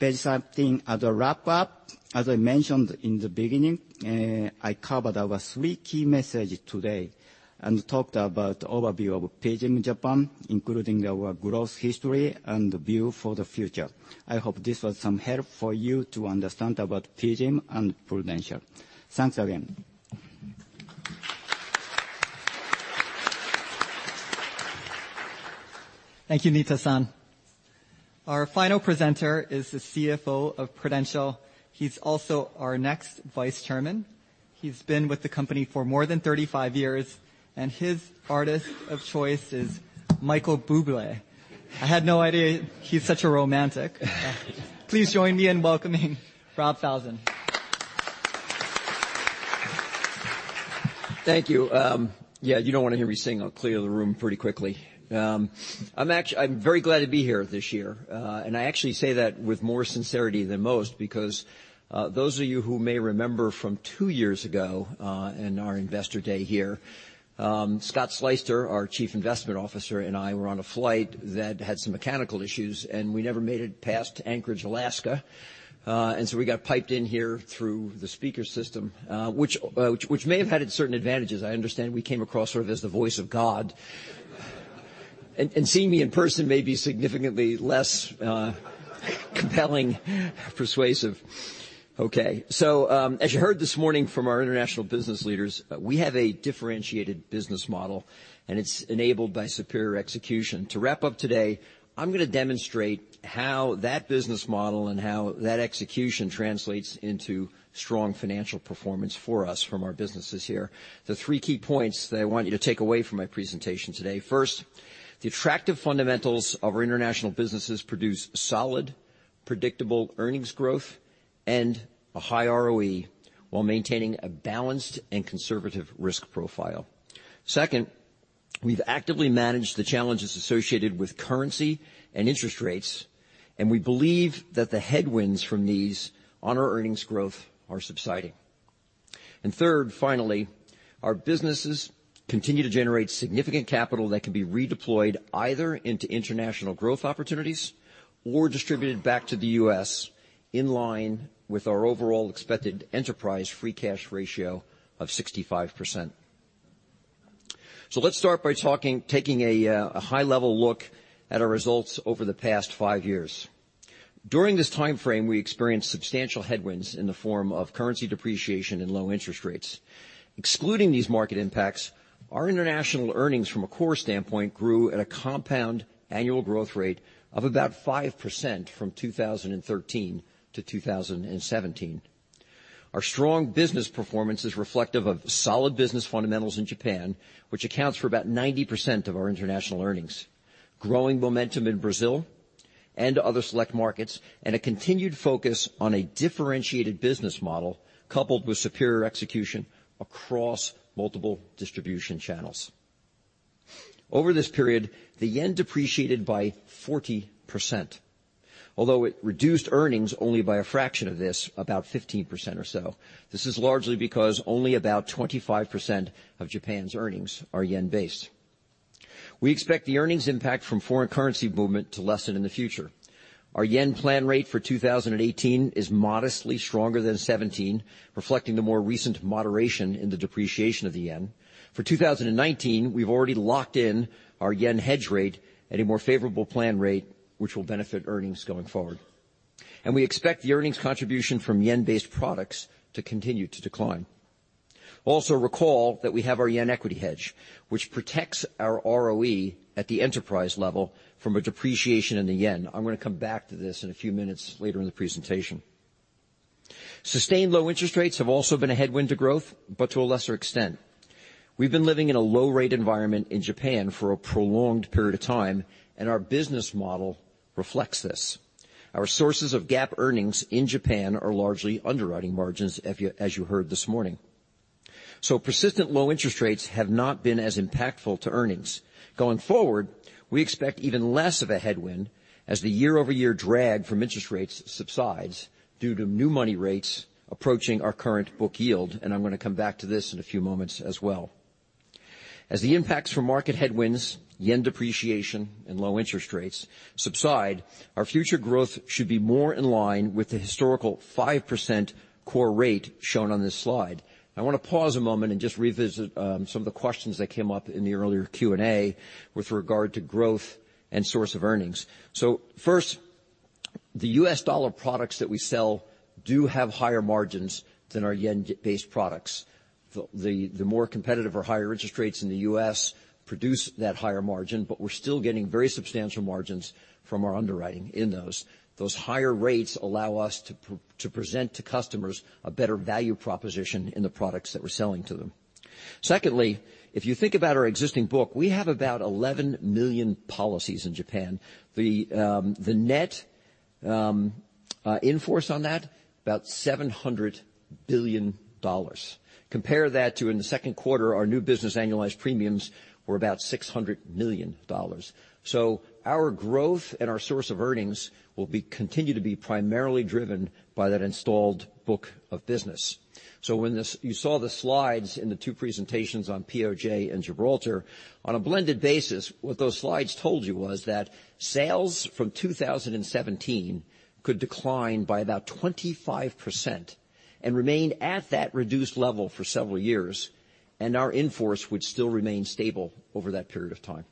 Page 17, as a wrap-up, as I mentioned in the beginning, I covered our three key messages today and talked about overview of PGIM in Japan, including our growth history and view for the future. I hope this was some help for you to understand about PGIM and Prudential. Thanks again. Thank you, Nita-san. Our final presenter is the CFO of Prudential. He's also our next vice chairman. He's been with the company for more than 35 years, and his artist of choice is Michael Bublé. I had no idea he's such a romantic. Please join me in welcoming Rob Falzon. Thank you. Yeah, you don't want to hear me sing. I'll clear the room pretty quickly. I'm very glad to be here this year. I actually say that with more sincerity than most, because those of you who may remember from two years ago, in our investor day here, Scott Sleyster, our chief investment officer, and I were on a flight that had some mechanical issues, and we never made it past Anchorage, Alaska. We got piped in here through the speaker system, which may have had its certain advantages. I understand we came across sort of as the voice of God. Seeing me in person may be significantly less compelling, persuasive. Okay. As you heard this morning from our international business leaders, we have a differentiated business model and it's enabled by superior execution. To wrap up today, I'm going to demonstrate how that business model and how that execution translates into strong financial performance for us from our businesses here. The three key points that I want you to take away from my presentation today. First, the attractive fundamentals of our international businesses produce solid, predictable earnings growth and a high ROE while maintaining a balanced and conservative risk profile. Second, we've actively managed the challenges associated with currency and interest rates, and we believe that the headwinds from these on our earnings growth are subsiding. Third, finally, our businesses continue to generate significant capital that can be redeployed either into international growth opportunities or distributed back to the U.S. in line with our overall expected enterprise free cash ratio of 65%. Let's start by taking a high level look at our results over the past five years. During this timeframe, we experienced substantial headwinds in the form of currency depreciation and low interest rates. Excluding these market impacts, our international earnings from a core standpoint grew at a compound annual growth rate of about 5% from 2013 to 2017. Our strong business performance is reflective of solid business fundamentals in Japan, which accounts for about 90% of our international earnings, growing momentum in Brazil and other select markets, and a continued focus on a differentiated business model coupled with superior execution across multiple distribution channels. Over this period, the yen depreciated by 40%, although it reduced earnings only by a fraction of this, about 15% or so. This is largely because only about 25% of Japan's earnings are yen based. We expect the earnings impact from foreign currency movement to lessen in the future. Our JPY plan rate for 2018 is modestly stronger than 2017, reflecting the more recent moderation in the depreciation of the JPY. For 2019, we've already locked in our JPY hedge rate at a more favorable plan rate, which will benefit earnings going forward. We expect the earnings contribution from JPY-based products to continue to decline. Also, recall that we have our JPY equity hedge, which protects our ROE at the enterprise level from a depreciation in the JPY. I'm going to come back to this in a few minutes later in the presentation. Sustained low interest rates have also been a headwind to growth, but to a lesser extent. We've been living in a low rate environment in Japan for a prolonged period of time, and our business model reflects this. Our sources of GAAP earnings in Japan are largely underwriting margins, as you heard this morning. Persistent low interest rates have not been as impactful to earnings. Going forward, we expect even less of a headwind as the year-over-year drag from interest rates subsides due to new money rates approaching our current book yield, and I'm going to come back to this in a few moments as well. As the impacts from market headwinds, JPY depreciation, and low interest rates subside, our future growth should be more in line with the historical 5% core rate shown on this slide. I want to pause a moment and just revisit some of the questions that came up in the earlier Q&A with regard to growth and source of earnings. First, the U.S. dollar products that we sell do have higher margins than our JPY-based products. The more competitive or higher interest rates in the U.S. produce that higher margin, but we're still getting very substantial margins from our underwriting in those. Those higher rates allow us to present to customers a better value proposition in the products that we're selling to them. Secondly, if you think about our existing book, we have about 11 million policies in Japan. The net in force on that, about $700 billion. Compare that to in the second quarter, our new business annualized premiums were about $600 million. Our growth and our source of earnings will continue to be primarily driven by that installed book of business. You saw the slides in the two presentations on POJ and Gibraltar. On a blended basis, what those slides told you was that sales from 2017 could decline by about 25% and remain at that reduced level for several years, and our in force would still remain stable over that period of time.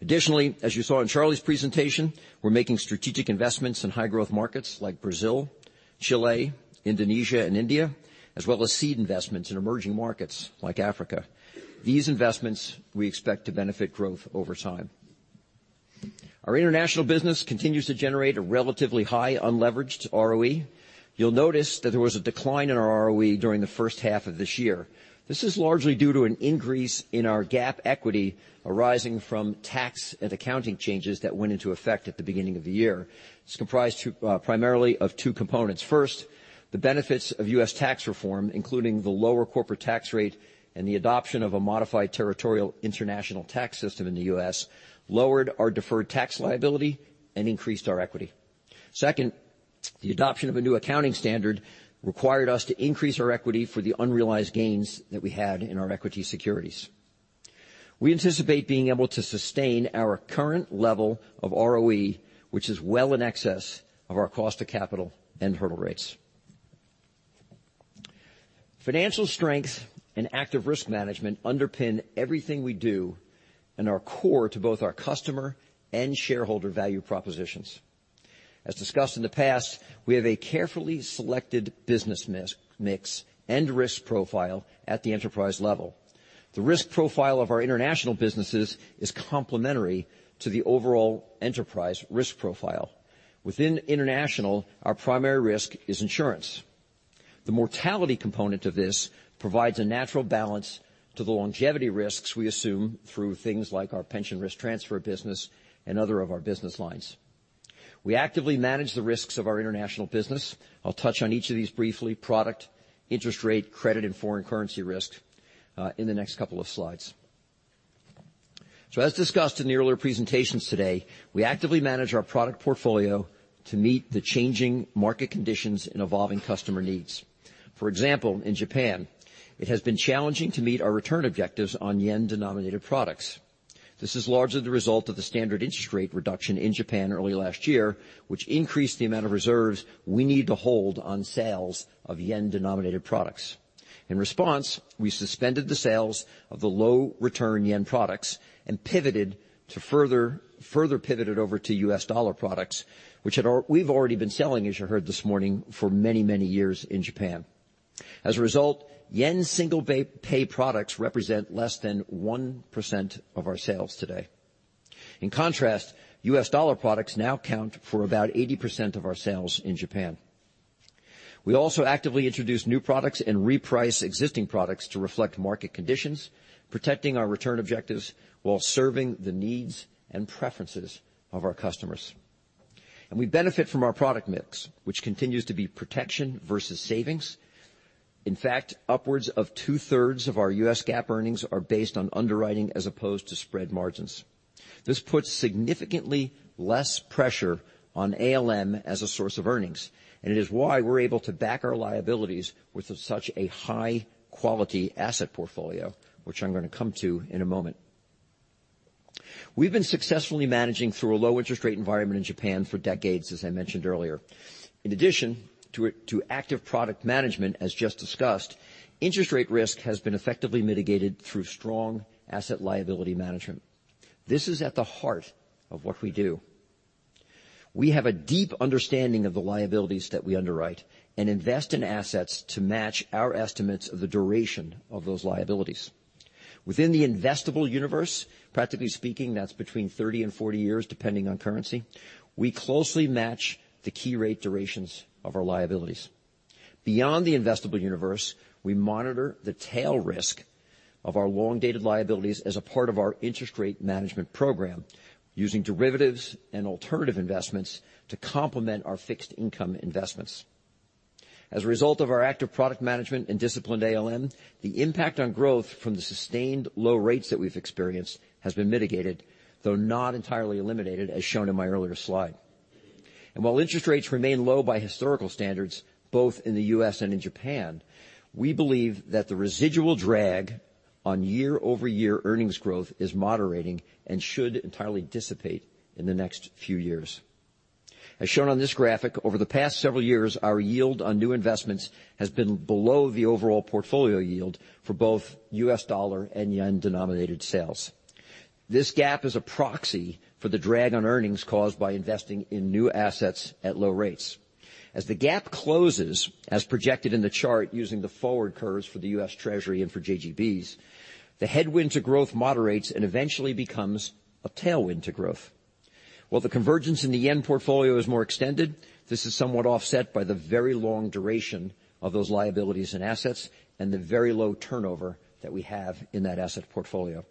Additionally, as you saw in Charlie's presentation, we're making strategic investments in high growth markets like Brazil, Chile, Indonesia, and India, as well as seed investments in emerging markets like Africa. These investments we expect to benefit growth over time. Our international business continues to generate a relatively high unleveraged ROE. You'll notice that there was a decline in our ROE during the first half of this year. This is largely due to an increase in our GAAP equity arising from tax and accounting changes that went into effect at the beginning of the year. It's comprised primarily of two components. First, the benefits of U.S. tax reform, including the lower corporate tax rate and the adoption of a modified territorial international tax system in the U.S., lowered our deferred tax liability and increased our equity. Second, the adoption of a new accounting standard required us to increase our equity for the unrealized gains that we had in our equity securities. We anticipate being able to sustain our current level of ROE, which is well in excess of our cost of capital and hurdle rates. Financial strength and active risk management underpin everything we do and are core to both our customer and shareholder value propositions. As discussed in the past, we have a carefully selected business mix and risk profile at the enterprise level. The risk profile of our international businesses is complementary to the overall enterprise risk profile. Within international, our primary risk is insurance. The mortality component of this provides a natural balance to the longevity risks we assume through things like our pension risk transfer business and other of our business lines. We actively manage the risks of our international business. I'll touch on each of these briefly, product, interest rate, credit, and foreign currency risk, in the next couple of slides. As discussed in the earlier presentations today, we actively manage our product portfolio to meet the changing market conditions and evolving customer needs. For example, in Japan, it has been challenging to meet our return objectives on yen-denominated products. This is largely the result of the standard interest rate reduction in Japan early last year, which increased the amount of reserves we need to hold on sales of yen-denominated products. In response, we suspended the sales of the low return yen products and further pivoted over to U.S. dollar products, which we've already been selling, as you heard this morning, for many, many years in Japan. As a result, yen single pay products represent less than 1% of our sales today. In contrast, U.S. dollar products now account for about 80% of our sales in Japan. We also actively introduce new products and reprice existing products to reflect market conditions, protecting our return objectives while serving the needs and preferences of our customers. We benefit from our product mix, which continues to be protection versus savings. In fact, upwards of two-thirds of our U.S. GAAP earnings are based on underwriting as opposed to spread margins. This puts significantly less pressure on ALM as a source of earnings, and it is why we're able to back our liabilities with such a high-quality asset portfolio, which I'm going to come to in a moment. We've been successfully managing through a low interest rate environment in Japan for decades, as I mentioned earlier. In addition to active product management, as just discussed, interest rate risk has been effectively mitigated through strong asset liability management. This is at the heart of what we do. We have a deep understanding of the liabilities that we underwrite and invest in assets to match our estimates of the duration of those liabilities. Within the investable universe, practically speaking, that's between 30 and 40 years, depending on currency, we closely match the key rate durations of our liabilities. Beyond the investable universe, we monitor the tail risk of our long-dated liabilities as a part of our interest rate management program, using derivatives and alternative investments to complement our fixed income investments. As a result of our active product management and disciplined ALM, the impact on growth from the sustained low rates that we've experienced has been mitigated, though not entirely eliminated, as shown in my earlier slide. While interest rates remain low by historical standards, both in the U.S. and in Japan, we believe that the residual drag on year-over-year earnings growth is moderating and should entirely dissipate in the next few years. As shown on this graphic, over the past several years, our yield on new investments has been below the overall portfolio yield for both U.S. dollar and yen-denominated sales. This gap is a proxy for the drag on earnings caused by investing in new assets at low rates. As the gap closes, as projected in the chart using the forward curves for the U.S. Treasury and for JGBs, the headwind to growth moderates and eventually becomes a tailwind to growth. While the convergence in the yen portfolio is more extended, this is somewhat offset by the very long duration of those liabilities and assets and the very low turnover that we have in that asset portfolio.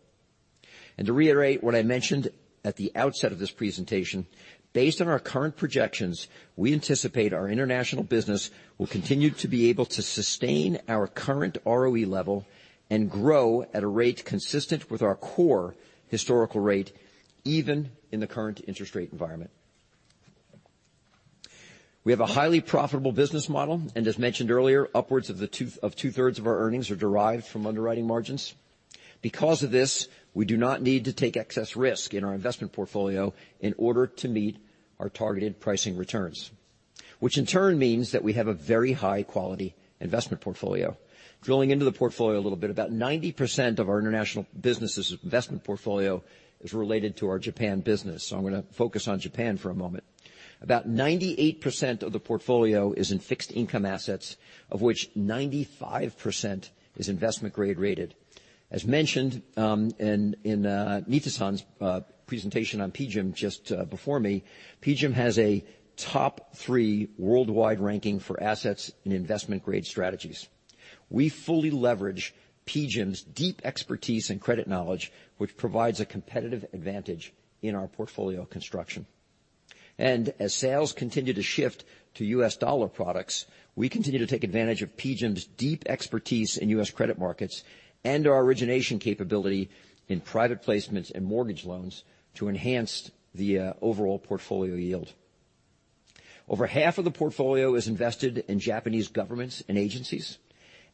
To reiterate what I mentioned at the outset of this presentation, based on our current projections, we anticipate our international business will continue to be able to sustain our current ROE level and grow at a rate consistent with our core historical rate, even in the current interest rate environment. We have a highly profitable business model. As mentioned earlier, upwards of two-thirds of our earnings are derived from underwriting margins. Because of this, we do not need to take excess risk in our investment portfolio in order to meet our targeted pricing returns, which in turn means that we have a very high-quality investment portfolio. Drilling into the portfolio a little bit, about 90% of our international business' investment portfolio is related to our Japan business. I'm going to focus on Japan for a moment. About 98% of the portfolio is in fixed income assets, of which 95% is investment grade rated. As mentioned in Nita-san's presentation on PGIM just before me, PGIM has a top three worldwide ranking for assets in investment grade strategies. We fully leverage PGIM's deep expertise and credit knowledge, which provides a competitive advantage in our portfolio construction. As sales continue to shift to U.S. dollar products, we continue to take advantage of PGIM's deep expertise in U.S. credit markets and our origination capability in private placements and mortgage loans to enhance the overall portfolio yield. Over half of the portfolio is invested in Japanese governments and agencies,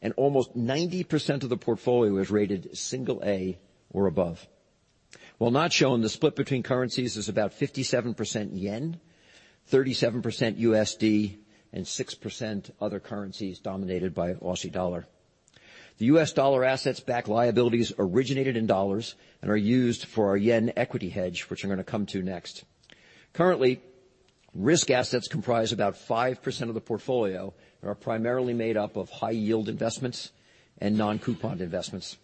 and almost 90% of the portfolio is rated single A or above. While not shown, the split between currencies is about 57% JPY, 37% USD, and 6% other currencies dominated by AUD. The U.S. dollar assets back liabilities originated in U.S. dollars and are used for our yen equity hedge, which I'm going to come to next. Currently, risk assets comprise about 5% of the portfolio and are primarily made up of high-yield investments and non-couponed investments.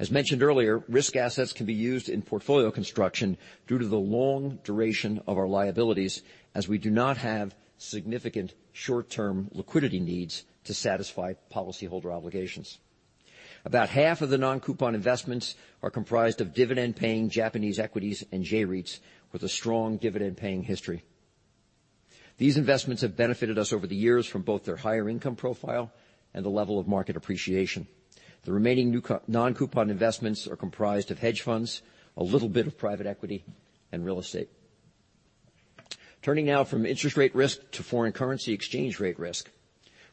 As mentioned earlier, risk assets can be used in portfolio construction due to the long duration of our liabilities, as we do not have significant short-term liquidity needs to satisfy policyholder obligations. About half of the non-coupon investments are comprised of dividend-paying Japanese equities and J-REITs with a strong dividend-paying history. These investments have benefited us over the years from both their higher income profile and the level of market appreciation. The remaining non-coupon investments are comprised of hedge funds, a little bit of private equity, and real estate. Turning now from interest rate risk to foreign currency exchange rate risk.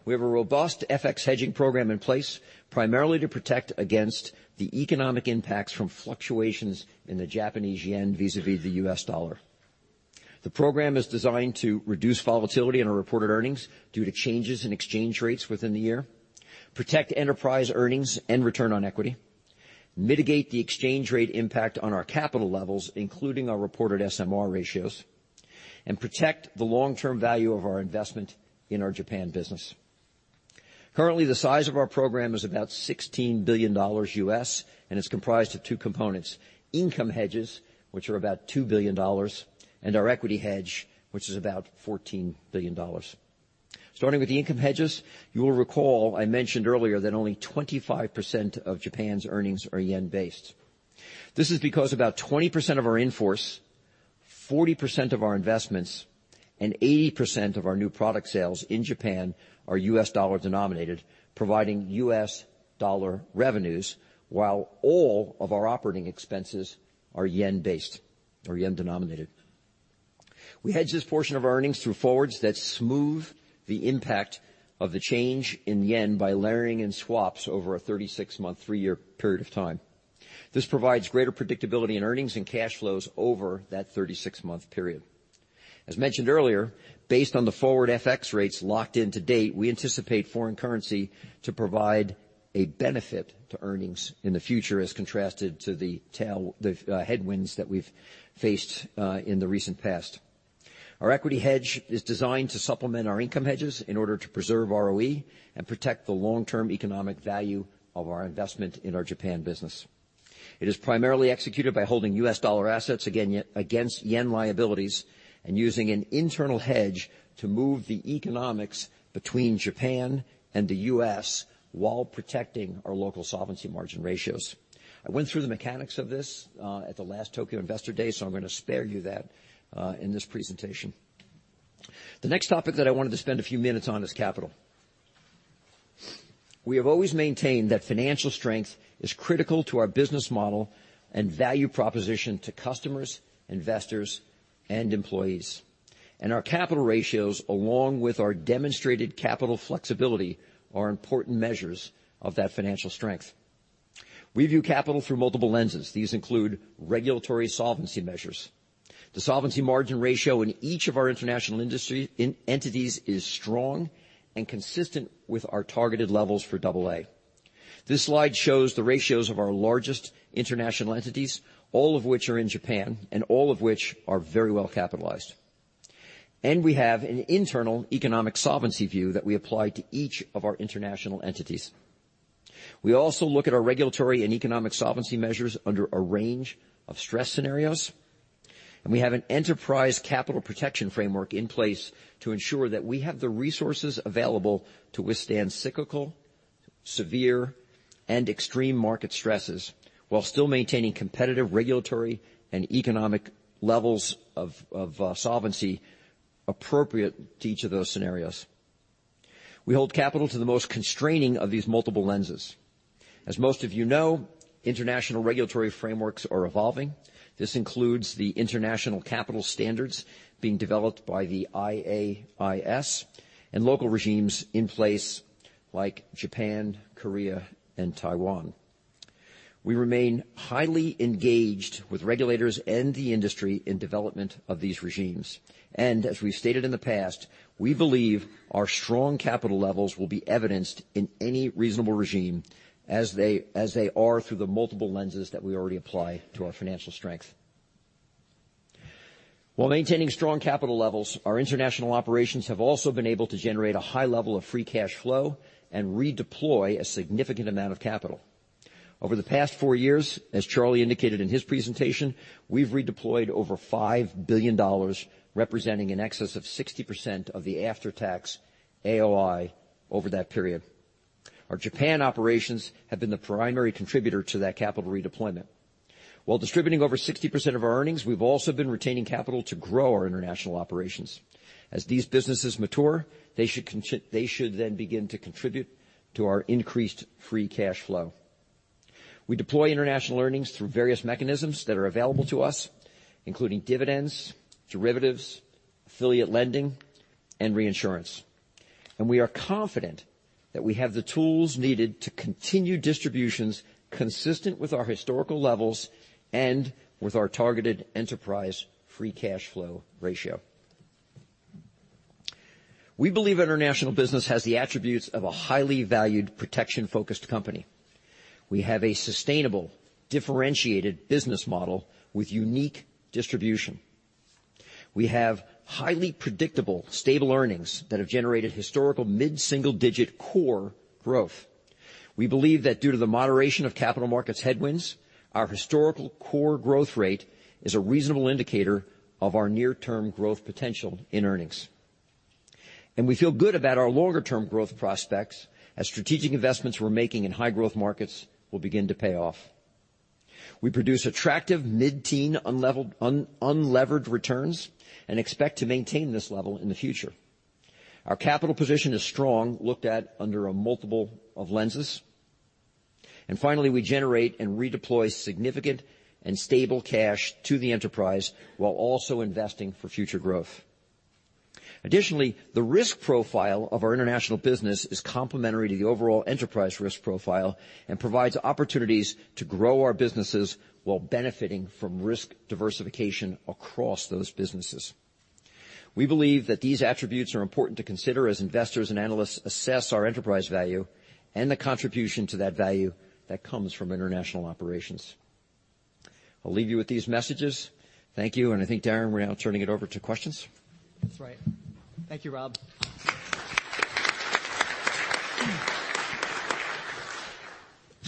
We have a robust FX hedging program in place, primarily to protect against the economic impacts from fluctuations in the Japanese yen vis-à-vis the US dollar. The program is designed to reduce volatility in our reported earnings due to changes in exchange rates within the year, protect enterprise earnings and return on equity, mitigate the exchange rate impact on our capital levels, including our reported SMR ratios, and protect the long-term value of our investment in our Japan business. Currently, the size of our program is about $16 billion, and it's comprised of two components, income hedges, which are about $2 billion, and our equity hedge, which is about $14 billion. Starting with the income hedges, you will recall I mentioned earlier that only 25% of Japan's earnings are yen-based. This is because about 20% of our in-force, 40% of our investments, and 80% of our new product sales in Japan are US dollar-denominated, providing US dollar revenues, while all of our operating expenses are yen-based or yen-denominated. We hedge this portion of our earnings through forwards that smooth the impact of the change in yen by layering in swaps over a 36-month, three-year period of time. This provides greater predictability in earnings and cash flows over that 36-month period. As mentioned earlier, based on the forward FX rates locked in to date, we anticipate foreign currency to provide a benefit to earnings in the future as contrasted to the headwinds that we've faced in the recent past. Our equity hedge is designed to supplement our income hedges in order to preserve ROE and protect the long-term economic value of our investment in our Japan business. It is primarily executed by holding US dollar assets against yen liabilities and using an internal hedge to move the economics between Japan and the U.S. while protecting our local solvency margin ratios. I went through the mechanics of this at the last Tokyo Investor Day, so I'm going to spare you that in this presentation. The next topic that I wanted to spend a few minutes on is capital. We have always maintained that financial strength is critical to our business model and value proposition to customers, investors, and employees. Our capital ratios, along with our demonstrated capital flexibility, are important measures of that financial strength. We view capital through multiple lenses. These include regulatory solvency measures. The solvency margin ratio in each of our international entities is strong and consistent with our targeted levels for double A. This slide shows the ratios of our largest international entities, all of which are in Japan, and all of which are very well capitalized. We have an internal economic solvency view that we apply to each of our international entities. We also look at our regulatory and economic solvency measures under a range of stress scenarios. We have an enterprise capital protection framework in place to ensure that we have the resources available to withstand cyclical, severe, and extreme market stresses while still maintaining competitive regulatory and economic levels of solvency appropriate to each of those scenarios. We hold capital to the most constraining of these multiple lenses. Most of you know, international regulatory frameworks are evolving. This includes the international capital standards being developed by the IAIS and local regimes in place like Japan, Korea, and Taiwan. We remain highly engaged with regulators and the industry in development of these regimes. As we've stated in the past, we believe our strong capital levels will be evidenced in any reasonable regime as they are through the multiple lenses that we already apply to our financial strength. While maintaining strong capital levels, our international operations have also been able to generate a high level of free cash flow and redeploy a significant amount of capital. Over the past four years, as Charlie indicated in his presentation, we've redeployed over $5 billion, representing in excess of 60% of the after-tax AOI over that period. Our Japan operations have been the primary contributor to that capital redeployment. While distributing over 60% of our earnings, we've also been retaining capital to grow our international operations. As these businesses mature, they should then begin to contribute to our increased free cash flow. We deploy international earnings through various mechanisms that are available to us, including dividends, derivatives, affiliate lending, and reinsurance. We are confident that we have the tools needed to continue distributions consistent with our historical levels and with our targeted enterprise free cash flow ratio. We believe international business has the attributes of a highly valued protection-focused company. We have a sustainable, differentiated business model with unique distribution. We have highly predictable, stable earnings that have generated historical mid-single-digit core growth. We believe that due to the moderation of capital markets headwinds, our historical core growth rate is a reasonable indicator of our near-term growth potential in earnings. We feel good about our longer-term growth prospects as strategic investments we're making in high growth markets will begin to pay off. We produce attractive mid-teen unlevered returns and expect to maintain this level in the future. Our capital position is strong, looked at under a multiple of lenses. Finally, we generate and redeploy significant and stable cash to the enterprise while also investing for future growth. Additionally, the risk profile of our international business is complementary to the overall enterprise risk profile and provides opportunities to grow our businesses while benefiting from risk diversification across those businesses. We believe that these attributes are important to consider as investors and analysts assess our enterprise value and the contribution to that value that comes from international operations. I'll leave you with these messages. Thank you. I think, Darin, we're now turning it over to questions. That's right. Thank you, Rob.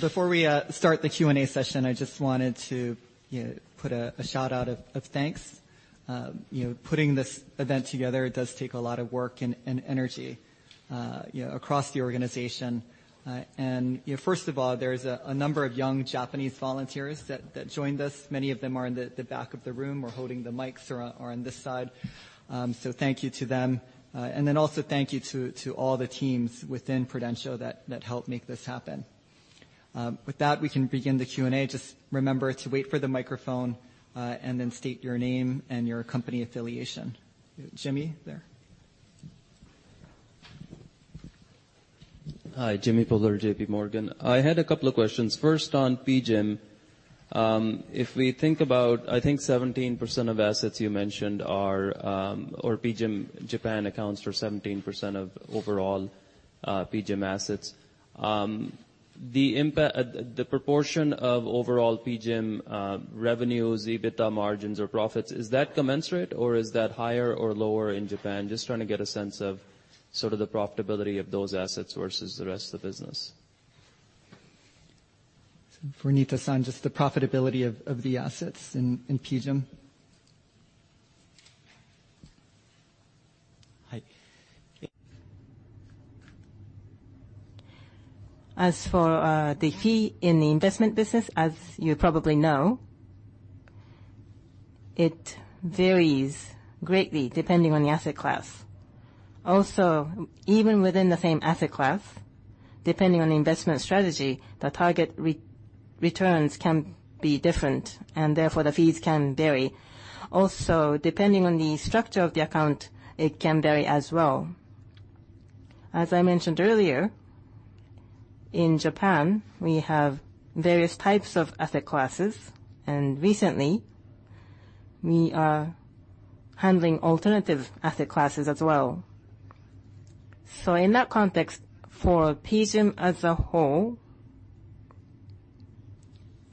Before we start the Q&A session, I just wanted to put a shout-out of thanks. Putting this event together does take a lot of work and energy across the organization. First of all, there's a number of young Japanese volunteers that joined us. Many of them are in the back of the room or holding the mics or are on this side. Thank you to them. Also thank you to all the teams within Prudential that helped make this happen. With that, we can begin the Q&A. Just remember to wait for the microphone, and then state your name and your company affiliation. Jimmy, there. Hi. Jimmy Bhullar, J.P. Morgan. I had a couple of questions. First, on PGIM. If we think about, I think 17% of assets you mentioned PGIM Japan accounts for 17% of overall PGIM assets. The proportion of overall PGIM revenues, EBITDA margins or profits, is that commensurate or is that higher or lower in Japan? Just trying to get a sense of sort of the profitability of those assets versus the rest of the business. For Nita-san, just the profitability of the assets in PGIM. As for the fee in the investment business, as you probably know, it varies greatly depending on the asset class. Also, even within the same asset class, depending on the investment strategy, the target returns can be different, and therefore the fees can vary. Also, depending on the structure of the account, it can vary as well. As I mentioned earlier, in Japan, we have various types of asset classes, and recently we are handling alternative asset classes as well. In that context, for PGIM as a whole,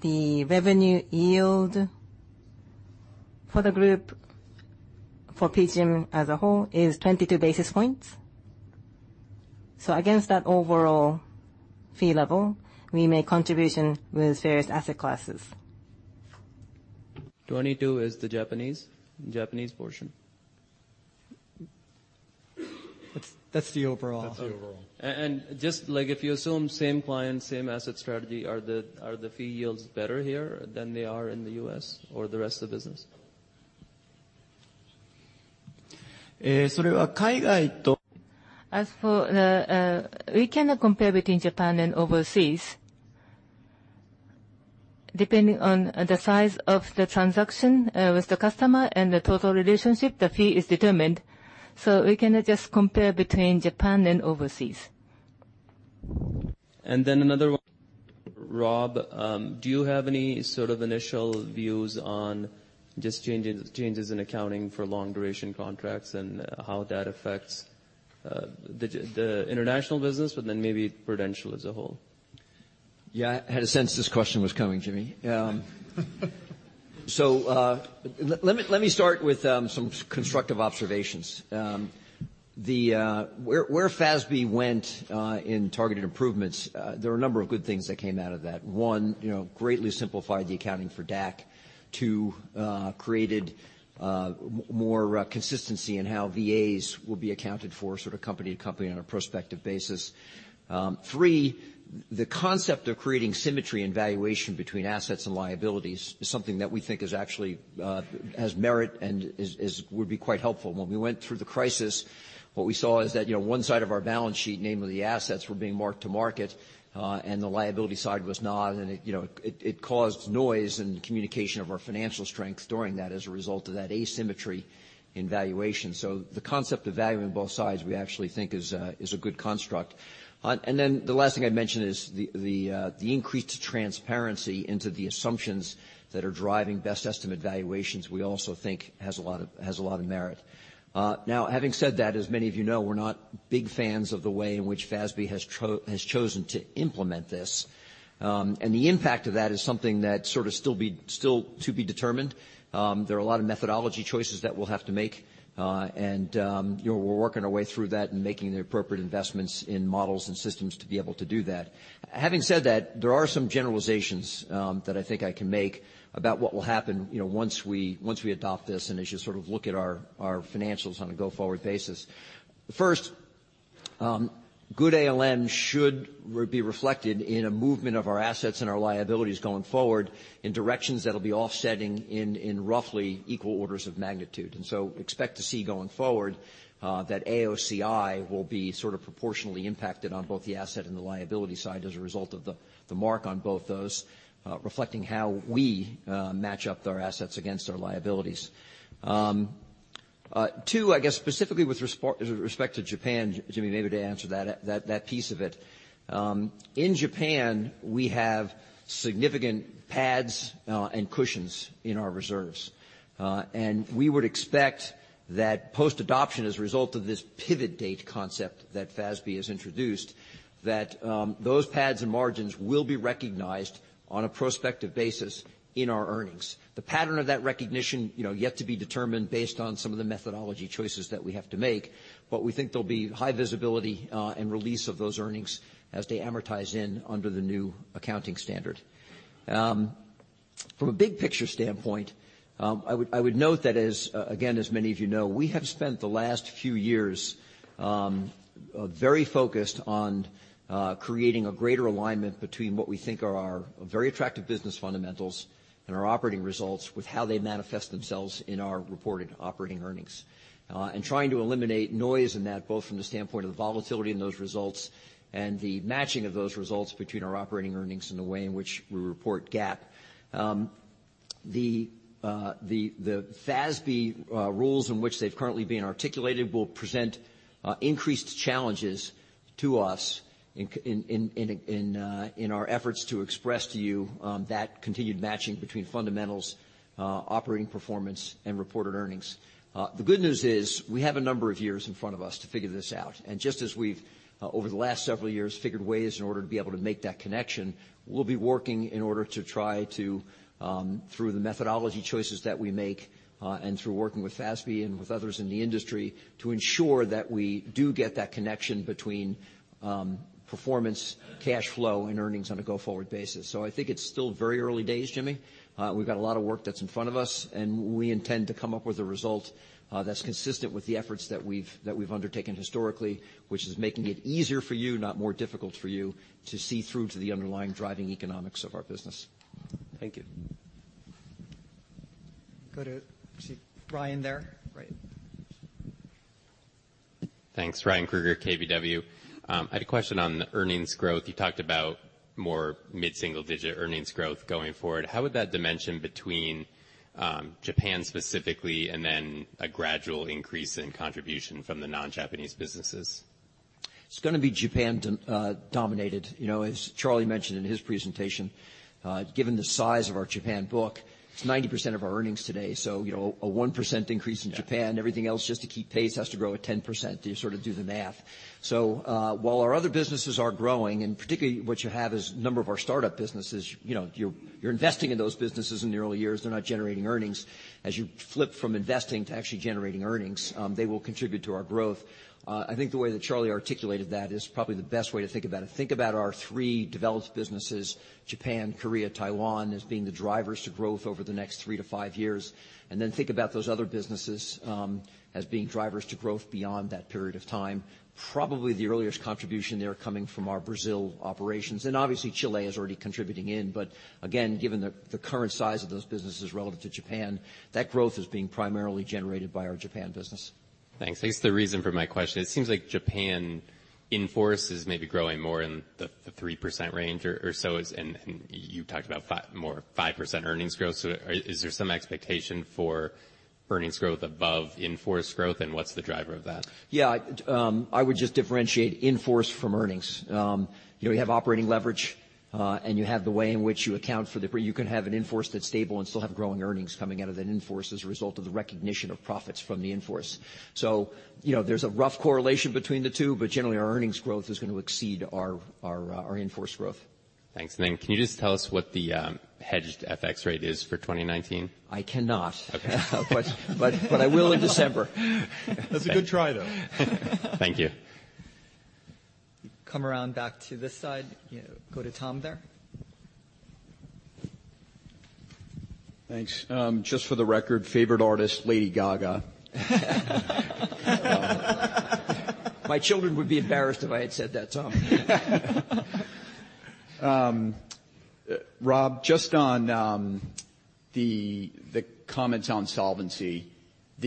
the revenue yield for the group for PGIM as a whole is 22 basis points. Against that overall fee level, we make contribution with various asset classes. 22 is the Japanese portion? That's the overall. That's the overall. Just like if you assume same client, same asset strategy, are the fee yields better here than they are in the U.S. or the rest of the business? We cannot compare between Japan and overseas. Depending on the size of the transaction with the customer and the total relationship, the fee is determined. We cannot just compare between Japan and overseas. Another one, Rob, do you have any sort of initial views on just changes in accounting for long duration contracts and how that affects the international business, maybe Prudential as a whole? I had a sense this question was coming, Jimmy. Let me start with some constructive observations. Where FASB went in targeted improvements, there are a number of good things that came out of that. One, greatly simplified the accounting for DAC. Two, created more consistency in how VAs will be accounted for sort of company to company on a prospective basis. Three, the concept of creating symmetry and valuation between assets and liabilities is something that we think is actually has merit and would be quite helpful. When we went through the crisis, what we saw is that one side of our balance sheet, namely the assets, were being marked to market, and the liability side was not. It caused noise in the communication of our financial strength during that as a result of that asymmetry in valuation. The concept of valuing both sides, we actually think is a good construct. The last thing I'd mention is the increased transparency into the assumptions that are driving best estimate valuations, we also think has a lot of merit. Having said that, as many of you know, we're not big fans of the way in which FASB has chosen to implement this. The impact of that is something that sort of still to be determined. There are a lot of methodology choices that we'll have to make. We're working our way through that and making the appropriate investments in models and systems to be able to do that. Having said that, there are some generalizations that I think I can make about what will happen once we adopt this and as you sort of look at our financials on a go-forward basis. First, good ALM should be reflected in a movement of our assets and our liabilities going forward in directions that'll be offsetting in roughly equal orders of magnitude. Expect to see going forward that AOCI will be sort of proportionally impacted on both the asset and the liability side as a result of the mark on both those, reflecting how we match up our assets against our liabilities. Two, I guess specifically with respect to Japan, Jimmy, maybe to answer that piece of it. In Japan, we have significant pads and cushions in our reserves. We would expect that post-adoption, as a result of this pivot date concept that FASB has introduced, that those pads and margins will be recognized on a prospective basis in our earnings. The pattern of that recognition yet to be determined based on some of the methodology choices that we have to make, but we think there'll be high visibility and release of those earnings as they amortize in under the new accounting standard. From a big picture standpoint, I would note that as, again, as many of you know, we have spent the last few years very focused on creating a greater alignment between what we think are our very attractive business fundamentals and our operating results with how they manifest themselves in our reported operating earnings. Trying to eliminate noise in that, both from the standpoint of the volatility in those results and the matching of those results between our operating earnings and the way in which we report GAAP. The FASB rules in which they've currently been articulated will present increased challenges to us in our efforts to express to you that continued matching between fundamentals operating performance and reported earnings. The good news is we have a number of years in front of us to figure this out, just as we've over the last several years figured ways in order to be able to make that connection, we'll be working in order to try to through the methodology choices that we make and through working with FASB and with others in the industry to ensure that we do get that connection between performance, cash flow, and earnings on a go-forward basis. I think it's still very early days, Jimmy. We've got a lot of work that's in front of us, we intend to come up with a result that's consistent with the efforts that we've undertaken historically, which is making it easier for you, not more difficult for you to see through to the underlying driving economics of our business. Thank you. I see Ryan there. Great. Thanks. Ryan Krueger, KBW. I had a question on earnings growth. You talked about more mid-single-digit earnings growth going forward. How would that dimension between Japan specifically and then a gradual increase in contribution from the non-Japanese businesses? It's going to be Japan dominated. As Charlie mentioned in his presentation, given the size of our Japan book, it's 90% of our earnings today, so a 1% increase in Japan, everything else just to keep pace has to grow at 10% to sort of do the math. While our other businesses are growing, and particularly what you have is a number of our startup businesses, you're investing in those businesses in the early years, they're not generating earnings. As you flip from investing to actually generating earnings, they will contribute to our growth. I think the way that Charlie articulated that is probably the best way to think about it. Think about our 3 developed businesses, Japan, Korea, Taiwan, as being the drivers to growth over the next 3 to 5 years. Think about those other businesses as being drivers to growth beyond that period of time. Probably the earliest contribution there coming from our Brazil operations. Obviously Chile is already contributing in. Again, given the current size of those businesses relative to Japan, that growth is being primarily generated by our Japan business. Thanks. I guess the reason for my question, it seems like Japan in-force is maybe growing more in the 3% range or so, you talked about more 5% earnings growth. Is there some expectation for earnings growth above in-force growth? What's the driver of that? I would just differentiate in-force from earnings. You have operating leverage, you have the way in which you account for it. You can have an in-force that's stable and still have growing earnings coming out of that in-force as a result of the recognition of profits from the in-force. There's a rough correlation between the two. Generally, our earnings growth is going to exceed our in-force growth. Thanks. Can you just tell us what the hedged FX rate is for 2019? I cannot. Okay. I will in December. That's a good try, though. Thank you. Come around back to this side. Go to Tom there. Thanks. Just for the record, favorite artist, Lady Gaga. My children would be embarrassed if I had said that, Tom. Rob, just on the comments on solvency,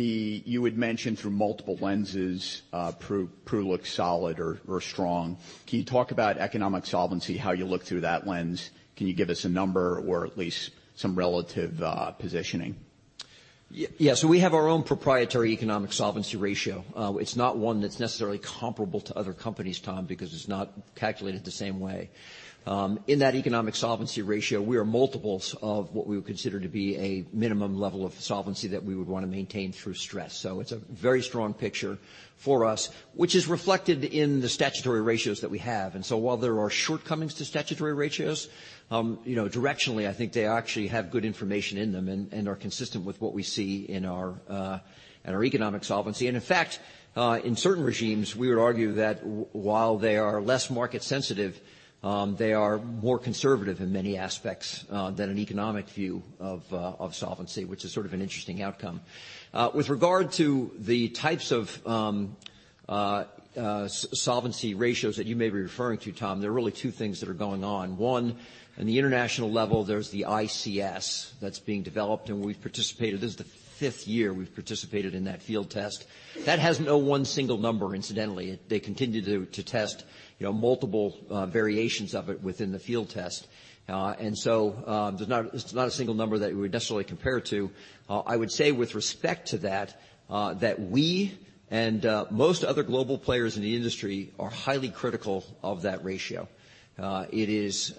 you had mentioned through multiple lenses, Pru looks solid or strong. Can you talk about economic solvency, how you look through that lens? Can you give us a number or at least some relative positioning? We have our own proprietary economic solvency ratio. It's not one that's necessarily comparable to other companies, Tom, because it's not calculated the same way. In that economic solvency ratio, we are multiples of what we would consider to be a minimum level of solvency that we would want to maintain through stress. It's a very strong picture for us, which is reflected in the statutory ratios that we have. While there are shortcomings to statutory ratios, directionally, I think they actually have good information in them and are consistent with what we see in our economic solvency. In fact, in certain regimes, we would argue that while they are less market sensitive, they are more conservative in many aspects than an economic view of solvency, which is sort of an interesting outcome. With regard to the types of solvency ratios that you may be referring to, Tom, there are really two things that are going on. One, in the international level, there's the ICS that's being developed, and we've participated. This is the fifth year we've participated in that field test. That has no one single number, incidentally. They continue to test multiple variations of it within the field test. There's not a single number that we would necessarily compare it to. I would say with respect to that we and most other global players in the industry are highly critical of that ratio. It is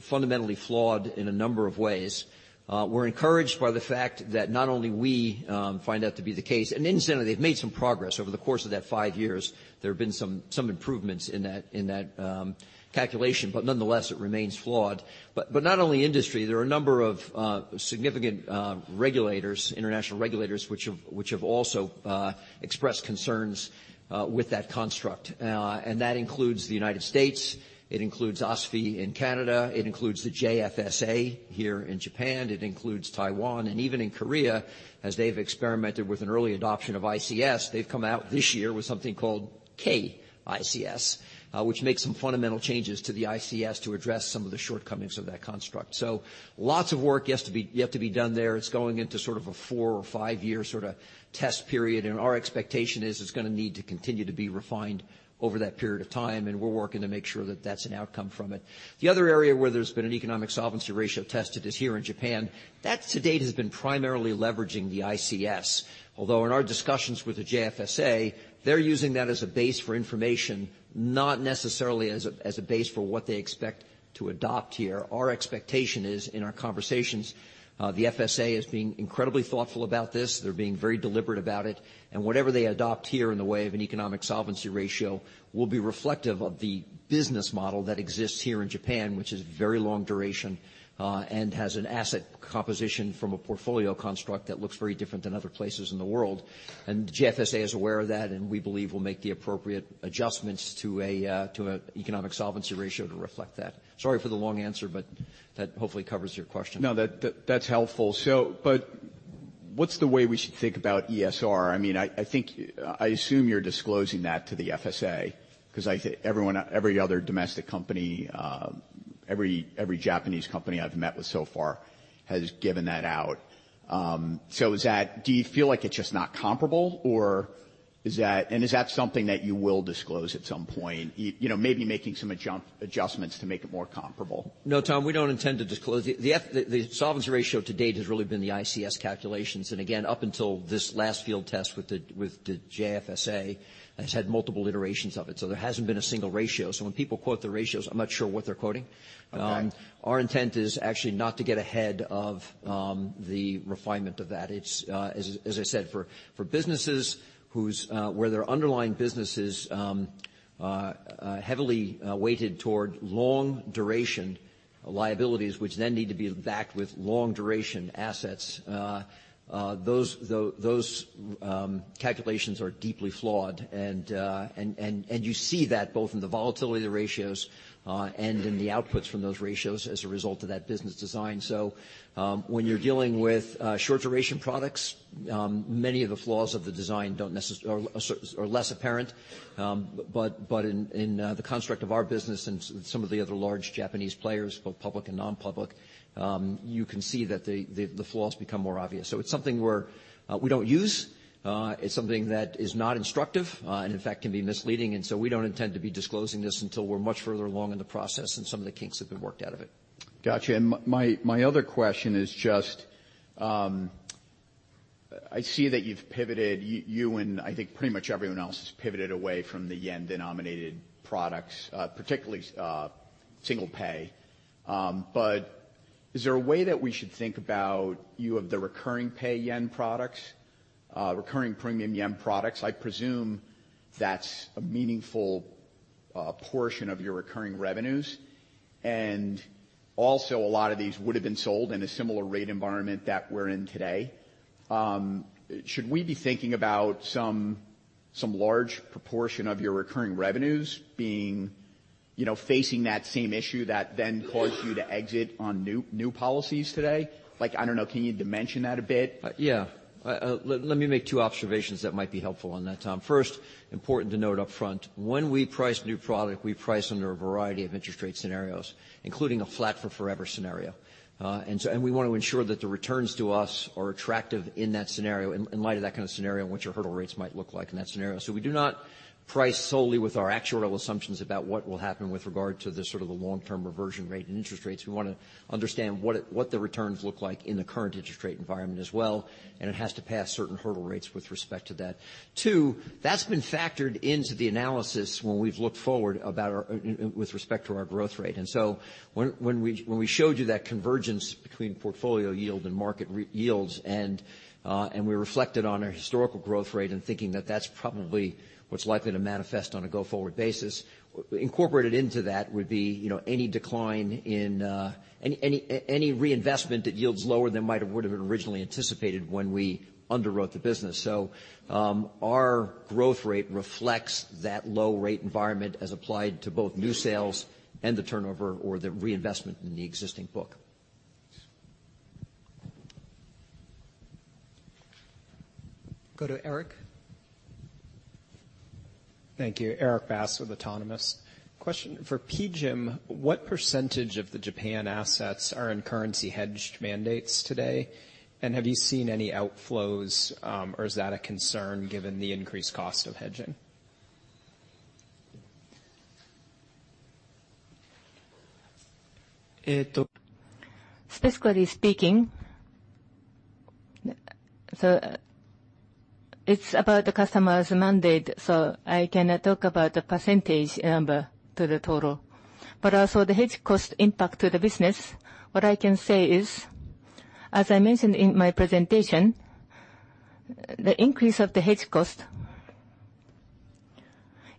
fundamentally flawed in a number of ways. We're encouraged by the fact that not only we find that to be the case, and incidentally, they've made some progress over the course of that five years. There have been some improvements in that calculation, but nonetheless, it remains flawed. Not only industry, there are a number of significant regulators, international regulators, which have also expressed concerns with that construct. That includes the United States. It includes OSFI in Canada. It includes the JFSA here in Japan. It includes Taiwan, and even in Korea, as they've experimented with an early adoption of ICS, they've come out this year with something called KICS, which makes some fundamental changes to the ICS to address some of the shortcomings of that construct. Lots of work yet to be done there. It's going into sort of a four or five-year sort of test period, and our expectation is it's going to need to continue to be refined over that period of time, and we're working to make sure that that's an outcome from it. The other area where there's been an economic solvency ratio tested is here in Japan. That, to date, has been primarily leveraging the ICS, although in our discussions with the JFSA, they're using that as a base for information, not necessarily as a base for what they expect to adopt here. Our expectation is in our conversations the FSA is being incredibly thoughtful about this. They're being very deliberate about it. Whatever they adopt here in the way of an economic solvency ratio will be reflective of the business model that exists here in Japan, which is very long duration, and has an asset composition from a portfolio construct that looks very different than other places in the world. The JFSA is aware of that, and we believe will make the appropriate adjustments to an economic solvency ratio to reflect that. Sorry for the long answer, that hopefully covers your question. No, that's helpful. What's the way we should think about ESR? I assume you're disclosing that to the FSA, because every other domestic company, every Japanese company I've met with so far has given that out. Do you feel like it's just not comparable, and is that something that you will disclose at some point, maybe making some adjustments to make it more comparable? No, Tom, we don't intend to disclose. The solvency ratio to date has really been the ICS calculations. Again, up until this last field test with the JFSA, has had multiple iterations of it. There hasn't been a single ratio. When people quote the ratios, I'm not sure what they're quoting. Okay. Our intent is actually not to get ahead of the refinement of that. As I said, for businesses where their underlying business is heavily weighted toward long duration liabilities, which then need to be backed with long duration assets, those calculations are deeply flawed. You see that both in the volatility of the ratios, and in the outputs from those ratios as a result of that business design. When you're dealing with short duration products, many of the flaws of the design are less apparent. In the construct of our business and some of the other large Japanese players, both public and non-public, you can see that the flaws become more obvious. It's something we don't use. It's something that is not instructive, and in fact can be misleading, and so we don't intend to be disclosing this until we're much further along in the process and some of the kinks have been worked out of it. Got you. My other question is just, I see that you've pivoted, you and I think pretty much everyone else has pivoted away from the yen-denominated products, particularly single pay. Is there a way that we should think about you of the recurring pay yen products, recurring premium yen products? I presume that's a meaningful portion of your recurring revenues. Also a lot of these would have been sold in a similar rate environment that we're in today. Should we be thinking about some large proportion of your recurring revenues facing that same issue that then caused you to exit on new policies today? I don't know, can you dimension that a bit? Yeah. Let me make two observations that might be helpful on that, Tom. First, important to note upfront, when we price new product, we price under a variety of interest rate scenarios, including a flat for forever scenario. We want to ensure that the returns to us are attractive in that scenario, in light of that kind of scenario and what your hurdle rates might look like in that scenario. We do not price solely with our actuarial assumptions about what will happen with regard to the sort of the long-term reversion rate and interest rates. We want to understand what the returns look like in the current interest rate environment as well, and it has to pass certain hurdle rates with respect to that. Two, that's been factored into the analysis when we've looked forward with respect to our growth rate. When we showed you that convergence between portfolio yield and market yields and we reflected on our historical growth rate and thinking that that's probably what's likely to manifest on a go-forward basis, incorporated into that would be any reinvestment that yields lower than might have would've been originally anticipated when we underwrote the business. Our growth rate reflects that low rate environment as applied to both new sales and the turnover or the reinvestment in the existing book. Go to Erik. Thank you. Erik Bass with Autonomous. Question for PGIM, what percentage of the Japan assets are in currency hedged mandates today? Have you seen any outflows, or is that a concern given the increased cost of hedging? Specifically speaking, it's about the customer's mandate, so I cannot talk about the percentage number to the total. Also the hedge cost impact to the business, what I can say is, as I mentioned in my presentation, the increase of the hedge cost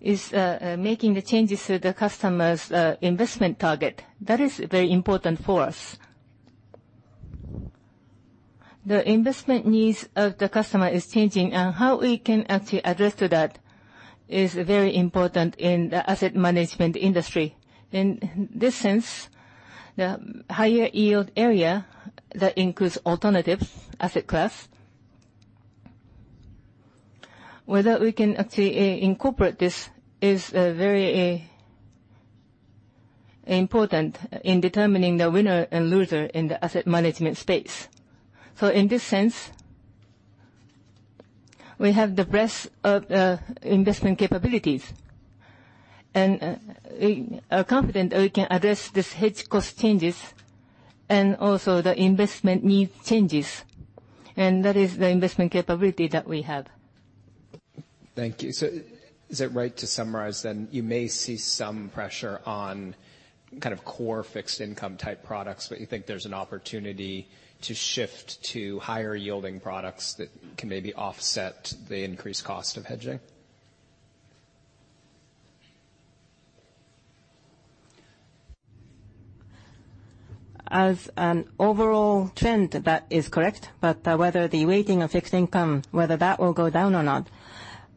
is making the changes to the customer's investment target. That is very important for us. The investment needs of the customer is changing, and how we can actually address to that is very important in the asset management industry. In this sense, the higher yield area that includes alternatives asset class, whether we can actually incorporate this is very important in determining the winner and loser in the asset management space. In this sense, we have the breadth of investment capabilities, and we are confident that we can address this hedge cost changes and also the investment needs changes. That is the investment capability that we have. Thank you. Is it right to summarize you may see some pressure on kind of core fixed income type products, but you think there's an opportunity to shift to higher yielding products that can maybe offset the increased cost of hedging? As an overall trend, that is correct. Whether the weighting of fixed income, whether that will go down or not,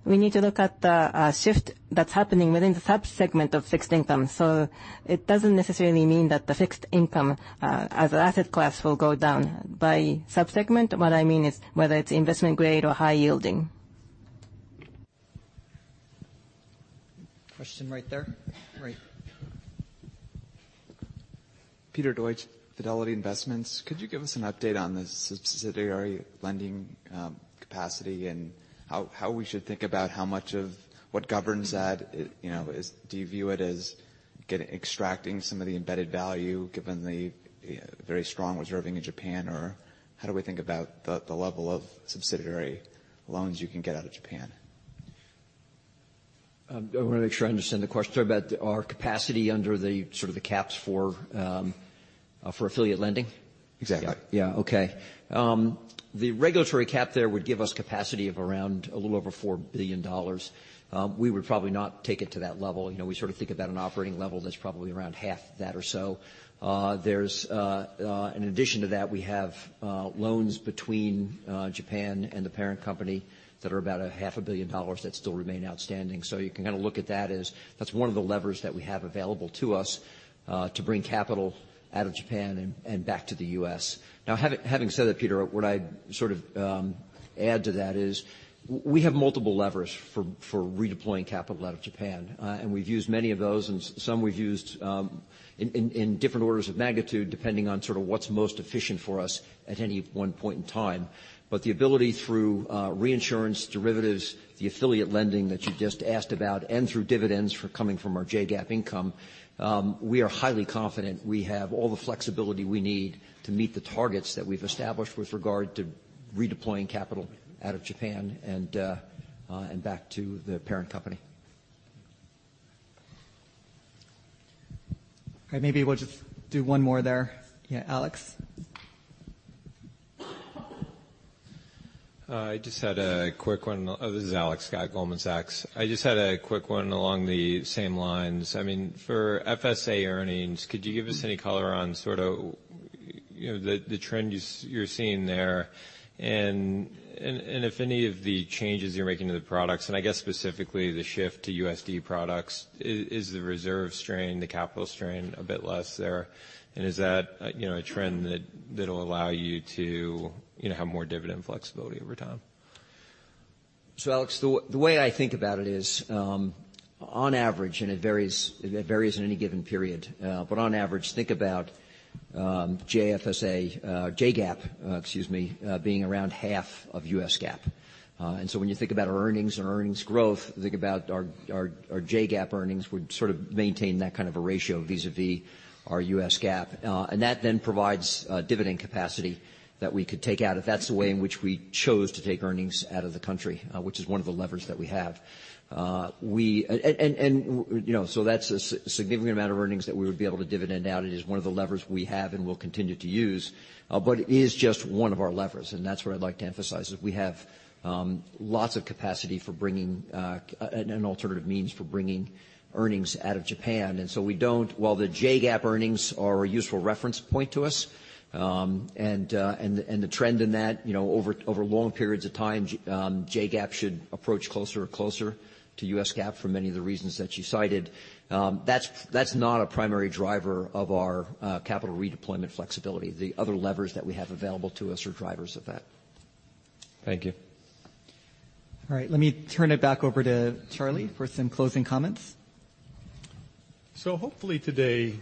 we need to look at the shift that's happening within the sub-segment of fixed income. It doesn't necessarily mean that the fixed income as an asset class will go down. By sub-segment, what I mean is whether it's investment grade or high yielding. Question right there. Right. Peter Deutsch, Fidelity Investments. Could you give us an update on the subsidiary lending capacity and how we should think about how much of what governs that? Do you view it as extracting some of the embedded value given the very strong reserving in Japan? How do we think about the level of subsidiary loans you can get out of Japan? I want to make sure I understand the question. About our capacity under the sort of the caps for affiliate lending? Exactly. Yeah. Okay. The regulatory cap there would give us capacity of around a little over $4 billion. We would probably not take it to that level. We sort of think about an operating level that's probably around half that or so. In addition to that, we have loans between Japan and the parent company that are about a half a billion dollars that still remain outstanding. You can kind of look at that as that's one of the levers that we have available to us to bring capital out of Japan and back to the U.S. Having said that, Peter, what I'd sort of add to that is we have multiple levers for redeploying capital out of Japan. We've used many of those and some we've used in different orders of magnitude depending on sort of what's most efficient for us at any one point in time. The ability through reinsurance derivatives, the affiliate lending that you just asked about, and through dividends coming from our JGAAP income, we are highly confident we have all the flexibility we need to meet the targets that we've established with regard to redeploying capital out of Japan and back to the parent company. Okay, maybe we'll just do one more there. Yeah, Alex? Hi. This is Alex Scott, Goldman Sachs. I just had a quick one along the same lines. I mean, for FSA earnings, could you give us any color on sort of the trend you're seeing there and if any of the changes you're making to the products, and I guess specifically the shift to USD products, is the reserve strain, the capital strain a bit less there? Is that a trend that'll allow you to have more dividend flexibility over time? Alex, the way I think about it is on average, and it varies in any given period, but on average think about JFSA, JGAAP, excuse me, being around half of US GAAP. When you think about our earnings and earnings growth, think about our JGAAP earnings would sort of maintain that kind of a ratio vis-a-vis our US GAAP. That then provides dividend capacity that we could take out if that's the way in which we chose to take earnings out of the country, which is one of the levers that we have. That's a significant amount of earnings that we would be able to dividend out. It is one of the levers we have and will continue to use, but it is just one of our levers, and that's what I'd like to emphasize, is we have lots of capacity for bringing an alternative means for bringing earnings out of Japan. While the JGAAP earnings are a useful reference point to us, and the trend in that over long periods of time, JGAAP should approach closer and closer to US GAAP for many of the reasons that you cited. That's not a primary driver of our capital redeployment flexibility. The other levers that we have available to us are drivers of that. Thank you. All right. Let me turn it back over to Charlie for some closing comments. Hopefully today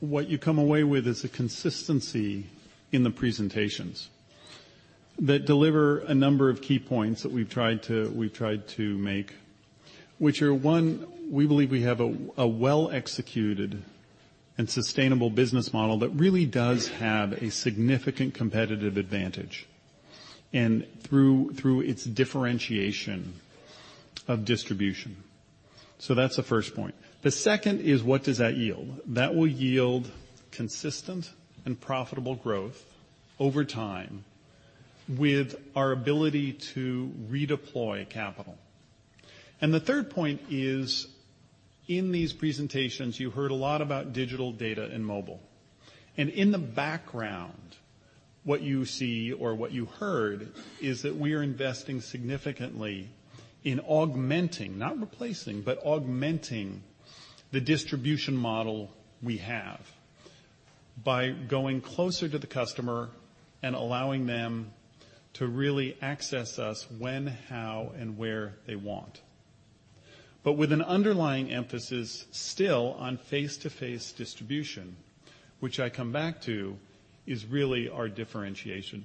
what you come away with is a consistency in the presentations that deliver a number of key points that we've tried to make, which are, one, we believe we have a well-executed and sustainable business model that really does have a significant competitive advantage through its differentiation of distribution. That's the first point. The second is what does that yield? That will yield consistent and profitable growth over time with our ability to redeploy capital. The third point is, in these presentations, you heard a lot about digital data and mobile. In the background, what you see or what you heard is that we are investing significantly in augmenting, not replacing, but augmenting the distribution model we have by going closer to the customer and allowing them to really access us when, how, and where they want. With an underlying emphasis still on face-to-face distribution, which I come back to is really our differentiation.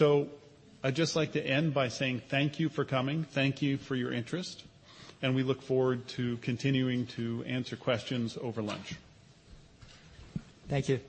I'd just like to end by saying thank you for coming, thank you for your interest, and we look forward to continuing to answer questions over lunch. Thank you